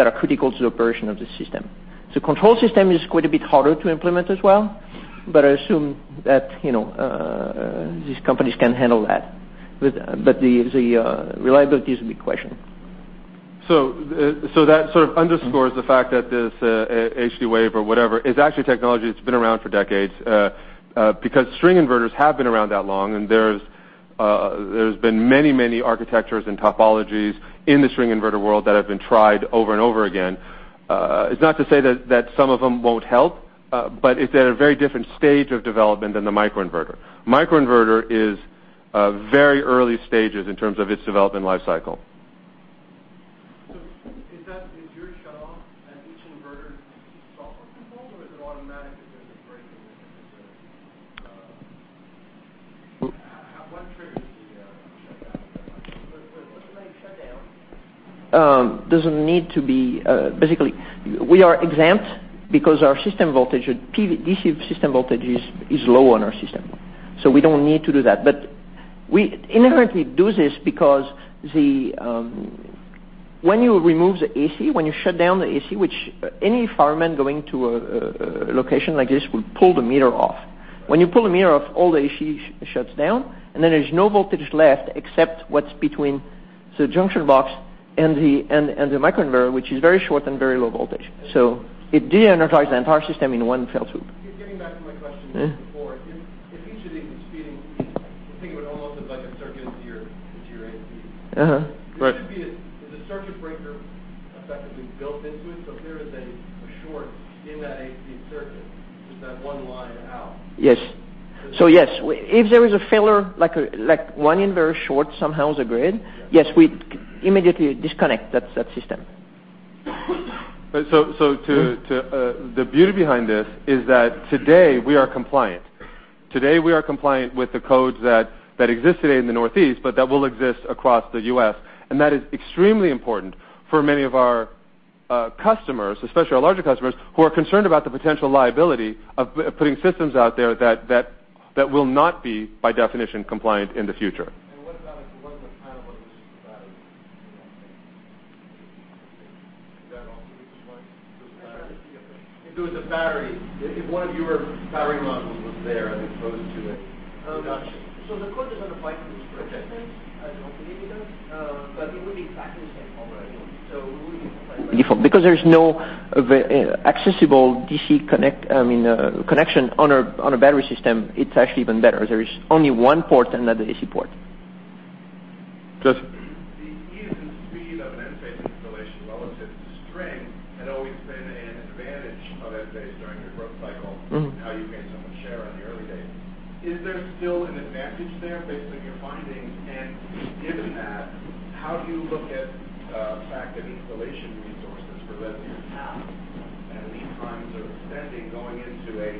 Speaker 3: are critical to the operation of the system. The control system is quite a bit harder to implement as well, but I assume that these companies can handle that. The reliability is a big question.
Speaker 2: That sort of underscores the fact that this HD-Wave or whatever is actually technology that's been around for decades, because string inverters have been around that long, and there's been many, many architectures and topologies in the string inverter world that have been tried over and over again. It's not to say that some of them won't help, but it's at a very different stage of development than the microinverter. Microinverter is very early stages in terms of its development life cycle.
Speaker 7: Is your shut-off at each inverter software controlled, or is it automatic if there's a break in the system? How quick is the shutdown?
Speaker 3: We are exempt because our DC system voltage is low on our system, we don't need to do that. We inherently do this because when you remove the AC, when you shut down the AC, which any fireman going to a location like this would pull the meter off. When you pull the meter off, all the AC shuts down, and then there's no voltage left except what's between the junction box and the microinverter, which is very short and very low voltage. It de-energizes the entire system in one fell swoop.
Speaker 7: Just getting back to my question from before, if each of these is feeding, I think of it almost as like a circuit into your AC.
Speaker 3: Right.
Speaker 7: There should be a circuit breaker effectively built into it, so if there is a short in that AC circuit, just that one line out.
Speaker 3: Yes. Yes. If there is a failure, like one inverter shorts somehow the grid, yes, we immediately disconnect that system.
Speaker 2: The beauty behind this is that today we are compliant. Today, we are compliant with the codes that exist today in the Northeast, but that will exist across the U.S., and that is extremely important for many of our customers, especially our larger customers, who are concerned about the potential liability of putting systems out there that will not be, by definition, compliant in the future.
Speaker 7: What about if it wasn't a panel, but it was just a battery Enphase? Is that also just one battery?
Speaker 2: If it was a battery, if one of your battery modules was there and exposed to a conduction.
Speaker 3: The code doesn't apply to these projects then, as ultimately we don't. It would be exactly the same hardware anyway, so we wouldn't apply battery. There's no accessible DC connection on a battery system, it's actually even better. There is only one port and another AC port.
Speaker 2: Justin.
Speaker 7: The ease and speed of an Enphase installation relative to string had always been an advantage of Enphase during their growth cycle and how you gained so much share on the early days. Is there still an advantage there based on your findings? Given that, how do you look at the fact that installation resources for them are tapped and lead times are extending going into a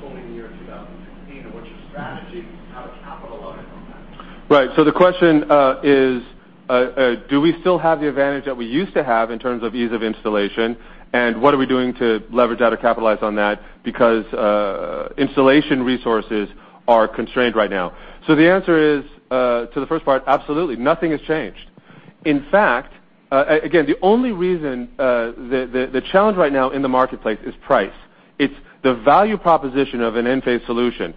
Speaker 7: full year 2016, and what's your strategy to kind of capitalize on that?
Speaker 2: Right. The question is, do we still have the advantage that we used to have in terms of ease of installation, and what are we doing to leverage that or capitalize on that because installation resources are constrained right now? The answer is, to the first part, absolutely. Nothing has changed. In fact, again, the only reason, the challenge right now in the marketplace is price. It's the value proposition of an Enphase solution,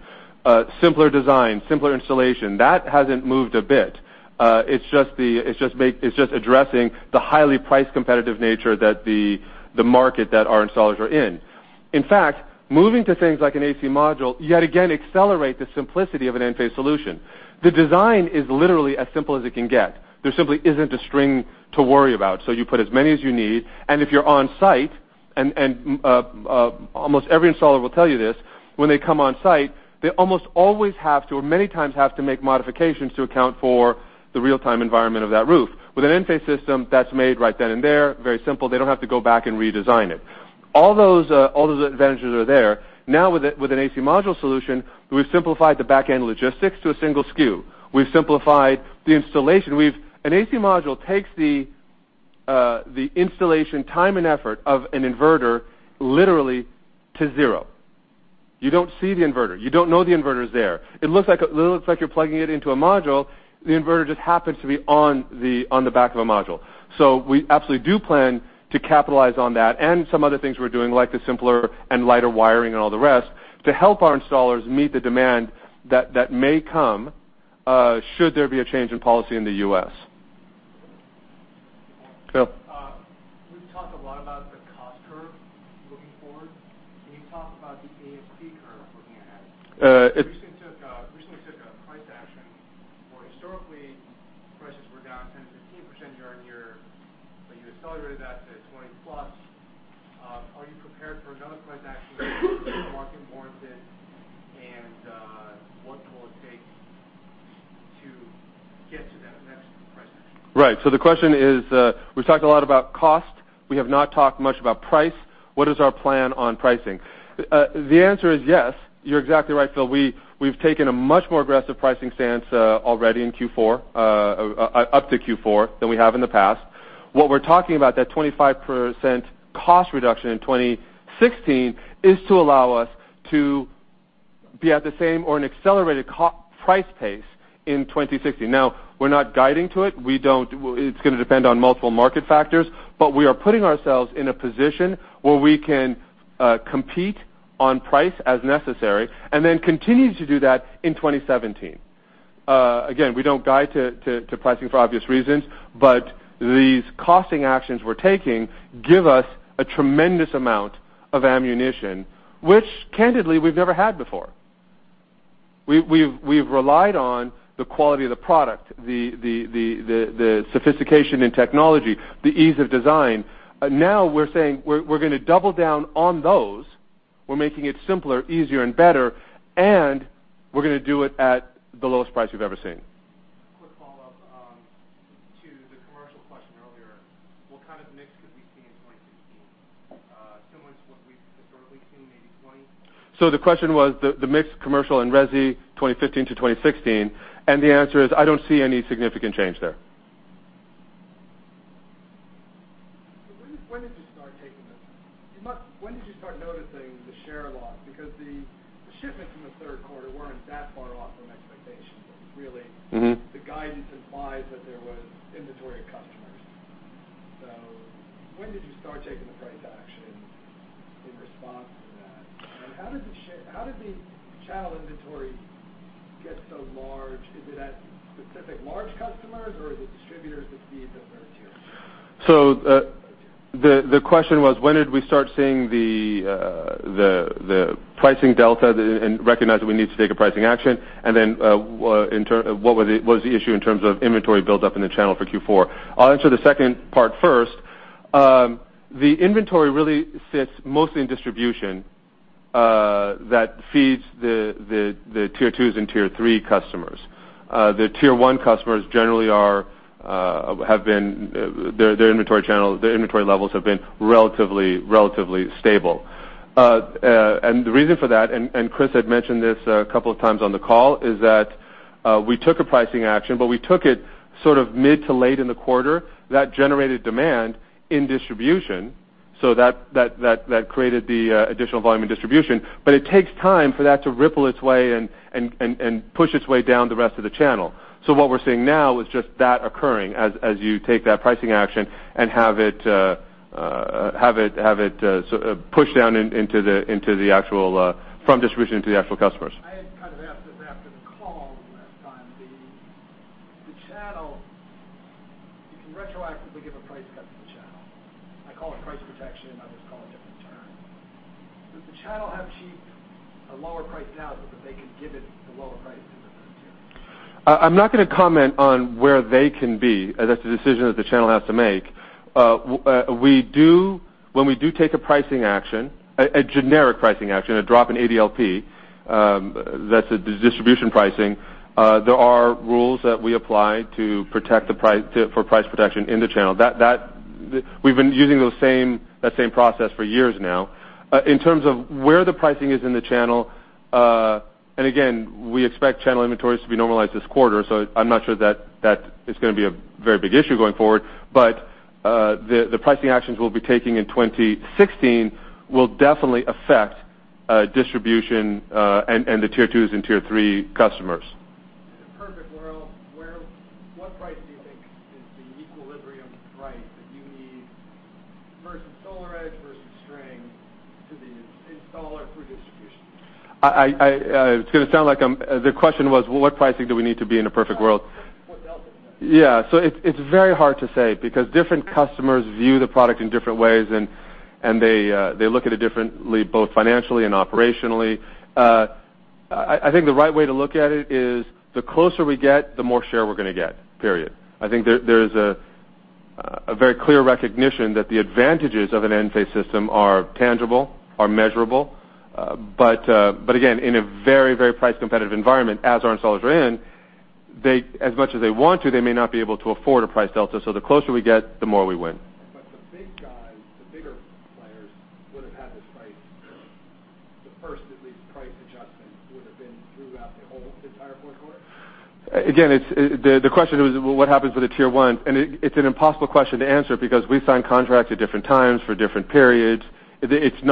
Speaker 2: simpler design, simpler installation. That hasn't moved a bit. It's just addressing the highly price-competitive nature that the market that our installers are in. In fact, moving to things like an AC module, yet again accelerate the simplicity of an Enphase solution. The design is literally as simple as it can get. There simply isn't a string to worry about. You put as many as you need, and if you're on-site, and almost every installer will tell you this, when they come on-site, they almost always have to, or many times have to make modifications to account for the real-time environment of that roof. With an Enphase system, that's made right then and there, very simple. They don't have to go back and redesign it. All those advantages are there. Now with an AC module solution, we've simplified the backend logistics to a single SKU. We've simplified the installation. An AC module takes the installation time and effort of an inverter literally to zero. You don't see the inverter. You don't know the inverter is there. It looks like you're plugging it into a module. The inverter just happens to be on the back of a module. We absolutely do plan to capitalize on that and some other things we're doing, like the simpler and lighter wiring and all the rest to help our installers meet the demand that may come should there be a change in policy in the U.S. Phil.
Speaker 9: We've talked a lot about the cost curve looking forward. Can you talk about the ASP curve looking ahead?
Speaker 2: It-
Speaker 7: You recently took a price action where historically prices were down 10%-15% year-on-year.
Speaker 9: You accelerated that to 20+. Are you prepared for another price action if the market warrants it, and what will it take to get to that next price?
Speaker 2: The question is, we've talked a lot about cost. We have not talked much about price. What is our plan on pricing? The answer is yes, you're exactly right, Phil. We've taken a much more aggressive pricing stance already up to Q4 than we have in the past. What we're talking about, that 25% cost reduction in 2016, is to allow us to be at the same or an accelerated price pace in 2016. We're not guiding to it. It's going to depend on multiple market factors, but we are putting ourselves in a position where we can compete on price as necessary and then continue to do that in 2017. We don't guide to pricing for obvious reasons, but these costing actions we're taking give us a tremendous amount of ammunition, which candidly, we've never had before. We've relied on the quality of the product, the sophistication in technology, the ease of design. We're saying we're going to double down on those. We're making it simpler, easier, and better, and we're going to do it at the lowest price you've ever seen.
Speaker 9: Quick follow-up to the commercial question earlier. What kind of mix could we see in 2016? Similar to what we've historically seen, maybe 20%?
Speaker 2: The question was the mix commercial and resi, 2015 to 2016, the answer is, I don't see any significant change there.
Speaker 9: When did you start noticing the share loss? The shipments in the third quarter weren't that far off from expectations, really. The guidance implies that there was inventory at customers. When did you start taking the price action in response to that? How did the channel inventory get so large? Is it at specific large customers, or is it distributors that feed the tier 2s?
Speaker 2: The question was, when did we start seeing the pricing delta and recognize that we need to take a pricing action, what was the issue in terms of inventory buildup in the channel for Q4? I'll answer the second part first. The inventory really sits mostly in distribution that feeds the tier 2 and tier 3 customers. The tier 1 customers, generally, their inventory levels have been relatively stable. The reason for that, and Chris had mentioned this a couple of times on the call, is that we took a pricing action, we took it mid to late in the quarter. That generated demand in distribution. That created the additional volume in distribution. It takes time for that to ripple its way and push its way down the rest of the channel. What we're seeing now is just that occurring as you take that pricing action and have it pushed down from distribution to the actual customers.
Speaker 9: I had kind of asked this after the call last time. You can retroactively give a price cut to the channel. I call it price protection, others call it different term. Does the channel have to see a lower price now so that they can give it the lower price to the tier 2?
Speaker 2: I'm not going to comment on where they can be. That's a decision that the channel has to make. When we do take a pricing action, a generic pricing action, a drop in EDLP, that's the distribution pricing, there are rules that we apply for price protection in the channel. We've been using that same process for years now. In terms of where the pricing is in the channel, we expect channel inventories to be normalized this quarter, I'm not sure that is going to be a very big issue going forward. The pricing actions we'll be taking in 2016 will definitely affect distribution and the tier 2 and tier 3 customers.
Speaker 9: In a perfect world, what price do you think is the equilibrium price that you need versus SolarEdge, versus string to the installer through distribution?
Speaker 2: The question was, what pricing do we need to be in a perfect world?
Speaker 9: What delta?
Speaker 2: Yeah. It's very hard to say because different customers view the product in different ways, and they look at it differently, both financially and operationally. I think the right way to look at it is the closer we get, the more share we're going to get, period. I think there is a very clear recognition that the advantages of an Enphase system are tangible, are measurable. Again, in a very price competitive environment, as our installers are in, as much as they want to, they may not be able to afford a price delta. The closer we get, the more we win.
Speaker 9: The big guys, the bigger players would have had this price, the first, at least, price adjustment would have been throughout the whole entire fourth quarter?
Speaker 2: Again, the question was, what happens with a tier 1? It's an impossible question to answer because we sign contracts at different times for different periods. It's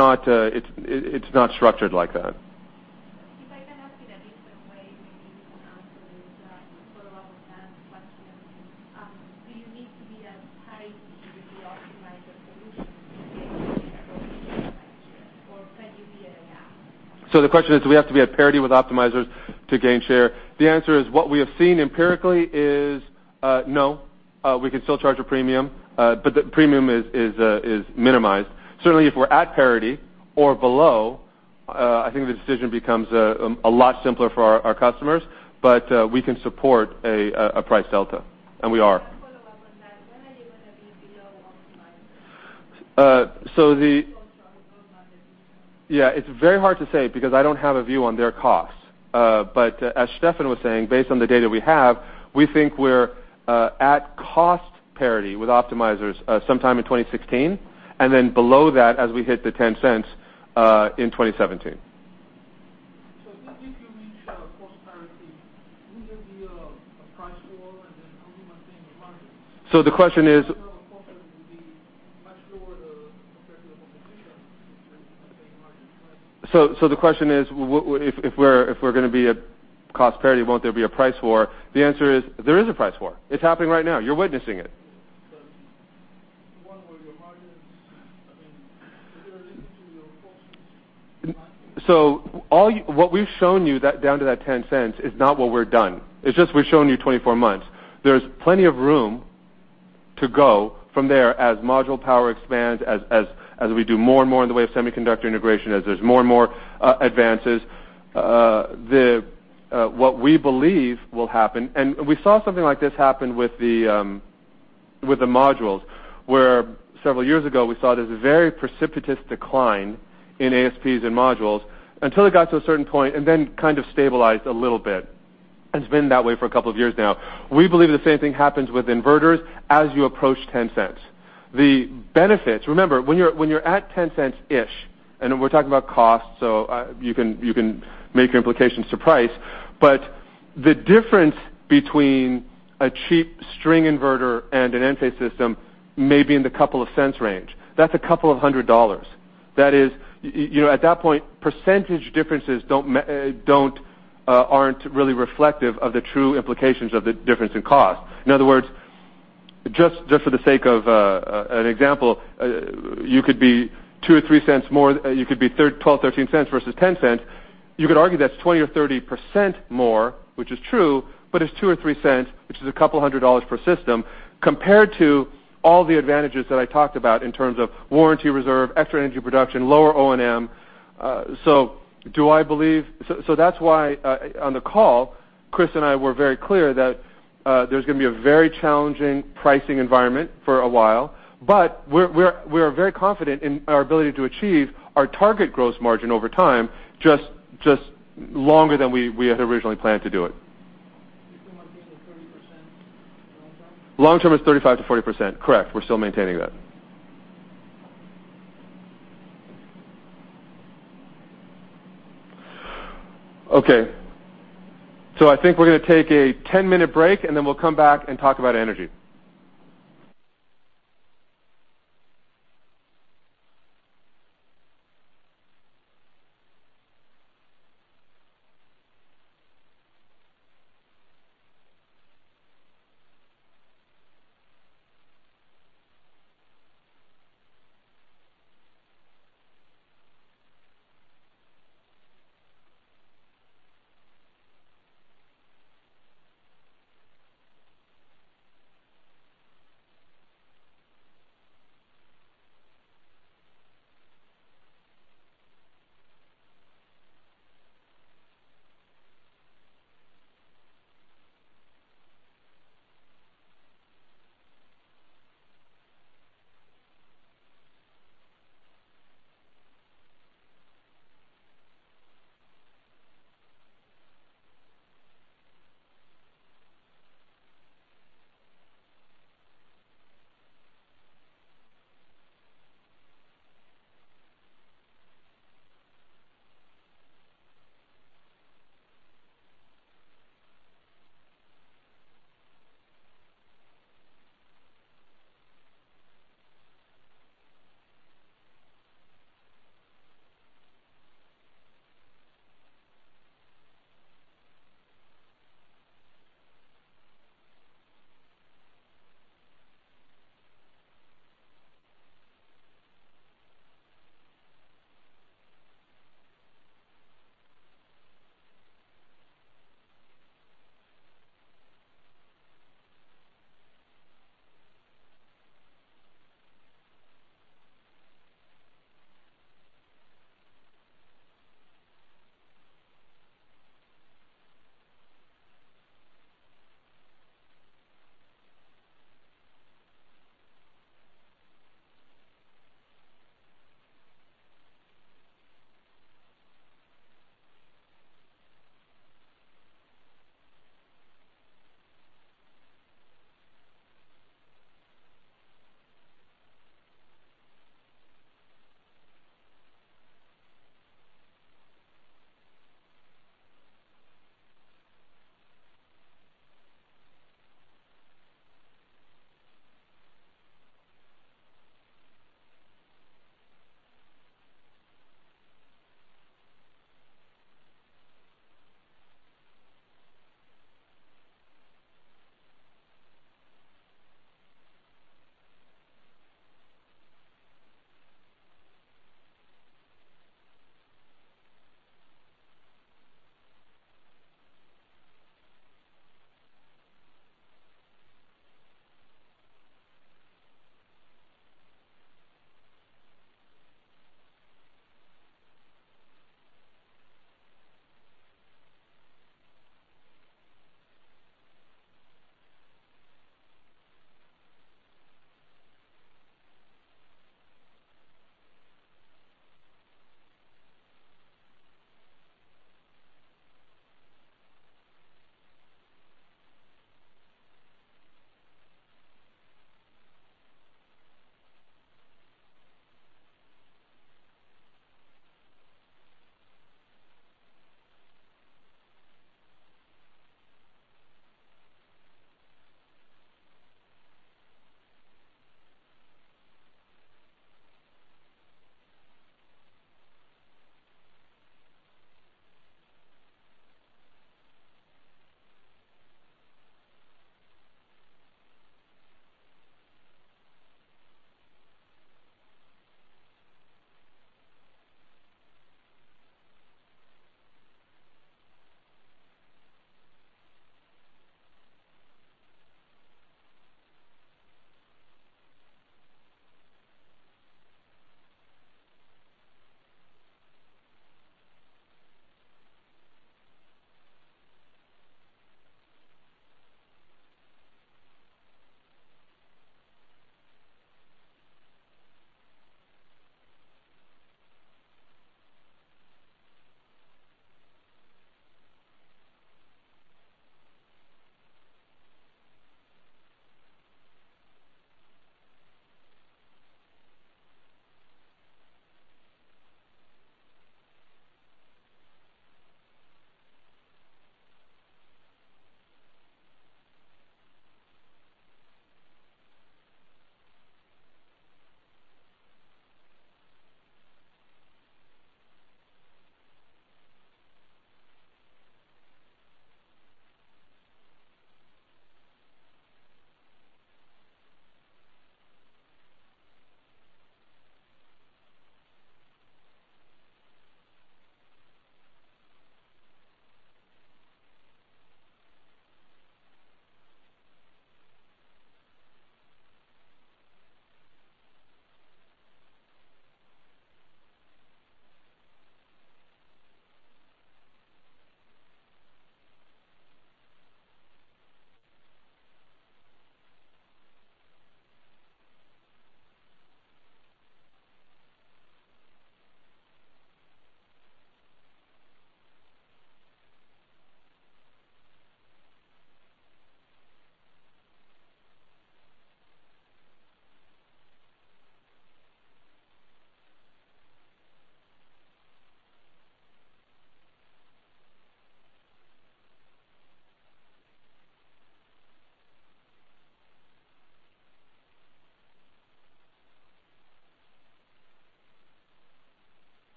Speaker 2: not structured like that.
Speaker 7: If I can ask in a different way, maybe you can answer this follow-up question. Do you need to be as tight with the optimizer solution to gain share going into next year, or can you be at a gap?
Speaker 2: The question is, do we have to be at parity with optimizers to gain share? The answer is, what we have seen empirically is, no, we can still charge a premium, the premium is minimized. Certainly, if we're at parity or below, I think the decision becomes a lot simpler for our customers, we can support a price delta, we are.
Speaker 7: Just to follow up on that, when are you going to be below optimizers?
Speaker 2: It's very hard to say because I don't have a view on their costs. As Stefan was saying, based on the data we have, we think we're at cost parity with optimizers sometime in 2016, then below that as we hit the $0.10 in 2017.
Speaker 7: If you reach cost parity, will there be a price war, how do you maintain the margins?
Speaker 2: The question is.
Speaker 7: cost will be much lower compared to your competition than maintaining margins, right?
Speaker 2: The question is, if we're going to be at cost parity, won't there be a price war? The answer is, there is a price war. It's happening right now. You're witnessing it.
Speaker 7: Yes. What were your margins, I mean, if you are looking to your costs?
Speaker 2: What we've shown you down to that $0.10 is not what we're done. It's just we've shown you 24 months. There's plenty of room to go from there as module power expands, as we do more and more in the way of semiconductor integration, as there's more and more advances. What we believe will happen, and we saw something like this happen with the modules, where several years ago we saw this very precipitous decline in ASPs and modules until it got to a certain point and then kind of stabilized a little bit. It's been that way for a couple of years now. We believe the same thing happens with inverters as you approach $0.10. The benefits, remember, when you're at $0.10-ish, and we're talking about cost, you can make your implications to price, but the difference between a cheap string inverter and an Enphase system may be in the $0.02 range. That's $200. At that point, percentage differences aren't really reflective of the true implications of the difference in cost. In other words, just for the sake of an example, you could be $0.12, $0.13 versus $0.10. You could argue that's 20% or 30% more, which is true, but it's $0.02 or $0.03, which is $200 per system, compared to all the advantages that I talked about in terms of warranty reserve, extra energy production, lower O&M. That's why on the call, Chris and I were very clear that there's going to be a very challenging pricing environment for a while, but we are very confident in our ability to achieve our target gross margin over time, just longer than we had originally planned to do it.
Speaker 7: You're still maintaining the 30% long term?
Speaker 2: Long term is 35%-40%. Correct, we're still maintaining that. Okay. I think we're going to take a 10-minute break. We'll come back and talk about energy.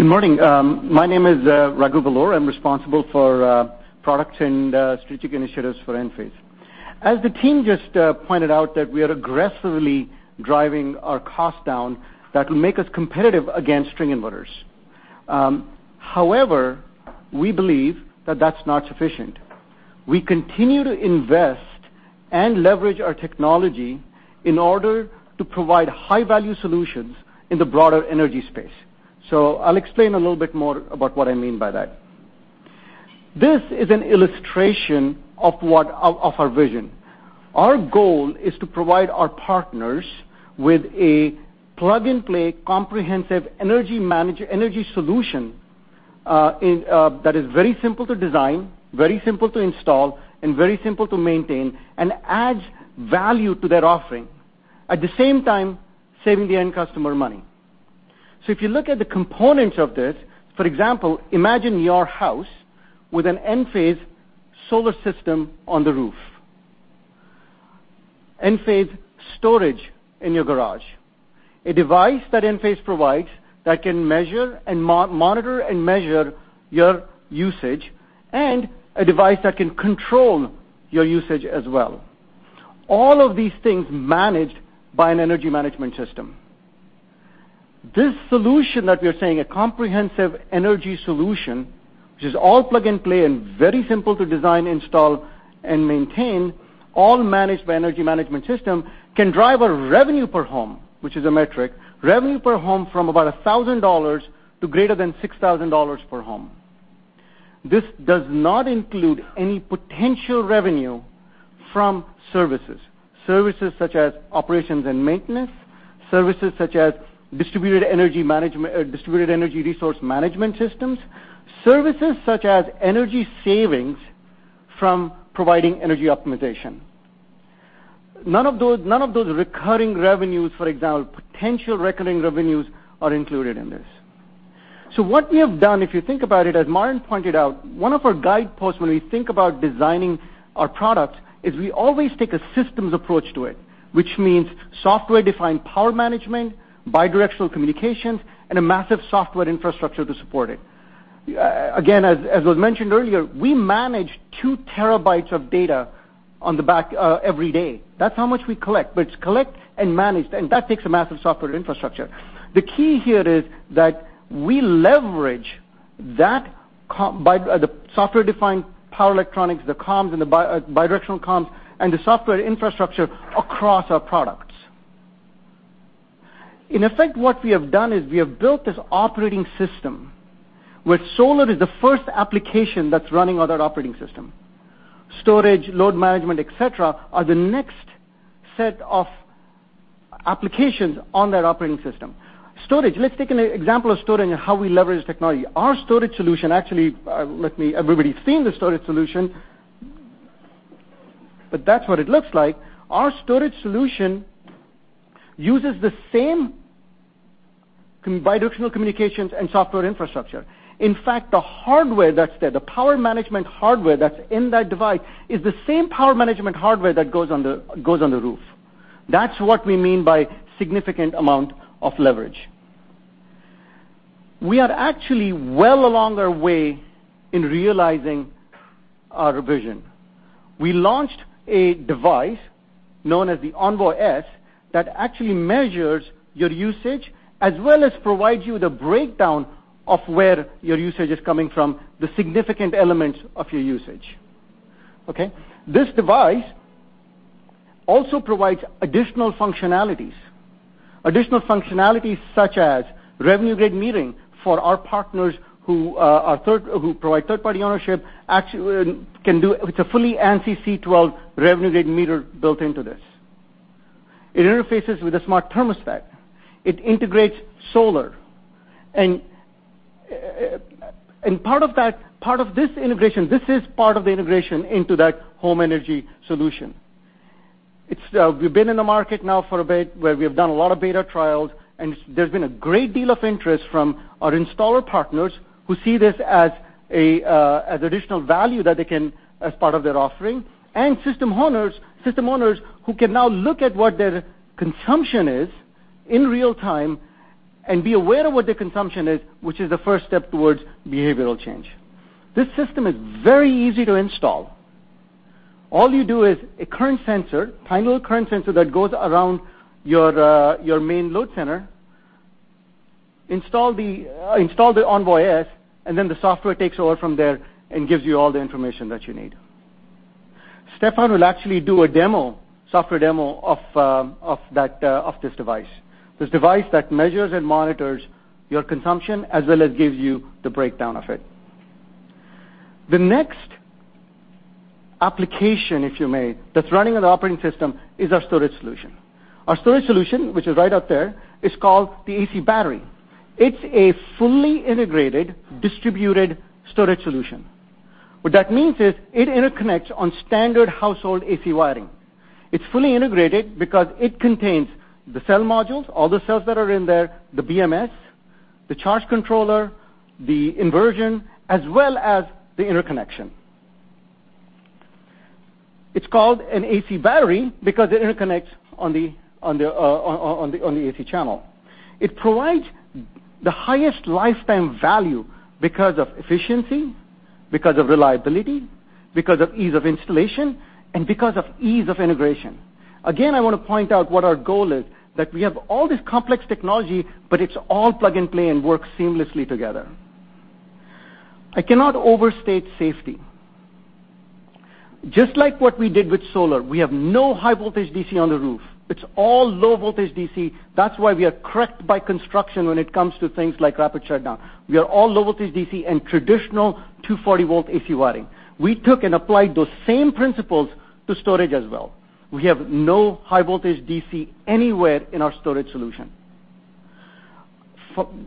Speaker 8: Good morning. My name is Raghu Belur. I'm responsible for products and strategic initiatives for Enphase. As the team just pointed out that we are aggressively driving our cost down, that will make us competitive against string inverters. However, we believe that that's not sufficient. We continue to invest and leverage our technology in order to provide high-value solutions in the broader energy space. I'll explain a little bit more about what I mean by that. This is an illustration of our vision. Our goal is to provide our partners with a plug-and-play comprehensive energy solution, that is very simple to design, very simple to install, and very simple to maintain and adds value to their offering, at the same time saving the end customer money. If you look at the components of this, for example, imagine your house with an Enphase solar system on the roof, Enphase storage in your garage, a device that Enphase provides that can monitor and measure your usage, and a device that can control your usage as well. All of these things managed by an energy management system. This solution that we're saying, a comprehensive energy solution, which is all plug-and-play and very simple to design, install, and maintain, all managed by energy management system, can drive our revenue per home, which is a metric, revenue per home from about $1,000 to greater than $6,000 per home. This does not include any potential revenue from services. Services such as operations and maintenance, services such as distributed energy resource management systems, services such as energy savings from providing energy optimization. None of those recurring revenues, for example, potential recurring revenues are included in this. What we have done, if you think about it, as Martin pointed out, one of our guideposts when we think about designing our product is we always take a systems approach to it, which means software-defined power management, bi-directional communications, and a massive software infrastructure to support it. Again, as was mentioned earlier, we manage two terabytes of data every day. That's how much we collect, but it's collect and manage, and that takes a massive software infrastructure. The key here is that we leverage the software-defined power electronics, the bidirectional comms, and the software infrastructure across our products. In effect, what we have done is we have built this operating system, where solar is the first application that's running on that operating system. Storage, load management, et cetera, are the next set of applications on that operating system. Storage. Let's take an example of storage and how we leverage technology. Our storage solution, actually, everybody's seen the storage solution, but that's what it looks like. Our storage solution uses the same bidirectional communications and software infrastructure. In fact, the hardware that's there, the power management hardware that's in that device is the same power management hardware that goes on the roof. That's what we mean by significant amount of leverage. We are actually well along our way in realizing our vision. We launched a device known as the Envoy-S that actually measures your usage, as well as provides you the breakdown of where your usage is coming from, the significant elements of your usage. Okay? This device also provides additional functionalities. Additional functionalities such as revenue-grade metering for our partners who provide third-party ownership. It's a fully ANSI C12 revenue-grade meter built into this. It interfaces with a smart thermostat. It integrates solar. This is part of the integration into that home energy solution. We've been in the market now for a bit, where we have done a lot of beta trials, and there's been a great deal of interest from our installer partners who see this as additional value as part of their offering, and system owners who can now look at what their consumption is in real time and be aware of what their consumption is, which is the first step towards behavioral change. This system is very easy to install. All you do is a current sensor, tiny little current sensor that goes around your main load center, install the Envoy-S, then the software takes over from there and gives you all the information that you need. Stefan will actually do a software demo of this device. This device that measures and monitors your consumption as well as gives you the breakdown of it. The next application, if you may, that's running on the operating system is our storage solution. Our storage solution, which is right out there, is called the AC Battery. It's a fully integrated distributed storage solution. What that means is it interconnects on standard household AC wiring. It's fully integrated because it contains the cell modules, all the cells that are in there, the BMS, the charge controller, the inversion, as well as the interconnection. It's called an AC Battery because it interconnects on the AC channel. It provides the highest lifetime value because of efficiency, because of reliability, because of ease of installation, because of ease of integration. Again, I want to point out what our goal is, that we have all this complex technology, but it's all plug-and-play and works seamlessly together. I cannot overstate safety. Just like what we did with solar, we have no high voltage DC on the roof. It's all low voltage DC. That's why we are correct by construction when it comes to things like rapid shutdown. We are all low voltage DC and traditional 240-volt AC wiring. We took and applied those same principles to storage as well. We have no high voltage DC anywhere in our storage solution.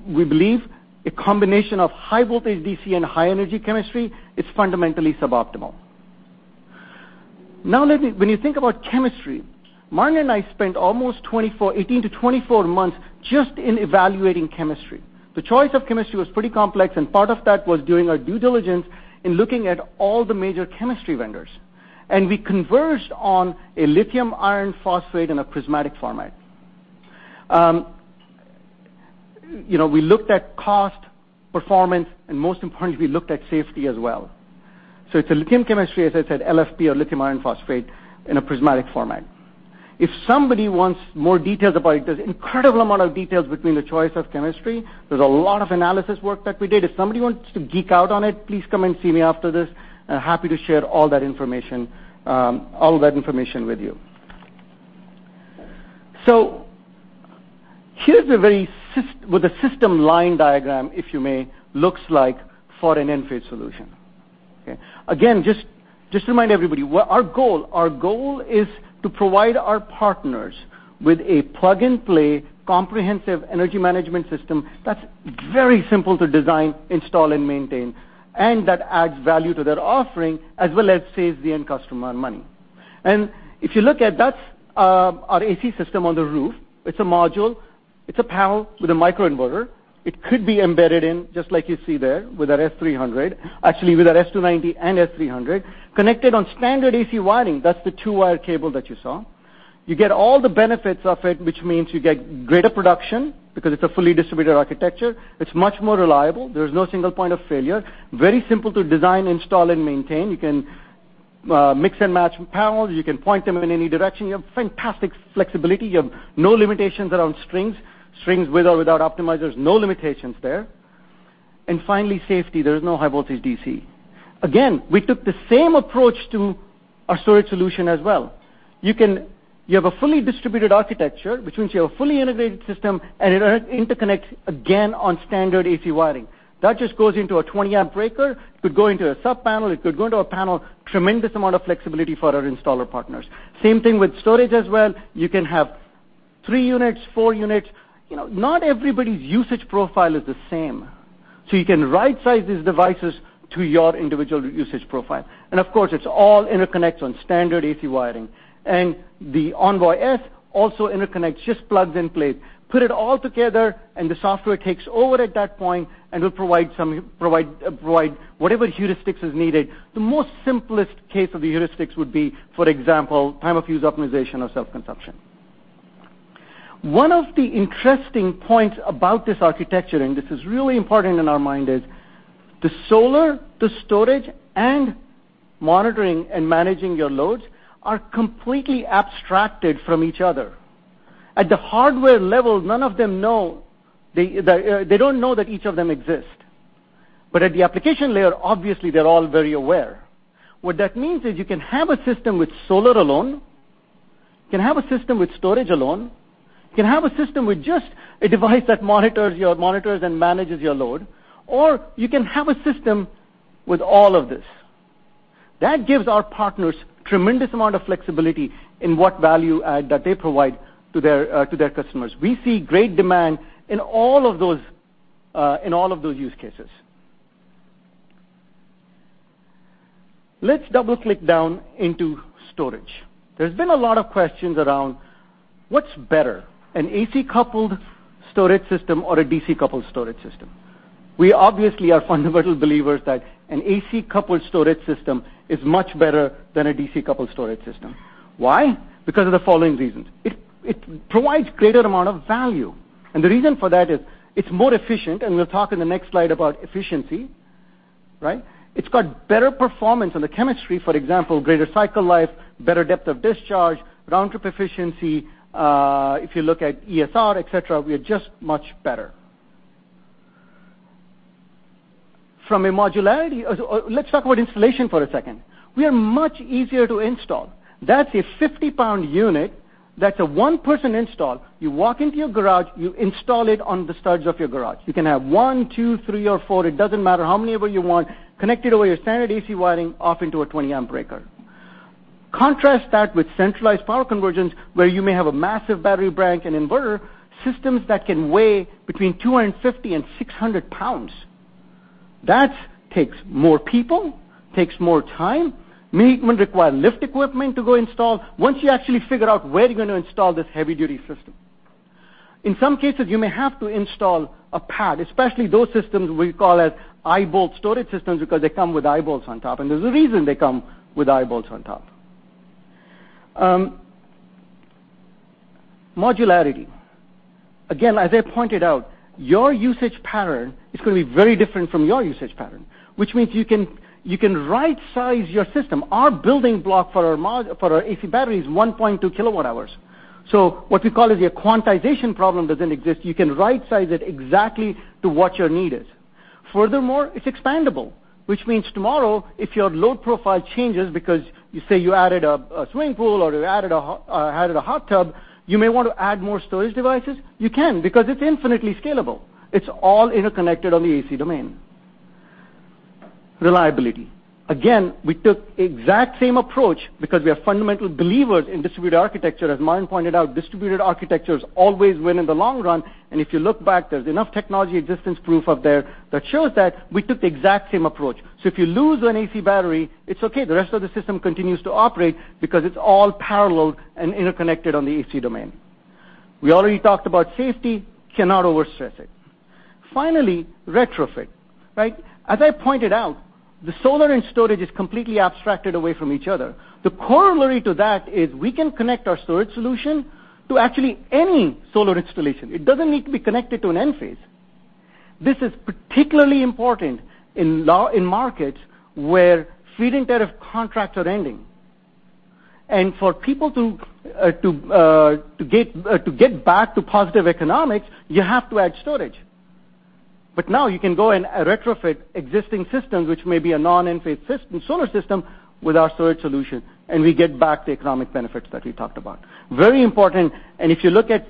Speaker 8: We believe a combination of high voltage DC and high energy chemistry is fundamentally suboptimal. Now, when you think about chemistry, Martin and I spent almost 18-24 months just in evaluating chemistry. The choice of chemistry was pretty complex, and part of that was doing our due diligence in looking at all the major chemistry vendors. We converged on a lithium iron phosphate in a prismatic format. We looked at cost, performance, and most importantly, we looked at safety as well. It's a lithium chemistry, as I said, LFP or lithium iron phosphate in a prismatic format. If somebody wants more details about it, there's an incredible amount of details between the choice of chemistry. There's a lot of analysis work that we did. If somebody wants to geek out on it, please come and see me after this. Happy to share all that information with you. Here's what the system line diagram, if you may, looks like for an Enphase solution. Again, just to remind everybody, our goal is to provide our partners with a plug-and-play comprehensive energy management system that's very simple to design, install, and maintain, and that adds value to their offering as well as saves the end customer money. If you look at that, our AC system on the roof, it's a module. It's a panel with a microinverter. It could be embedded in, just like you see there with our S300, actually with our S290 and S300, connected on standard AC wiring. That's the two-wire cable that you saw. You get all the benefits of it, which means you get greater production because it's a fully distributed architecture. It's much more reliable. There's no single point of failure. Very simple to design, install, and maintain. You can mix and match panels. You can point them in any direction. You have fantastic flexibility. You have no limitations around strings. Strings with or without optimizers, no limitations there. Finally, safety. There is no high voltage DC. Again, we took the same approach to our storage solution as well. You have a fully distributed architecture, which means you have a fully integrated system, and it interconnects again on standard AC wiring. That just goes into a 20 amp breaker. It could go into a sub panel. It could go into a panel. Tremendous amount of flexibility for our installer partners. Same thing with storage as well. You can have three units, four units. Not everybody's usage profile is the same. You can right-size these devices to your individual usage profile. Of course, it's all interconnects on standard AC wiring. The Envoy-S also interconnects, just plugs and plays. Put it all together and the software takes over at that point and will provide whatever heuristics is needed. The most simplest case of the heuristics would be, for example, time of use optimization or self-consumption. One of the interesting points about this architecture, and this is really important in our mind, is the solar, the storage, and monitoring and managing your loads are completely abstracted from each other. At the hardware level, they don't know that each of them exist. At the application layer, obviously, they're all very aware. What that means is you can have a system with solar alone, you can have a system with storage alone, you can have a system with just a device that monitors and manages your load, or you can have a system with all of this. That gives our partners a tremendous amount of flexibility in what value add that they provide to their customers. We see great demand in all of those use cases. Let's double-click down into storage. There's been a lot of questions around what's better, an AC-coupled storage system or a DC-coupled storage system. We obviously are fundamental believers that an AC-coupled storage system is much better than a DC-coupled storage system. Why? Because of the following reasons. It provides greater amount of value, and the reason for that is it's more efficient, and we'll talk in the next slide about efficiency. It's got better performance on the chemistry, for example, greater cycle life, better depth of discharge, round trip efficiency. If you look at ESR, et cetera, we are just much better. Let's talk about installation for a second. We are much easier to install. That's a 50-pound unit. That's a one-person install. You walk into your garage, you install it on the studs of your garage. You can have one, two, three, or four. It doesn't matter how many of you want. Connect it over your standard AC wiring off into a 20 amp breaker. Contrast that with centralized power conversions, where you may have a massive battery bank and inverter systems that can weigh between 250 and 600 pounds. That takes more people, takes more time, may even require lift equipment to go install once you actually figure out where you're going to install this heavy-duty system. In some cases, you may have to install a pad, especially those systems we call eyebolt storage systems because they come with eyebolts on top, and there's a reason they come with eyebolts on top. Modularity. Again, as I pointed out, your usage pattern is going to be very different from your usage pattern, which means you can right-size your system. Our building block for our AC battery is 1.2 kilowatt hours. What we call a quantization problem doesn't exist. You can right-size it exactly to what your need is. Furthermore, it's expandable, which means tomorrow, if your load profile changes because, say, you added a swimming pool or you added a hot tub, you may want to add more storage devices. You can, because it's infinitely scalable. It's all interconnected on the AC domain. Reliability. Again, we took the exact same approach because we are fundamental believers in distributed architecture. As Martin Fornage pointed out, distributed architectures always win in the long run, and if you look back, there's enough technology existence proof up there that shows that we took the exact same approach. If you lose an AC battery, it's okay. The rest of the system continues to operate because it's all parallel and interconnected on the AC domain. We already talked about safety. Cannot overstress it. Finally, retrofit. As I pointed out, the solar and storage is completely abstracted away from each other. The corollary to that is we can connect our storage solution to actually any solar installation. It doesn't need to be connected to an Enphase. This is particularly important in markets where feed-in tariff contracts are ending. For people to get back to positive economics, you have to add storage. Now you can go and retrofit existing systems, which may be a non-Enphase solar system, with our storage solution, and we get back the economic benefits that we talked about. Very important, if you look at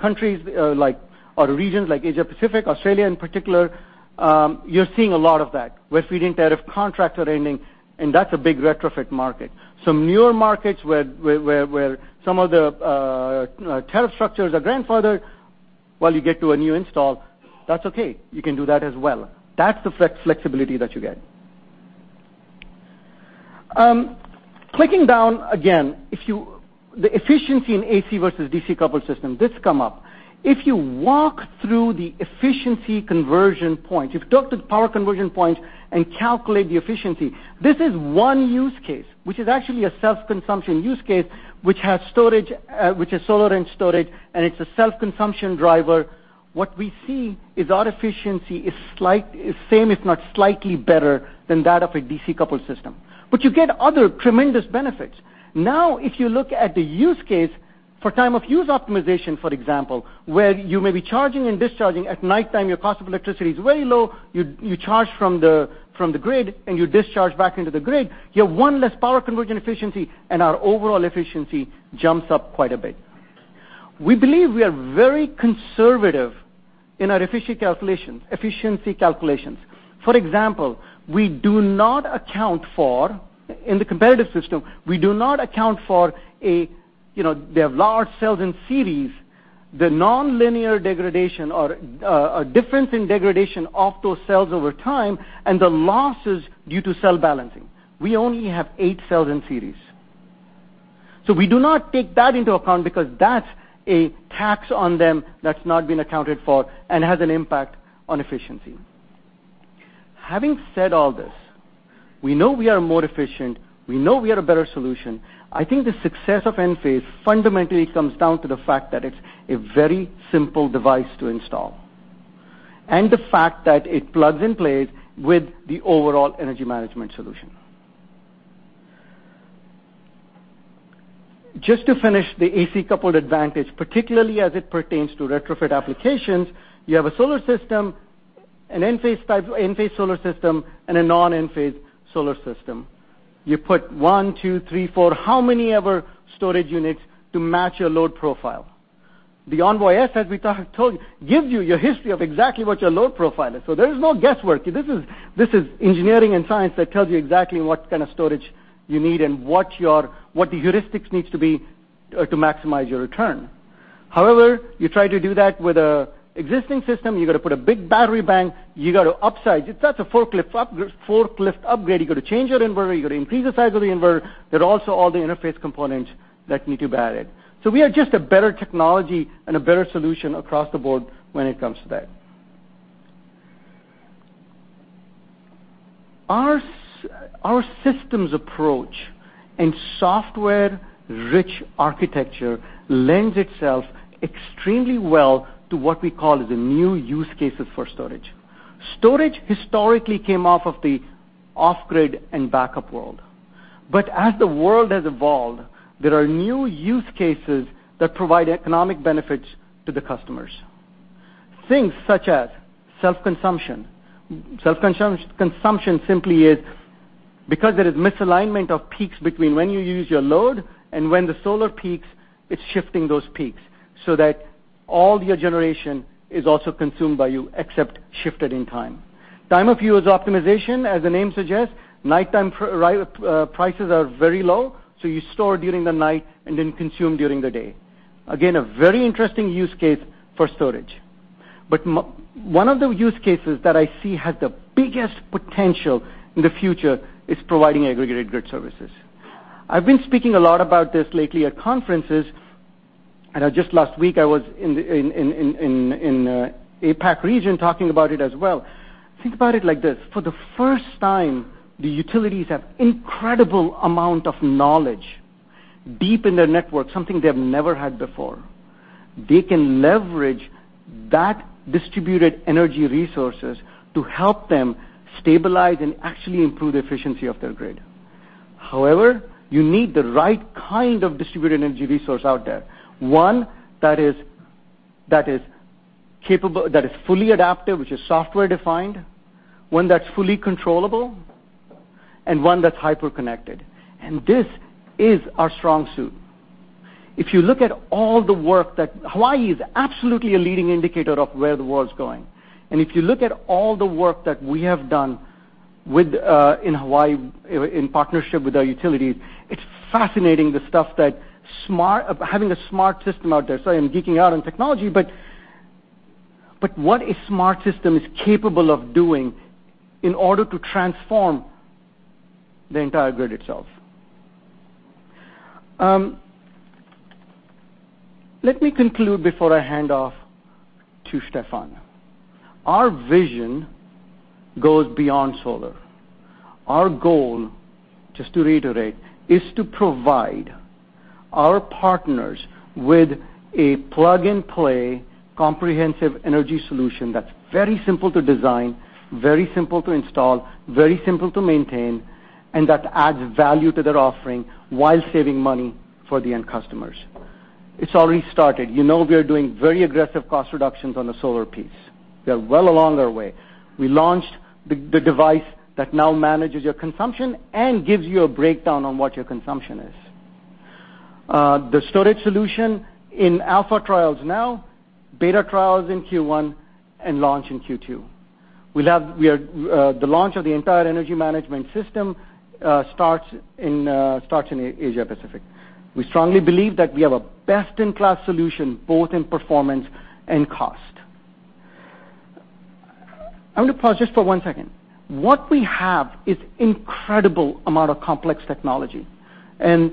Speaker 8: countries or regions like Asia-Pacific, Australia in particular, you're seeing a lot of that, where feed-in tariff contracts are ending, and that's a big retrofit market. Some newer markets where some of the tariff structures are grandfathered, while you get to a new install, that's okay. You can do that as well. That's the flexibility that you get. Clicking down again, the efficiency in AC versus DC coupled system, this come up. If you walk through the efficiency conversion point, if you talk to the power conversion point and calculate the efficiency, this is one use case, which is actually a self-consumption use case, which is solar and storage, and it's a self-consumption driver. What we see is our efficiency is same if not slightly better than that of a DC coupled system. You get other tremendous benefits. If you look at the use case for time-of-use optimization, for example, where you may be charging and discharging at nighttime, your cost of electricity is very low, you charge from the grid and you discharge back into the grid, you have one less power conversion efficiency, and our overall efficiency jumps up quite a bit. We believe we are very conservative in our efficiency calculations. For example, in the competitive system, we do not account for the large cells in series, the nonlinear degradation or a difference in degradation of those cells over time, and the losses due to cell balancing. We only have eight cells in series. We do not take that into account because that's a tax on them that's not been accounted for and has an impact on efficiency. Having said all this, we know we are more efficient. We know we are a better solution. I think the success of Enphase fundamentally comes down to the fact that it's a very simple device to install, and the fact that it plugs and plays with the overall energy management solution. Just to finish the AC coupled advantage, particularly as it pertains to retrofit applications, you have a solar system, an Enphase solar system, and a non-Enphase solar system. You put one, two, three, four, how many ever storage units to match your load profile. The Envoy-S, as we told you, gives you your history of exactly what your load profile is. There is no guesswork. This is engineering and science that tells you exactly what kind of storage you need and what the heuristics needs to be to maximize your return. However, you try to do that with an existing system, you got to put a big battery bank. You got to upsize it. That's a forklift upgrade. You got to change your inverter. You got to increase the size of the inverter. There are also all the interface components that need to be added. We are just a better technology and a better solution across the board when it comes to that. Our systems approach and software-rich architecture lends itself extremely well to what we call the new use cases for storage. Storage historically came off of the off-grid and backup world. As the world has evolved, there are new use cases that provide economic benefits to the customers. Things such as self-consumption. Self-consumption simply is because there is misalignment of peaks between when you use your load and when the solar peaks, it's shifting those peaks so that all your generation is also consumed by you, except shifted in time. Time-of-use optimization, as the name suggests, nighttime prices are very low, so you store during the night and then consume during the day. Again, a very interesting use case for storage. One of the use cases that I see has the biggest potential in the future is providing aggregated grid services. I've been speaking a lot about this lately at conferences, and just last week I was in APAC region talking about it as well. Think about it like this. For the first time, the utilities have incredible amount of knowledge deep in their network, something they have never had before. They can leverage that distributed energy resources to help them stabilize and actually improve the efficiency of their grid. However, you need the right kind of distributed energy resource out there. One that is capable, that is fully adaptive, which is software-defined, one that's fully controllable, and one that's hyper-connected. This is our strong suit. If you look at all the work that Hawaii is absolutely a leading indicator of where the world's going. If you look at all the work that we have done in Hawaii in partnership with our utilities, it's fascinating the stuff that having a smart system out there. Sorry, I'm geeking out on technology, but what a smart system is capable of doing in order to transform the entire grid itself. Let me conclude before I hand off to Stefan. Our vision goes beyond solar. Our goal, just to reiterate, is to provide our partners with a plug-and-play comprehensive energy solution that's very simple to design, very simple to install, very simple to maintain, and that adds value to their offering while saving money for the end customers. It's already started. You know we are doing very aggressive cost reductions on the solar piece. We are well along our way. We launched the device that now manages your consumption and gives you a breakdown on what your consumption is. The storage solution in alpha trials now, beta trials in Q1, and launch in Q2. The launch of the entire energy management system starts in Asia Pacific. We strongly believe that we have a best-in-class solution, both in performance and cost. I'm going to pause just for one second. What we have is incredible amount of complex technology, and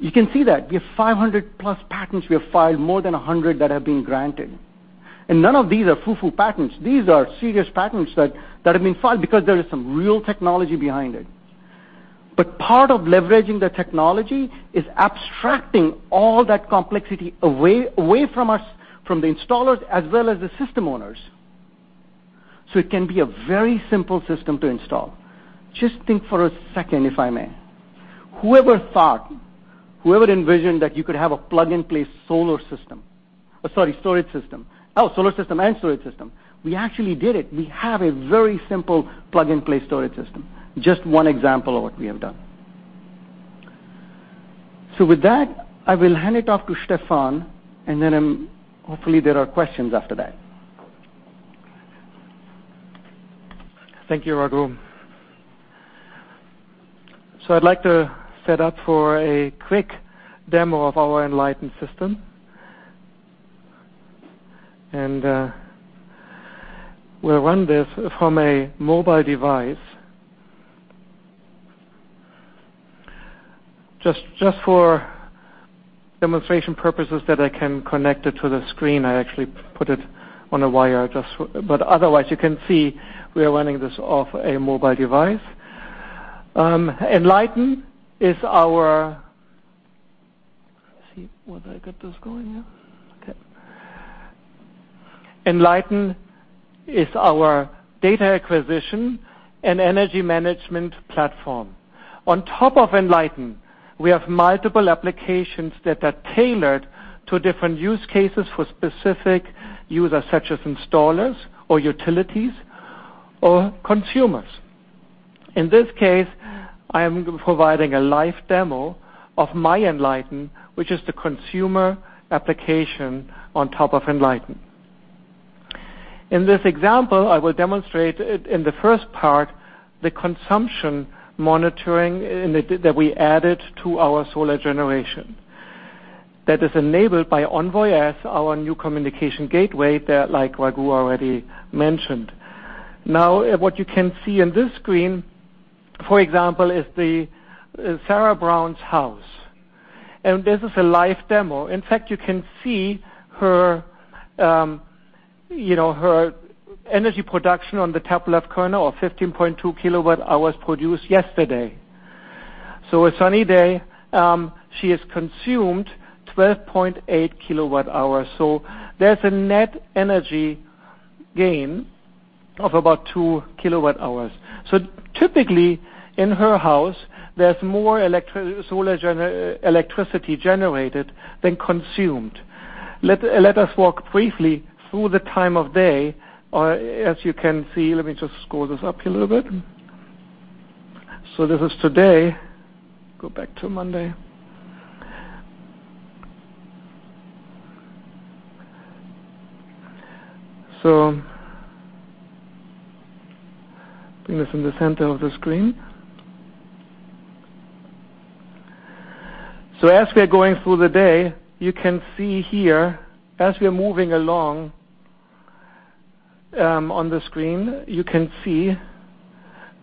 Speaker 8: you can see that. We have 500-plus patents we have filed, more than 100 that have been granted, and none of these are fufu patents. These are serious patents that have been filed because there is some real technology behind it. Part of leveraging the technology is abstracting all that complexity away from us, from the installers, as well as the system owners, so it can be a very simple system to install. Just think for a second, if I may. Whoever thought, whoever envisioned that you could have a plug-and-play solar system. Sorry, storage system. Oh, solar system and storage system. We actually did it. We have a very simple plug-and-play storage system. Just one example of what we have done. With that, I will hand it off to Stefan, and then, hopefully, there are questions after that.
Speaker 6: Thank you, Raghu. I'd like to set up for a quick demo of our Enlighten system. We'll run this from a mobile device. Just for demonstration purposes that I can connect it to the screen, I actually put it on a wire. Otherwise, you can see we are running this off a mobile device. Enlighten is our Let's see. Will I get this going here? Okay. Enlighten is our data acquisition and energy management platform. On top of Enlighten, we have multiple applications that are tailored to different use cases for specific users, such as installers or utilities or consumers. In this case, I am providing a live demo of MyEnlighten, which is the consumer application on top of Enlighten. In this example, I will demonstrate, in the first part, the consumption monitoring that we added to our solar generation that is enabled by Envoy-S, our new communication gateway, like Raghu already mentioned. Now, what you can see in this screen, for example, is Sarah Brown's house, and this is a live demo. In fact, you can see her energy production on the top left corner of 15.2 kWh produced yesterday. A sunny day, she has consumed 12.8 kWh. There's a net energy gain of about 2 kWh. Typically, in her house, there's more solar electricity generated than consumed. Let us walk briefly through the time of day. As you can see, let me just scroll this up here a little bit. This is today. Go back to Monday. Bring this in the center of the screen. As we are going through the day, you can see here, as we are moving along. On the screen, you can see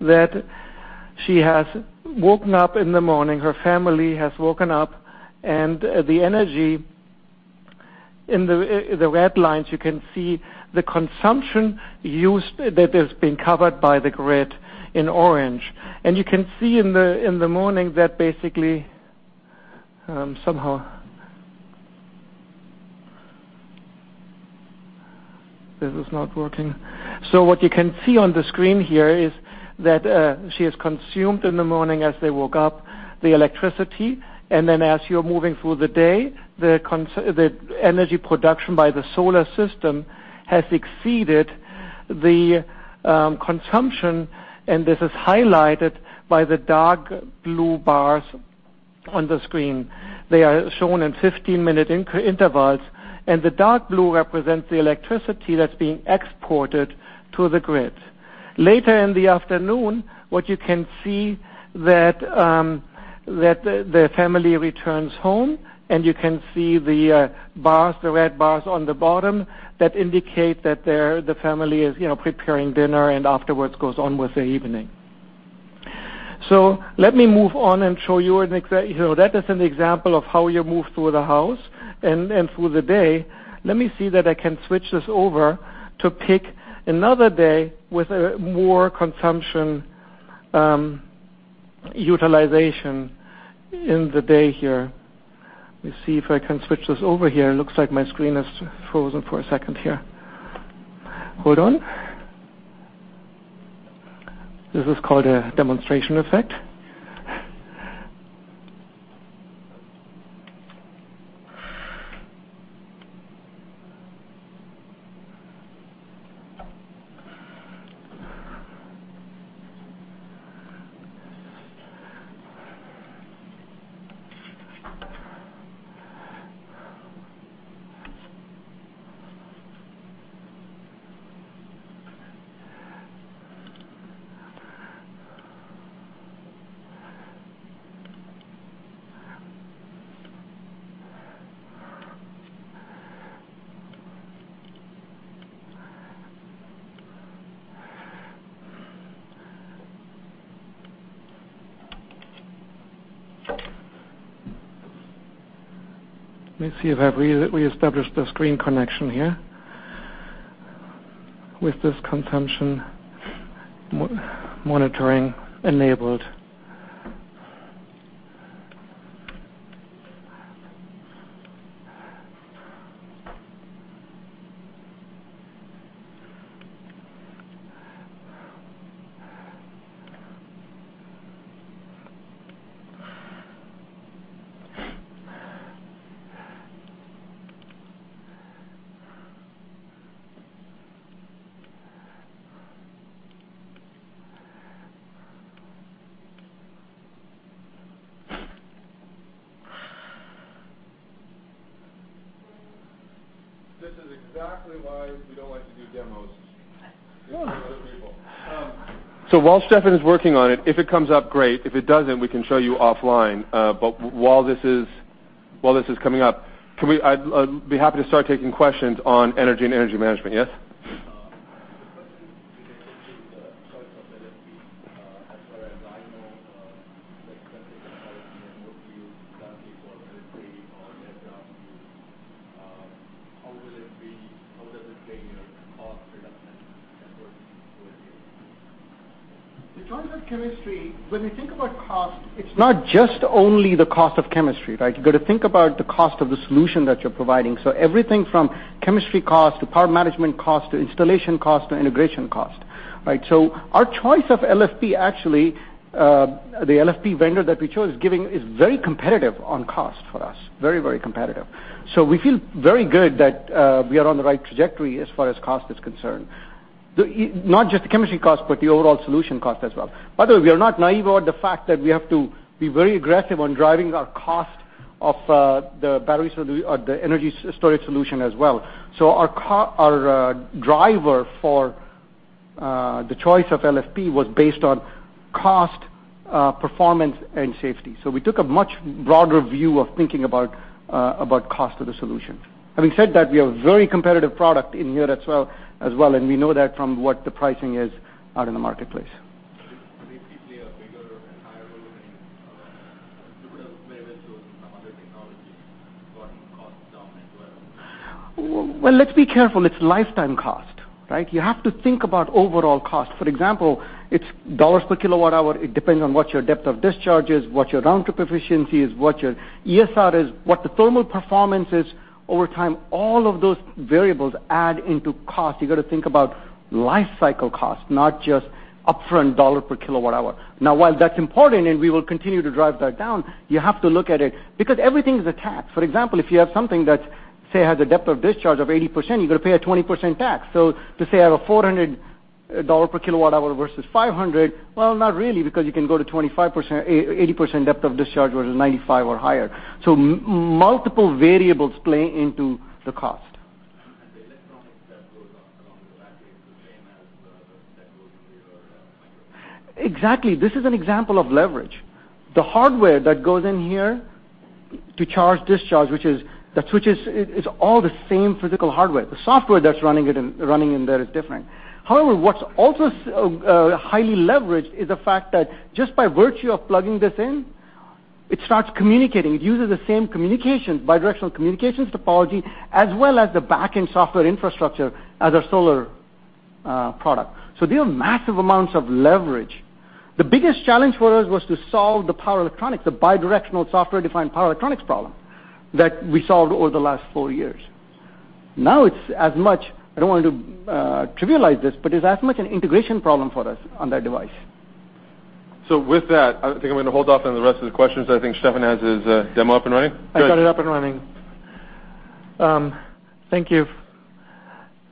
Speaker 6: that she has woken up in the morning, her family has woken up, and the energy in the red lines, you can see the consumption used that has been covered by the grid in orange. You can see in the morning that This is not working. What you can see on the screen here is that she has consumed in the morning as they woke up, the electricity, as you're moving through the day, the energy production by the solar system has exceeded the consumption, and this is highlighted by the dark blue bars on the screen. They are shown in 15-minute intervals, and the dark blue represents the electricity that's being exported to the grid. Later in the afternoon, what you can see, the family returns home, afterwards goes on with their evening. Let me move on and show you an example. That is an example of how you move through the house and through the day. Let me see that I can switch this over to pick another day with a more consumption utilization in the day here. Let me see if I can switch this over here. Looks like my screen has frozen for a second here. Hold on. This is called a demonstration effect. Let me see if we established the screen connection here, with this consumption monitoring enabled.
Speaker 2: This is exactly why we don't like to do demos in front of other people. While Stefan is working on it, if it comes up, great. If it doesn't, we can show you offline. While this is coming up, I'd be happy to start taking questions on energy and energy management. Yes?
Speaker 7: The question is specifically the choice of LFP. As far as I know, like something like what you've done before, LFP or NMC, how does it play in your cost reduction effort with you?
Speaker 8: In terms of chemistry, when we think about cost, it's not just only the cost of chemistry, right? You got to think about the cost of the solution that you're providing. Everything from chemistry cost to power management cost to installation cost to integration cost. Right? Our choice of LFP, actually, the LFP vendor that we chose is very competitive on cost for us. Very competitive. We feel very good that we are on the right trajectory as far as cost is concerned. Not just the chemistry cost, but the overall solution cost as well. By the way, we are not naive about the fact that we have to be very aggressive on driving our cost of the batteries solution or the energy storage solution as well. Our driver for the choice of LFP was based on cost, performance, and safety. We took a much broader view of thinking about cost of the solution. Having said that, we have very competitive product in here as well, and we know that from what the pricing is out in the marketplace.
Speaker 7: Basically, a bigger and higher volume compared to some other technologies, brought the cost down as well.
Speaker 8: Well, let's be careful. It's lifetime cost, right? You have to think about overall cost. For example, it's $ per kilowatt hour. It depends on what your depth of discharge is, what your round trip efficiency is, what your ESR is, what the thermal performance is over time. All of those variables add into cost. You got to think about life cycle cost, not just upfront $ per kilowatt hour. While that's important, and we will continue to drive that down, you have to look at it, because everything is a tax. For example, if you have something that, say, has a depth of discharge of 80%, you got to pay a 20% tax. To say I have a $400 per kilowatt hour versus $500, well, not really, because you can go to 80% depth of discharge versus 95 or higher. Multiple variables play into the cost.
Speaker 7: The electronics that goes along with that is-
Speaker 8: Exactly. This is an example of leverage. The hardware that goes in here to charge, discharge, the switches, is all the same physical hardware. The software that's running in there is different. However, what's also highly leveraged is the fact that just by virtue of plugging this in, it starts communicating. It uses the same bidirectional communications topology, as well as the back-end software infrastructure as our solar product. There are massive amounts of leverage. The biggest challenge for us was to solve the power electronics, the bidirectional software-defined power electronics problem, that we solved over the last 4 years. It's, I don't want to trivialize this, but it's as much an integration problem for us on that device.
Speaker 2: With that, I think I'm going to hold off on the rest of the questions. I think Stefan has his demo up and running.
Speaker 6: I got it up and running. Thank you.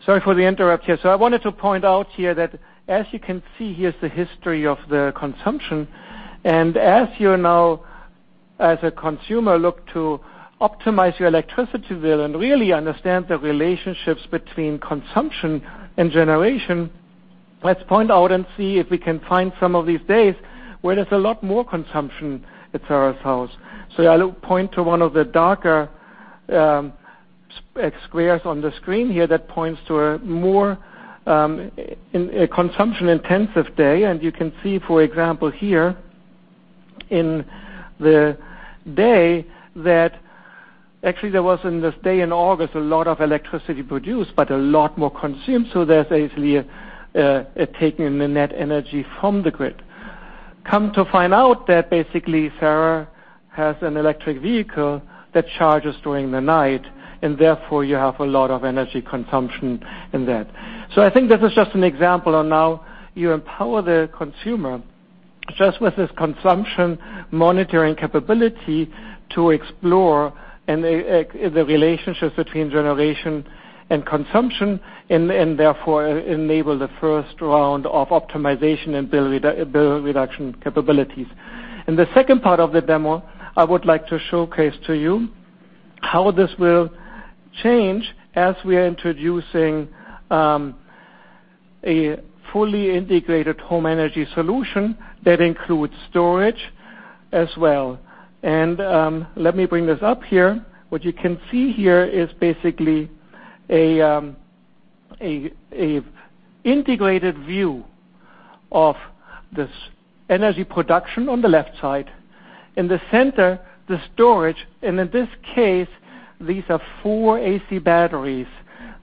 Speaker 6: Sorry for the interrupt here. I wanted to point out here that as you can see, here's the history of the consumption. As you now, as a consumer, look to optimize your electricity bill and really understand the relationships between consumption and generation, let's point out and see if we can find some of these days where there's a lot more consumption at Sarah's house. I'll point to one of the darker squares on the screen here that points to a more consumption-intensive day. You can see, for example, here in the day that actually there was, in this day in August, a lot of electricity produced, but a lot more consumed. They basically are taking the net energy from the grid. Come to find out that basically Sarah has an electric vehicle that charges during the night, and therefore you have a lot of energy consumption in that. I think this is just an example of how you empower the consumer just with this consumption monitoring capability to explore the relationships between generation and consumption, and therefore enable the first round of optimization and bill reduction capabilities. In the second part of the demo, I would like to showcase to you how this will change as we are introducing a fully integrated home energy solution that includes storage as well. Let me bring this up here. What you can see here is basically an integrated view of this energy production on the left side. In the center, the storage. In this case, these are four AC batteries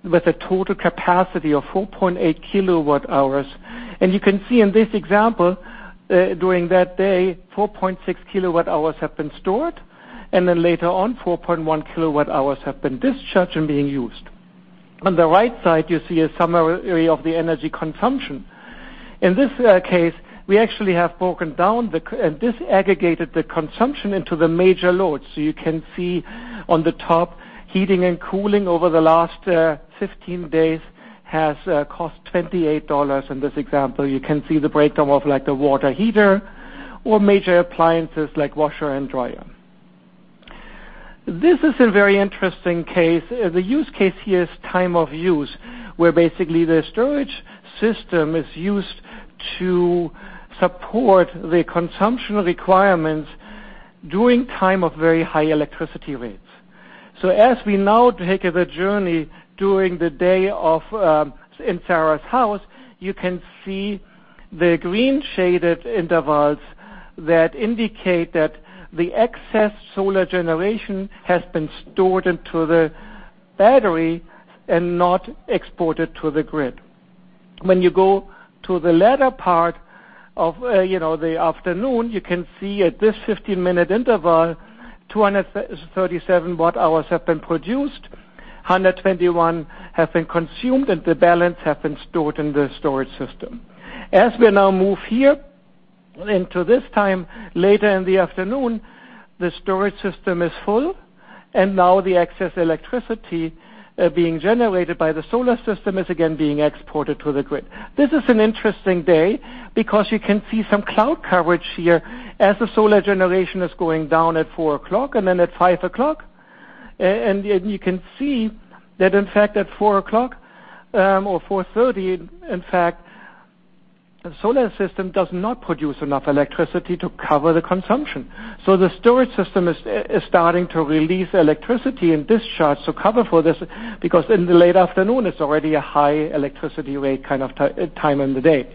Speaker 6: with a total capacity of 4.8 kilowatt hours. You can see in this example, during that day, 4.6 kilowatt hours have been stored, and then later on, 4.1 kilowatt hours have been discharged and being used. On the right side, you see a summary of the energy consumption. In this case, we actually have broken down and disaggregated the consumption into the major loads. You can see on the top, heating and cooling over the last 15 days has cost $28. In this example, you can see the breakdown of the water heater or major appliances like washer and dryer. This is a very interesting case. The use case here is time of use, where basically the storage system is used to support the consumption requirements during time of very high electricity rates. As we now take the journey during the day in Sarah's house, you can see the green shaded intervals that indicate that the excess solar generation has been stored into the battery and not exported to the grid. When you go to the latter part of the afternoon, you can see at this 15-minute interval, 237 watt hours have been produced, 121 have been consumed, and the balance have been stored in the storage system. As we now move here into this time later in the afternoon, the storage system is full, and now the excess electricity being generated by the solar system is again being exported to the grid. This is an interesting day because you can see some cloud coverage here as the solar generation is going down at four o'clock and then at five o'clock. You can see that, in fact, at 4:00 P.M. or 4:30 P.M., the solar system does not produce enough electricity to cover the consumption. The storage system is starting to release electricity and discharge to cover for this, because in the late afternoon, it's already a high electricity rate time in the day.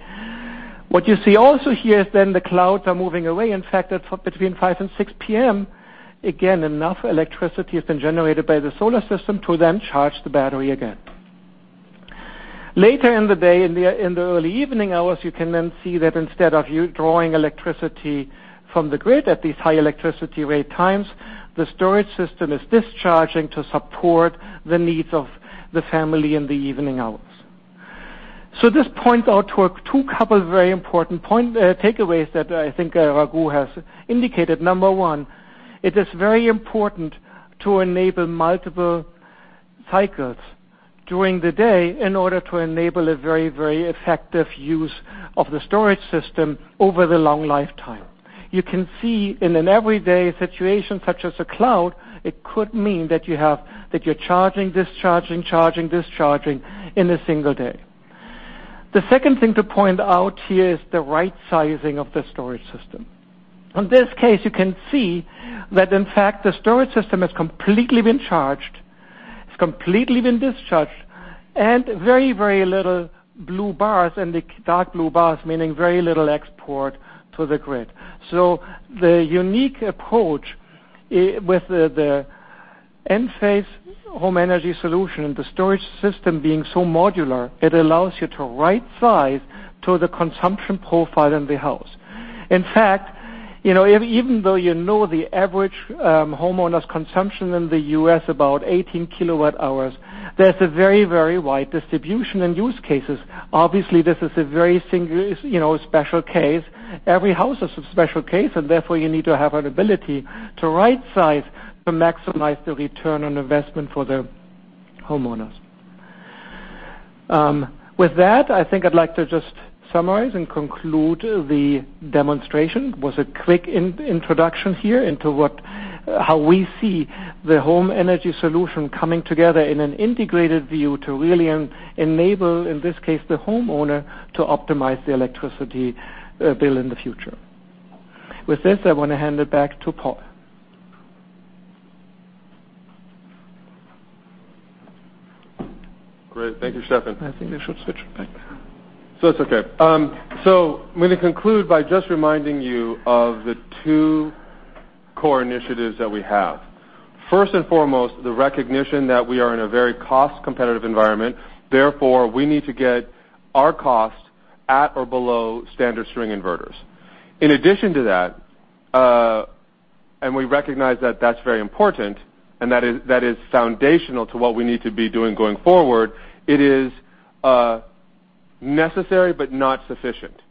Speaker 6: What you see also here is the clouds are moving away. In fact, between 5:00 P.M. and 6:00 P.M., again, enough electricity has been generated by the solar system to charge the battery again. Later in the day, in the early evening hours, you can see that instead of you drawing electricity from the grid at these high electricity rate times, the storage system is discharging to support the needs of the family in the evening hours. This points out two couple of very important takeaways that I think Raghu has indicated. Number one, it is very important to enable multiple cycles during the day in order to enable a very effective use of the storage system over the long lifetime. You can see in an everyday situation, such as a cloud, it could mean that you're charging, discharging, charging, discharging in a single day. The second thing to point out here is the right sizing of the storage system. On this case, you can see that in fact the storage system has completely been charged, has completely been discharged, and very, very little blue bars, and the dark blue bars meaning very little export to the grid. The unique approach with the Enphase home energy solution, the storage system being so modular, it allows you to right size to the consumption profile in the house. In fact, even though you know the average homeowner's consumption in the U.S., about 18 kilowatt hours, there's a very, very wide distribution in use cases. Obviously, this is a very special case. Every house is a special case, and therefore you need to have an ability to right size to maximize the return on investment for the homeowners. With that, I think I'd like to just summarize and conclude the demonstration. It was a quick introduction here into how we see the home energy solution coming together in an integrated view to really enable, in this case, the homeowner to optimize the electricity bill in the future. With this, I want to hand it back to Paul.
Speaker 2: Great. Thank you, Stefan.
Speaker 6: I think they should switch back.
Speaker 2: That's okay. I'm going to conclude by just reminding you of the two core initiatives that we have. First and foremost, the recognition that we are in a very cost-competitive environment, therefore, we need to get our cost at or below standard string inverters. In addition to that, and we recognize that that's very important and that is foundational to what we need to be doing going forward, it is necessary, but not sufficient.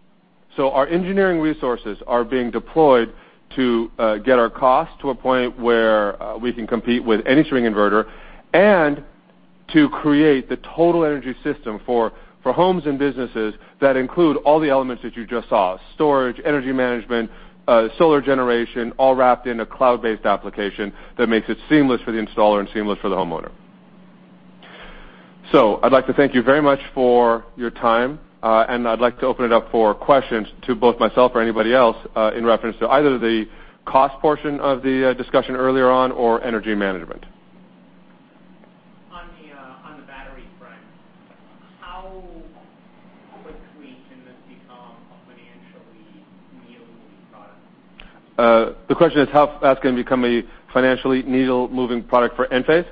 Speaker 2: Our engineering resources are being deployed to get our cost to a point where we can compete with any string inverter and to create the total energy system for homes and businesses that include all the elements that you just saw, storage, energy management, solar generation, all wrapped in a cloud-based application that makes it seamless for the installer and seamless for the homeowner. I'd like to thank you very much for your time, and I'd like to open it up for questions to both myself or anybody else, in reference to either the cost portion of the discussion earlier on or energy management.
Speaker 7: On the battery front, how quickly can this become a financially needle-moving product?
Speaker 2: The question is how fast can it become a financially needle-moving product for Enphase.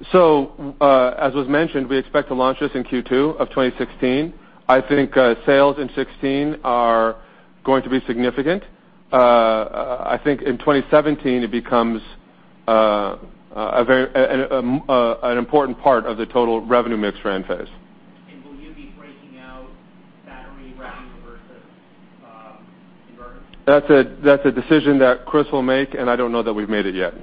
Speaker 2: As was mentioned, we expect to launch this in Q2 of 2016. I think sales in 2016 are going to be significant. I think in 2017 it becomes an important part of the total revenue mix for Enphase.
Speaker 7: Will you be breaking out battery revenue versus inverters?
Speaker 2: That's a decision that Chris will make, and I don't know that we've made it yet.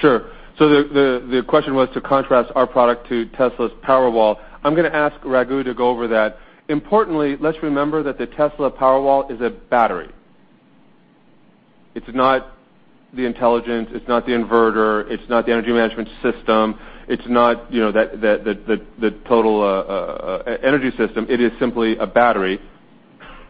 Speaker 7: Could you contrast your product to Tesla's Powerwall, both in features, cost, and design?
Speaker 2: Sure. The question was to contrast our product to Tesla's Powerwall. I'm going to ask Raghu to go over that. Importantly, let's remember that the Tesla Powerwall is a battery. It's not the intelligence. It's not the inverter. It's not the energy management system. It's not the total energy system. It is simply a battery.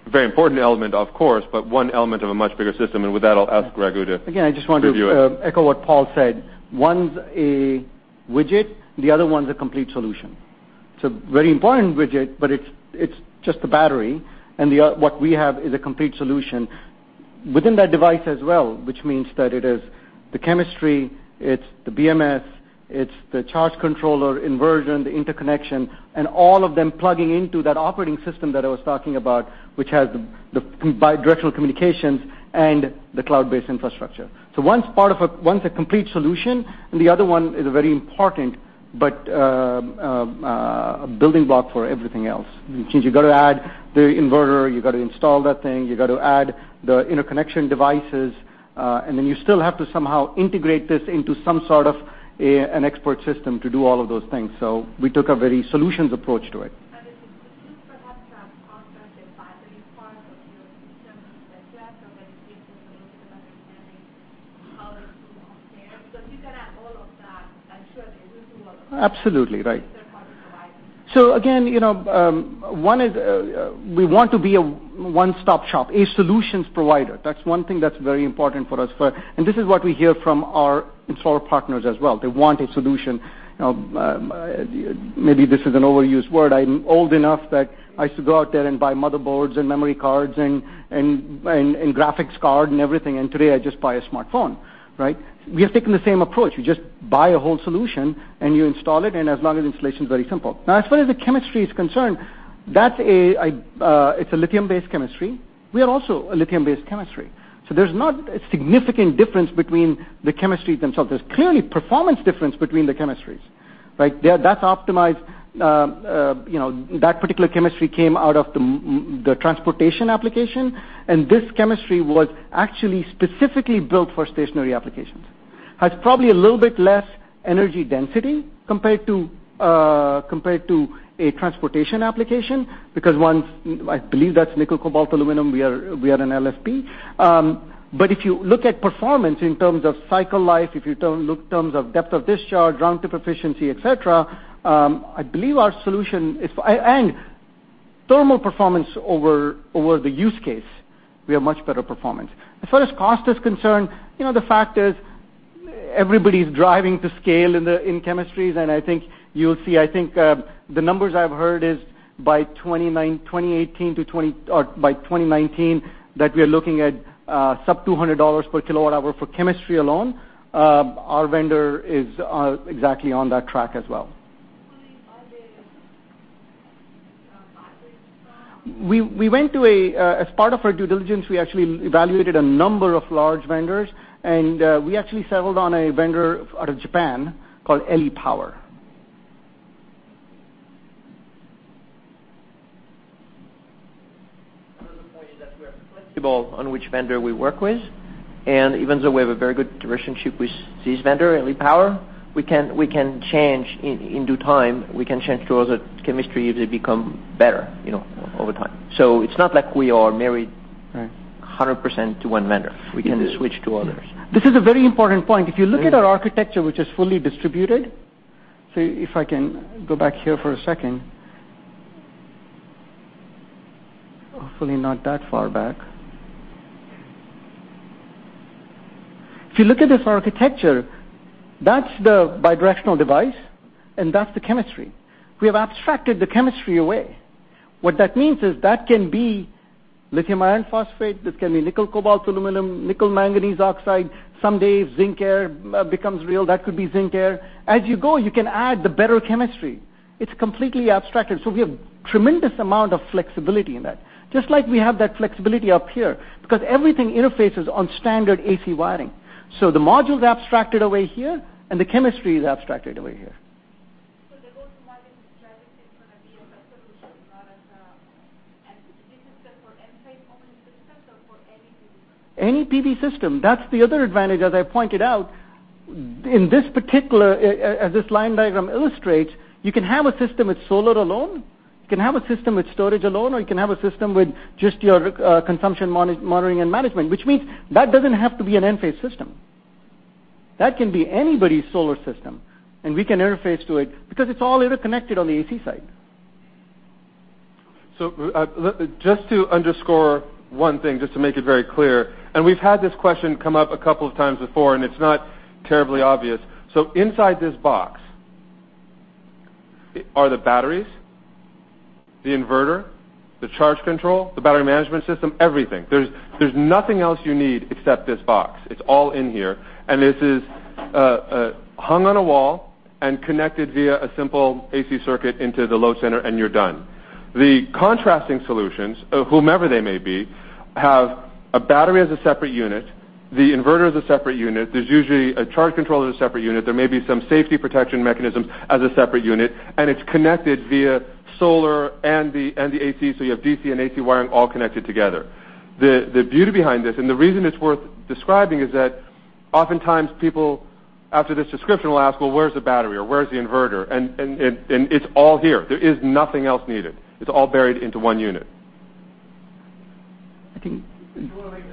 Speaker 2: A very important element, of course, but one element of a much bigger system. With that, I'll ask Raghu.
Speaker 8: Again, I just want.
Speaker 2: Review it.
Speaker 8: echo what Paul said. One's a widget, the other one's a complete solution. It's a very important widget, but it's just a battery, and what we have is a complete solution within that device as well, which means that it is the chemistry, it's the BMS, it's the charge controller inversion, the interconnection, and all of them plugging into that operating system that I was talking about, which has the bi-directional communications and the cloud-based infrastructure. One's a complete solution, and the other one is a very important building block for everything else. Which means you got to add the inverter, you got to install that thing, you got to add the interconnection devices, and then you still have to somehow integrate this into some sort of an export system to do all of those things. We took a very solutions approach to it.
Speaker 7: Could you perhaps construct a battery part of your system that you have, so that it gives people a little bit of understanding how the two compare? If you can have all of that, I'm sure they will do.
Speaker 8: Absolutely. Right.
Speaker 7: third-party provider.
Speaker 8: Again, we want to be a one-stop shop, a solutions provider. That's one thing that's very important for us. This is what we hear from our installer partners as well. They want a solution. Maybe this is an overused word. I'm old enough that I used to go out there and buy motherboards and memory cards and graphics card and everything, and today I just buy a smartphone, right? We are taking the same approach. You just buy a whole solution, and you install it, and as long as installation's very simple. As far as the chemistry is concerned, it's a lithium-based chemistry. We are also a lithium-based chemistry. There's not a significant difference between the chemistry themselves. There's clearly performance difference between the chemistries. Right. That's optimized. That particular chemistry came out of the transportation application, this chemistry was actually specifically built for stationary applications. Has probably a little bit less energy density compared to a transportation application, because one, I believe that's nickel cobalt aluminum, we are an LFP. If you look at performance in terms of cycle life, if you look in terms of depth of discharge, round-trip efficiency, et cetera, thermal performance over the use case, we have much better performance. As far as cost is concerned, the fact is, everybody's driving to scale in chemistries, I think you'll see, the numbers I've heard is by 2019, that we are looking at sub-$200 per kilowatt hour for chemistry alone. Our vendor is exactly on that track as well.
Speaker 7: Who is buying the batteries from?
Speaker 8: As part of our due diligence, we actually evaluated a number of large vendors, we actually settled on a vendor out of Japan called Eliy Power.
Speaker 3: Another point is that we are flexible on which vendor we work with, even though we have a very good relationship with this vendor, Eliy Power, we can change in due time, we can change to other chemistry if they become better over time. It's not like we are married-
Speaker 8: Right
Speaker 3: 100% to one vendor. We can switch to others.
Speaker 8: This is a very important point. If you look at our architecture, which is fully distributed. If I can go back here for a second. Hopefully not that far back. If you look at this architecture, that's the bidirectional device, and that's the chemistry. We have abstracted the chemistry away. What that means is that can be lithium iron phosphate, this can be nickel cobalt aluminum, nickel manganese oxide. Someday, zinc-air becomes real. That could be zinc-air. As you go, you can add the better chemistry. It's completely abstracted. We have tremendous amount of flexibility in that. Just like we have that flexibility up here, because everything interfaces on standard AC wiring. The module's abstracted away here and the chemistry is abstracted away here.
Speaker 7: The Volt-Var Optimization strategy is going to be a better solution. This is for Enphase only system or for any PV system?
Speaker 8: Any PV system. That's the other advantage, as I pointed out. As this line diagram illustrates, you can have a system with solar alone, you can have a system with storage alone, or you can have a system with just your consumption monitoring and management, which means that doesn't have to be an Enphase system. That can be anybody's solar system, and we can interface to it because it's all interconnected on the AC side.
Speaker 2: Just to underscore one thing, just to make it very clear, we've had this question come up a couple of times before, it's not terribly obvious. Inside this box are the batteries, the inverter, the charge controller, the battery management system, everything. There's nothing else you need except this box. It's all in here. This is hung on a wall and connected via a simple AC circuit into the load center, and you're done. The contrasting solutions, whomever they may be, have a battery as a separate unit, the inverter as a separate unit. There's usually a charge controller as a separate unit. There may be some safety protection mechanism as a separate unit, and it's connected via solar and the AC, so you have DC and AC wiring all connected together. The beauty behind this, the reason it's worth describing, is that oftentimes people, after this description, will ask, "Well, where's the battery? Where's the inverter?" It's all here. There is nothing else needed. It's all buried into one unit.
Speaker 8: I think.
Speaker 7: One other question.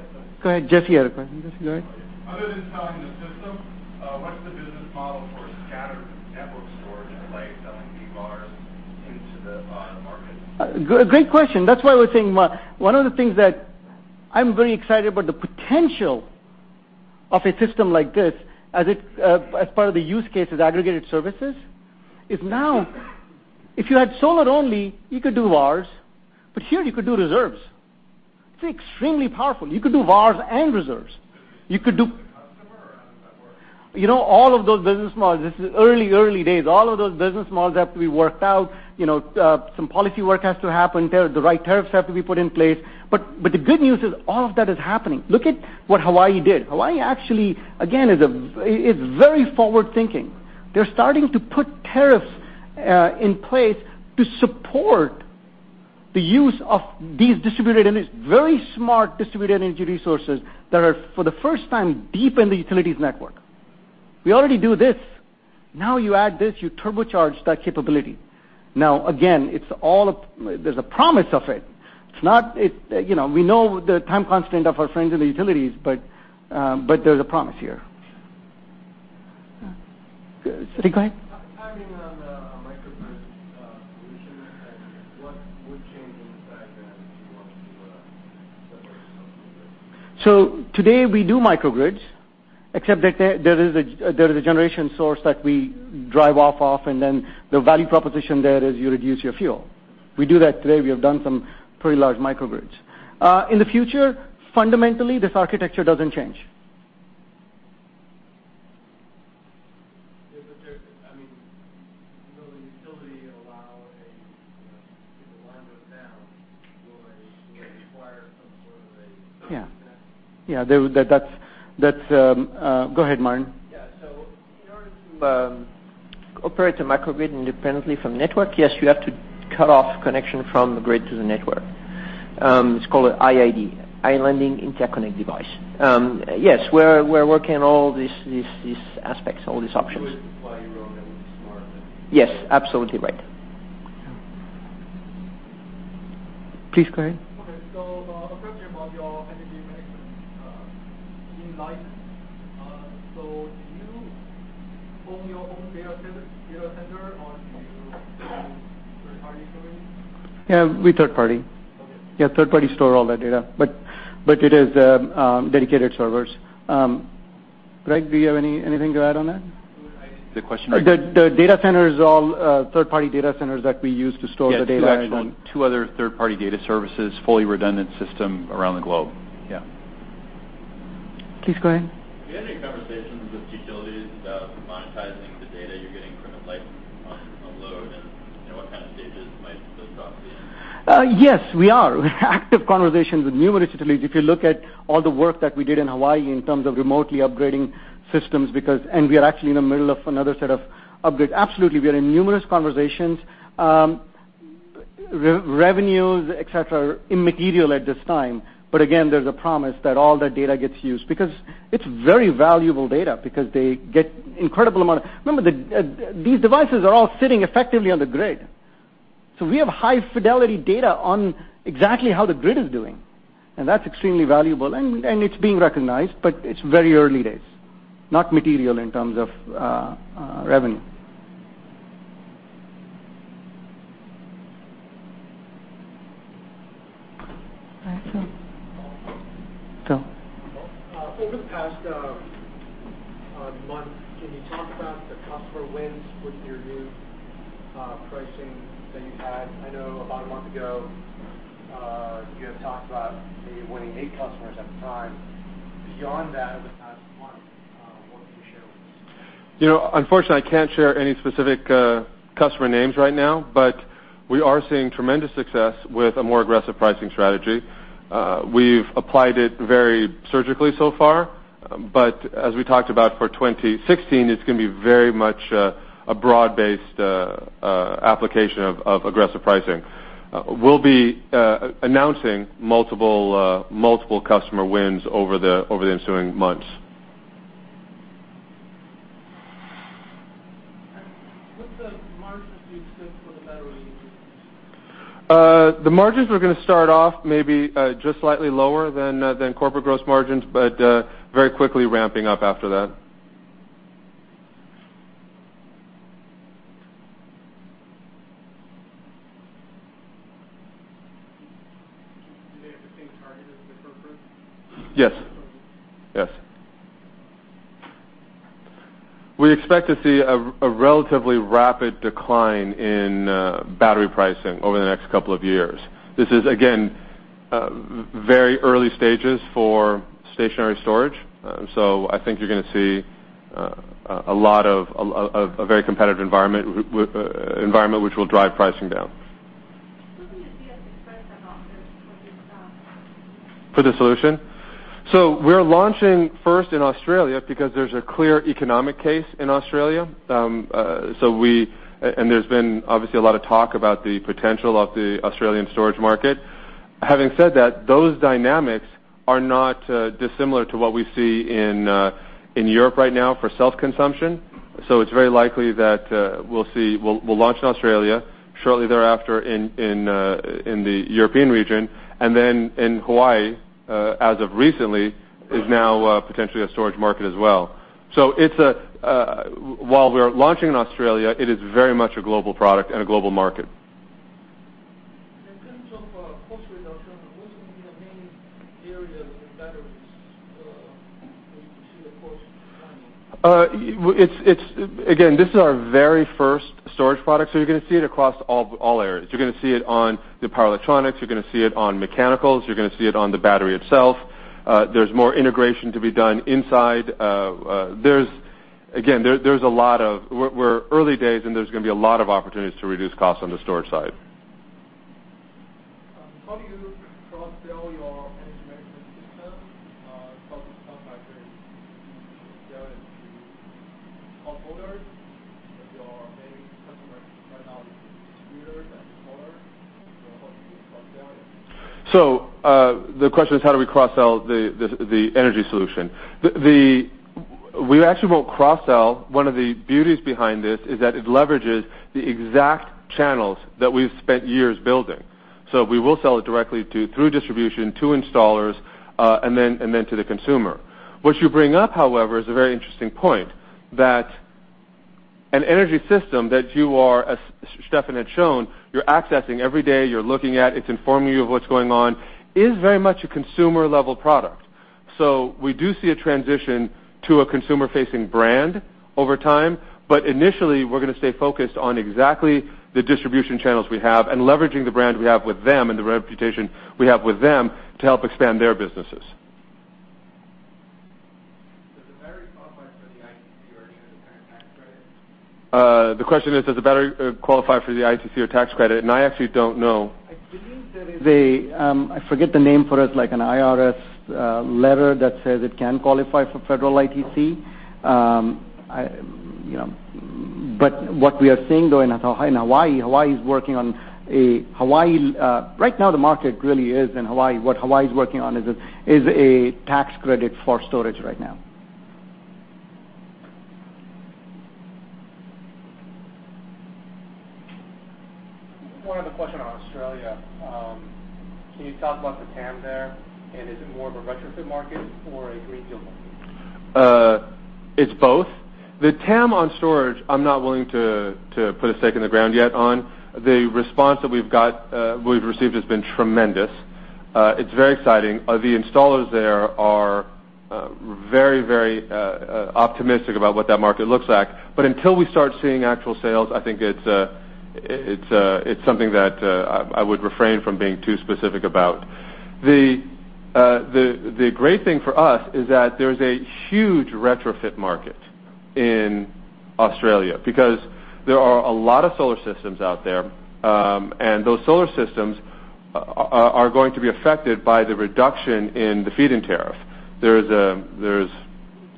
Speaker 8: Go ahead. Jesse had a question. Jesse, go ahead.
Speaker 7: Other than selling the system, what's the business model for scattered network storage, like VARs into the market?
Speaker 8: Great question. That's why we're saying one of the things that I'm very excited about the potential of a system like this, as part of the use case is aggregated services, is now if you had solar only, you could do VARs, but here you could do reserves. It's extremely powerful. You could do VARs and reserves.
Speaker 7: Customer or how does that work?
Speaker 8: You know, all of those business models, this is early days. All of those business models have to be worked out. Some policy work has to happen. The right tariffs have to be put in place. The good news is all of that is happening. Look at what Hawaii did. Hawaii actually, again, is very forward-thinking. They're starting to put tariffs in place to support the use of these very smart distributed energy resources that are, for the first time, deep in the utilities network. We already do this. Now you add this, you turbocharge that capability. Now, again, there's a promise of it. We know the time constant of our friends in the utilities, but there's a promise here. Sri, go ahead.
Speaker 7: Timing on the microgrids solution, what would change in the fact that you want to separate those two grids?
Speaker 8: Today we do microgrids, except that there is a generation source that we drive off of, and then the value proposition there is you reduce your fuel. We do that today. We have done some pretty large microgrids. In the future, fundamentally, this architecture doesn't change.
Speaker 7: Yeah, will the utility allow?
Speaker 3: Require some sort of a setup then?
Speaker 8: Yeah. Go ahead, Martin.
Speaker 3: Yeah. In order to operate a microgrid independently from the network, yes, you have to cut off connection from the grid to the network. It's called IID, islanding interconnect device. Yes, we're working on all these aspects, all these options.
Speaker 8: Yes, absolutely right. Please go ahead.
Speaker 9: Okay. A question about your energy management Enlighten. Do you own your own data center or do you use third-party storage?
Speaker 8: Yeah, we third party.
Speaker 9: Okay.
Speaker 8: Yeah, third party store all that data, but it is dedicated servers. Greg, do you have anything to add on that?
Speaker 2: The question-
Speaker 8: The data centers all third-party data centers that we use to store the data.
Speaker 2: Yeah, two other third-party data services, fully redundant system around the globe. Yeah.
Speaker 8: Please go ahead.
Speaker 9: Do you have any conversations with utilities about monetizing the data you're getting from Enlighten load and what kind of stages might this process be in?
Speaker 8: Yes, we are. Active conversations with numerous utilities. If you look at all the work that we did in Hawaii in terms of remotely upgrading systems, and we are actually in the middle of another set of upgrades. Absolutely, we are in numerous conversations. Revenues, et cetera, are immaterial at this time. Again, there's a promise that all that data gets used, because it's very valuable data because they get incredible amount. Remember, these devices are all sitting effectively on the grid. We have high-fidelity data on exactly how the grid is doing, and that's extremely valuable, and it's being recognized, but it's very early days, not material in terms of revenue.
Speaker 9: All right.
Speaker 8: Go on.
Speaker 9: Over the past month, can you talk about the customer wins with your new pricing that you've had? I know about a month ago, you had talked about maybe winning eight customers at the time. Beyond that, over the past month, what can you share with us?
Speaker 2: Unfortunately, I can't share any specific customer names right now, but we are seeing tremendous success with a more aggressive pricing strategy. We've applied it very surgically so far. As we talked about for 2016, it's going to be very much a broad-based application of aggressive pricing. We'll be announcing multiple customer wins over the ensuing months.
Speaker 9: What's the margins you expect for the battery unit?
Speaker 2: The margins are going to start off maybe just slightly lower than corporate gross margins, but very quickly ramping up after that.
Speaker 9: Do they have the same target as the corporate?
Speaker 2: Yes.
Speaker 9: Okay.
Speaker 2: Yes. We expect to see a relatively rapid decline in battery pricing over the next couple of years. This is, again, very early stages for stationary storage. I think you're going to see a very competitive environment which will drive pricing down.
Speaker 9: What would be a different price on offer for this product?
Speaker 2: For the solution? We're launching first in Australia because there's a clear economic case in Australia. There's been obviously a lot of talk about the potential of the Australian storage market. Having said that, those dynamics are not dissimilar to what we see in Europe right now for self-consumption. It's very likely that we'll launch in Australia, shortly thereafter in the European region, and then in Hawaii, as of recently, is now potentially a storage market as well. While we're launching in Australia, it is very much a global product and a global market.
Speaker 9: In terms of cost reduction, what's going to be the main area with batteries, where you can see the cost declining?
Speaker 2: This is our very first storage product, you're going to see it across all areas. You're going to see it on the power electronics. You're going to see it on mechanicals. You're going to see it on the battery itself. There's more integration to be done inside. We're early days, and there's going to be a lot of opportunities to reduce costs on the storage side.
Speaker 9: How do you cross-sell your energy management system? How does Enphase Energy sell it to homeowners? If your main customer right now is distributors and installers, how do you cross-sell it?
Speaker 2: The question is how do we cross-sell the energy solution. We actually won't cross-sell. One of the beauties behind this is that it leverages the exact channels that we've spent years building. We will sell it directly through distribution to installers, and then to the consumer. What you bring up, however, is a very interesting point, that an energy system that you are, as Stefan had shown, you're accessing every day, you're looking at, it's informing you of what's going on, is very much a consumer-level product. We do see a transition to a consumer-facing brand over time. Initially, we're going to stay focused on exactly the distribution channels we have and leveraging the brand we have with them and the reputation we have with them to help expand their businesses.
Speaker 7: qualify for the ITC or any of the current tax credits?
Speaker 2: The question is, does the battery qualify for the ITC or tax credit? I actually don't know.
Speaker 8: I believe there is a, I forget the name for it, like an IRS letter that says it can qualify for federal ITC. What we are seeing, though, in Hawaii, right now the market really is in Hawaii. What Hawaii is working on is a tax credit for storage right now.
Speaker 7: One other question on Australia. Can you talk about the TAM there? Is it more of a retrofit market or a greenfield market?
Speaker 2: It's both. The TAM on storage, I'm not willing to put a stake in the ground yet on. The response that we've received has been tremendous. It's very exciting. The installers there are very optimistic about what that market looks like. Until we start seeing actual sales, I think it's something that I would refrain from being too specific about. The great thing for us is that there's a huge retrofit market in Australia because there are a lot of solar systems out there, and those solar systems are going to be affected by the reduction in the feed-in tariff. There's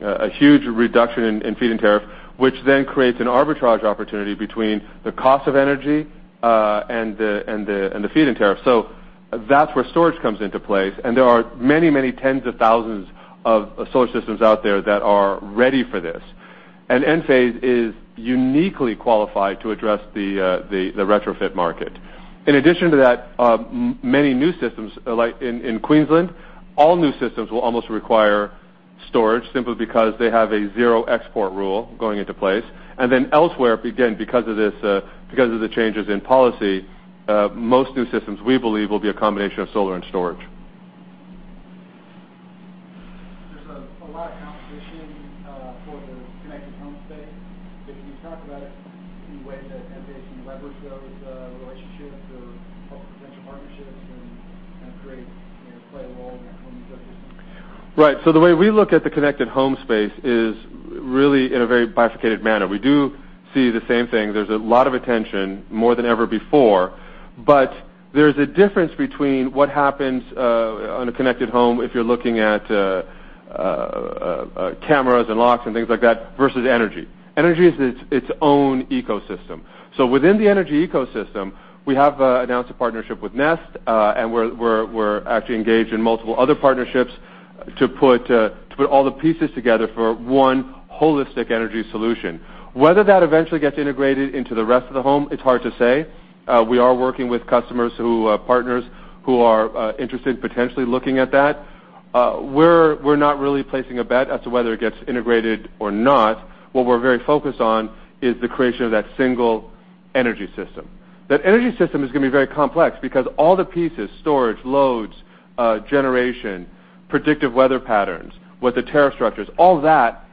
Speaker 2: a huge reduction in feed-in tariff, which then creates an arbitrage opportunity between the cost of energy, and the feed-in tariff. That's where storage comes into play. There are many tens of thousands of solar systems out there that are ready for this. Enphase is uniquely qualified to address the retrofit market. In addition to that, many new systems, like in Queensland, all new systems will almost require storage simply because they have a zero export rule going into place. Elsewhere, again, because of the changes in policy, most new systems, we believe, will be a combination of solar and storage.
Speaker 7: There's a lot of competition for the connected home space. Can you talk about any way that Enphase can leverage those relationships or potential partnerships and create play roles in that home ecosystem?
Speaker 2: Right. The way we look at the connected home space is really in a very bifurcated manner. We do see the same thing. There's a lot of attention, more than ever before, but there's a difference between what happens on a connected home if you're looking at cameras and locks and things like that versus energy. Energy is its own ecosystem. Within the energy ecosystem, we have announced a partnership with Nest, and we're actually engaged in multiple other partnerships to put all the pieces together for one holistic energy solution. Whether that eventually gets integrated into the rest of the home, it's hard to say. We are working with partners who are interested, potentially looking at that. We're not really placing a bet as to whether it gets integrated or not. What we're very focused on is the creation of that single energy system. That energy system is going to be very complex because all the pieces, storage, loads, generation, predictive weather patterns, what the tariff structure is, all that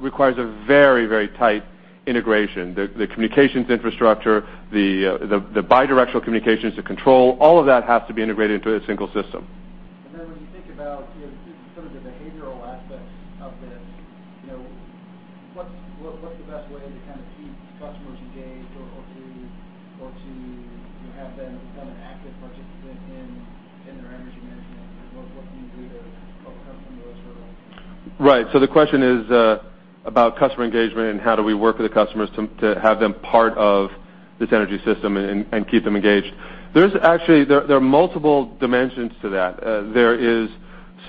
Speaker 2: requires a very tight integration. The communications infrastructure, the bi-directional communications, the control, all of that has to be integrated into a single system.
Speaker 7: When you think about some of the behavioral aspects of this, what's the best way to keep customers engaged or to have them become an active participant in their energy management? What can you do to help customers in those roles?
Speaker 2: Right. The question is about customer engagement and how do we work with the customers to have them part of this energy system and keep them engaged. Actually, there are multiple dimensions to that. There is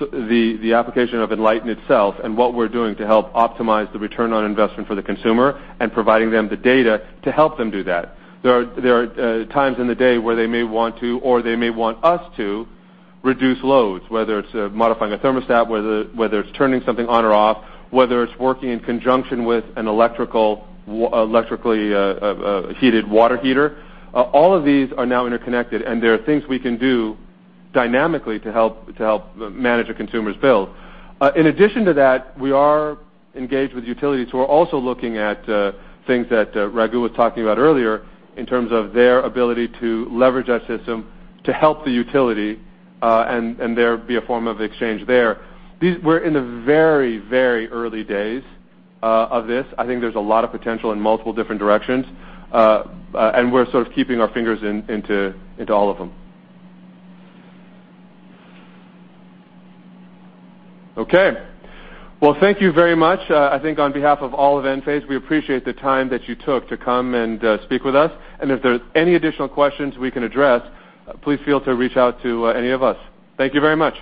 Speaker 2: the application of Enlighten itself, what we're doing to help optimize the return on investment for the consumer, providing them the data to help them do that. There are times in the day where they may want to, or they may want us to, reduce loads, whether it's modifying a thermostat, whether it's turning something on or off, whether it's working in conjunction with an electrically heated water heater. All of these are now interconnected. There are things we can do dynamically to help manage a consumer's bill. In addition to that, we are engaged with utilities who are also looking at things that Raghu was talking about earlier in terms of their ability to leverage our system to help the utility, there be a form of exchange there. We're in the very early days of this. I think there's a lot of potential in multiple different directions. We're sort of keeping our fingers into all of them. Okay. Well, thank you very much. I think on behalf of all of Enphase, we appreciate the time that you took to come and speak with us. If there's any additional questions we can address, please feel to reach out to any of us. Thank you very much.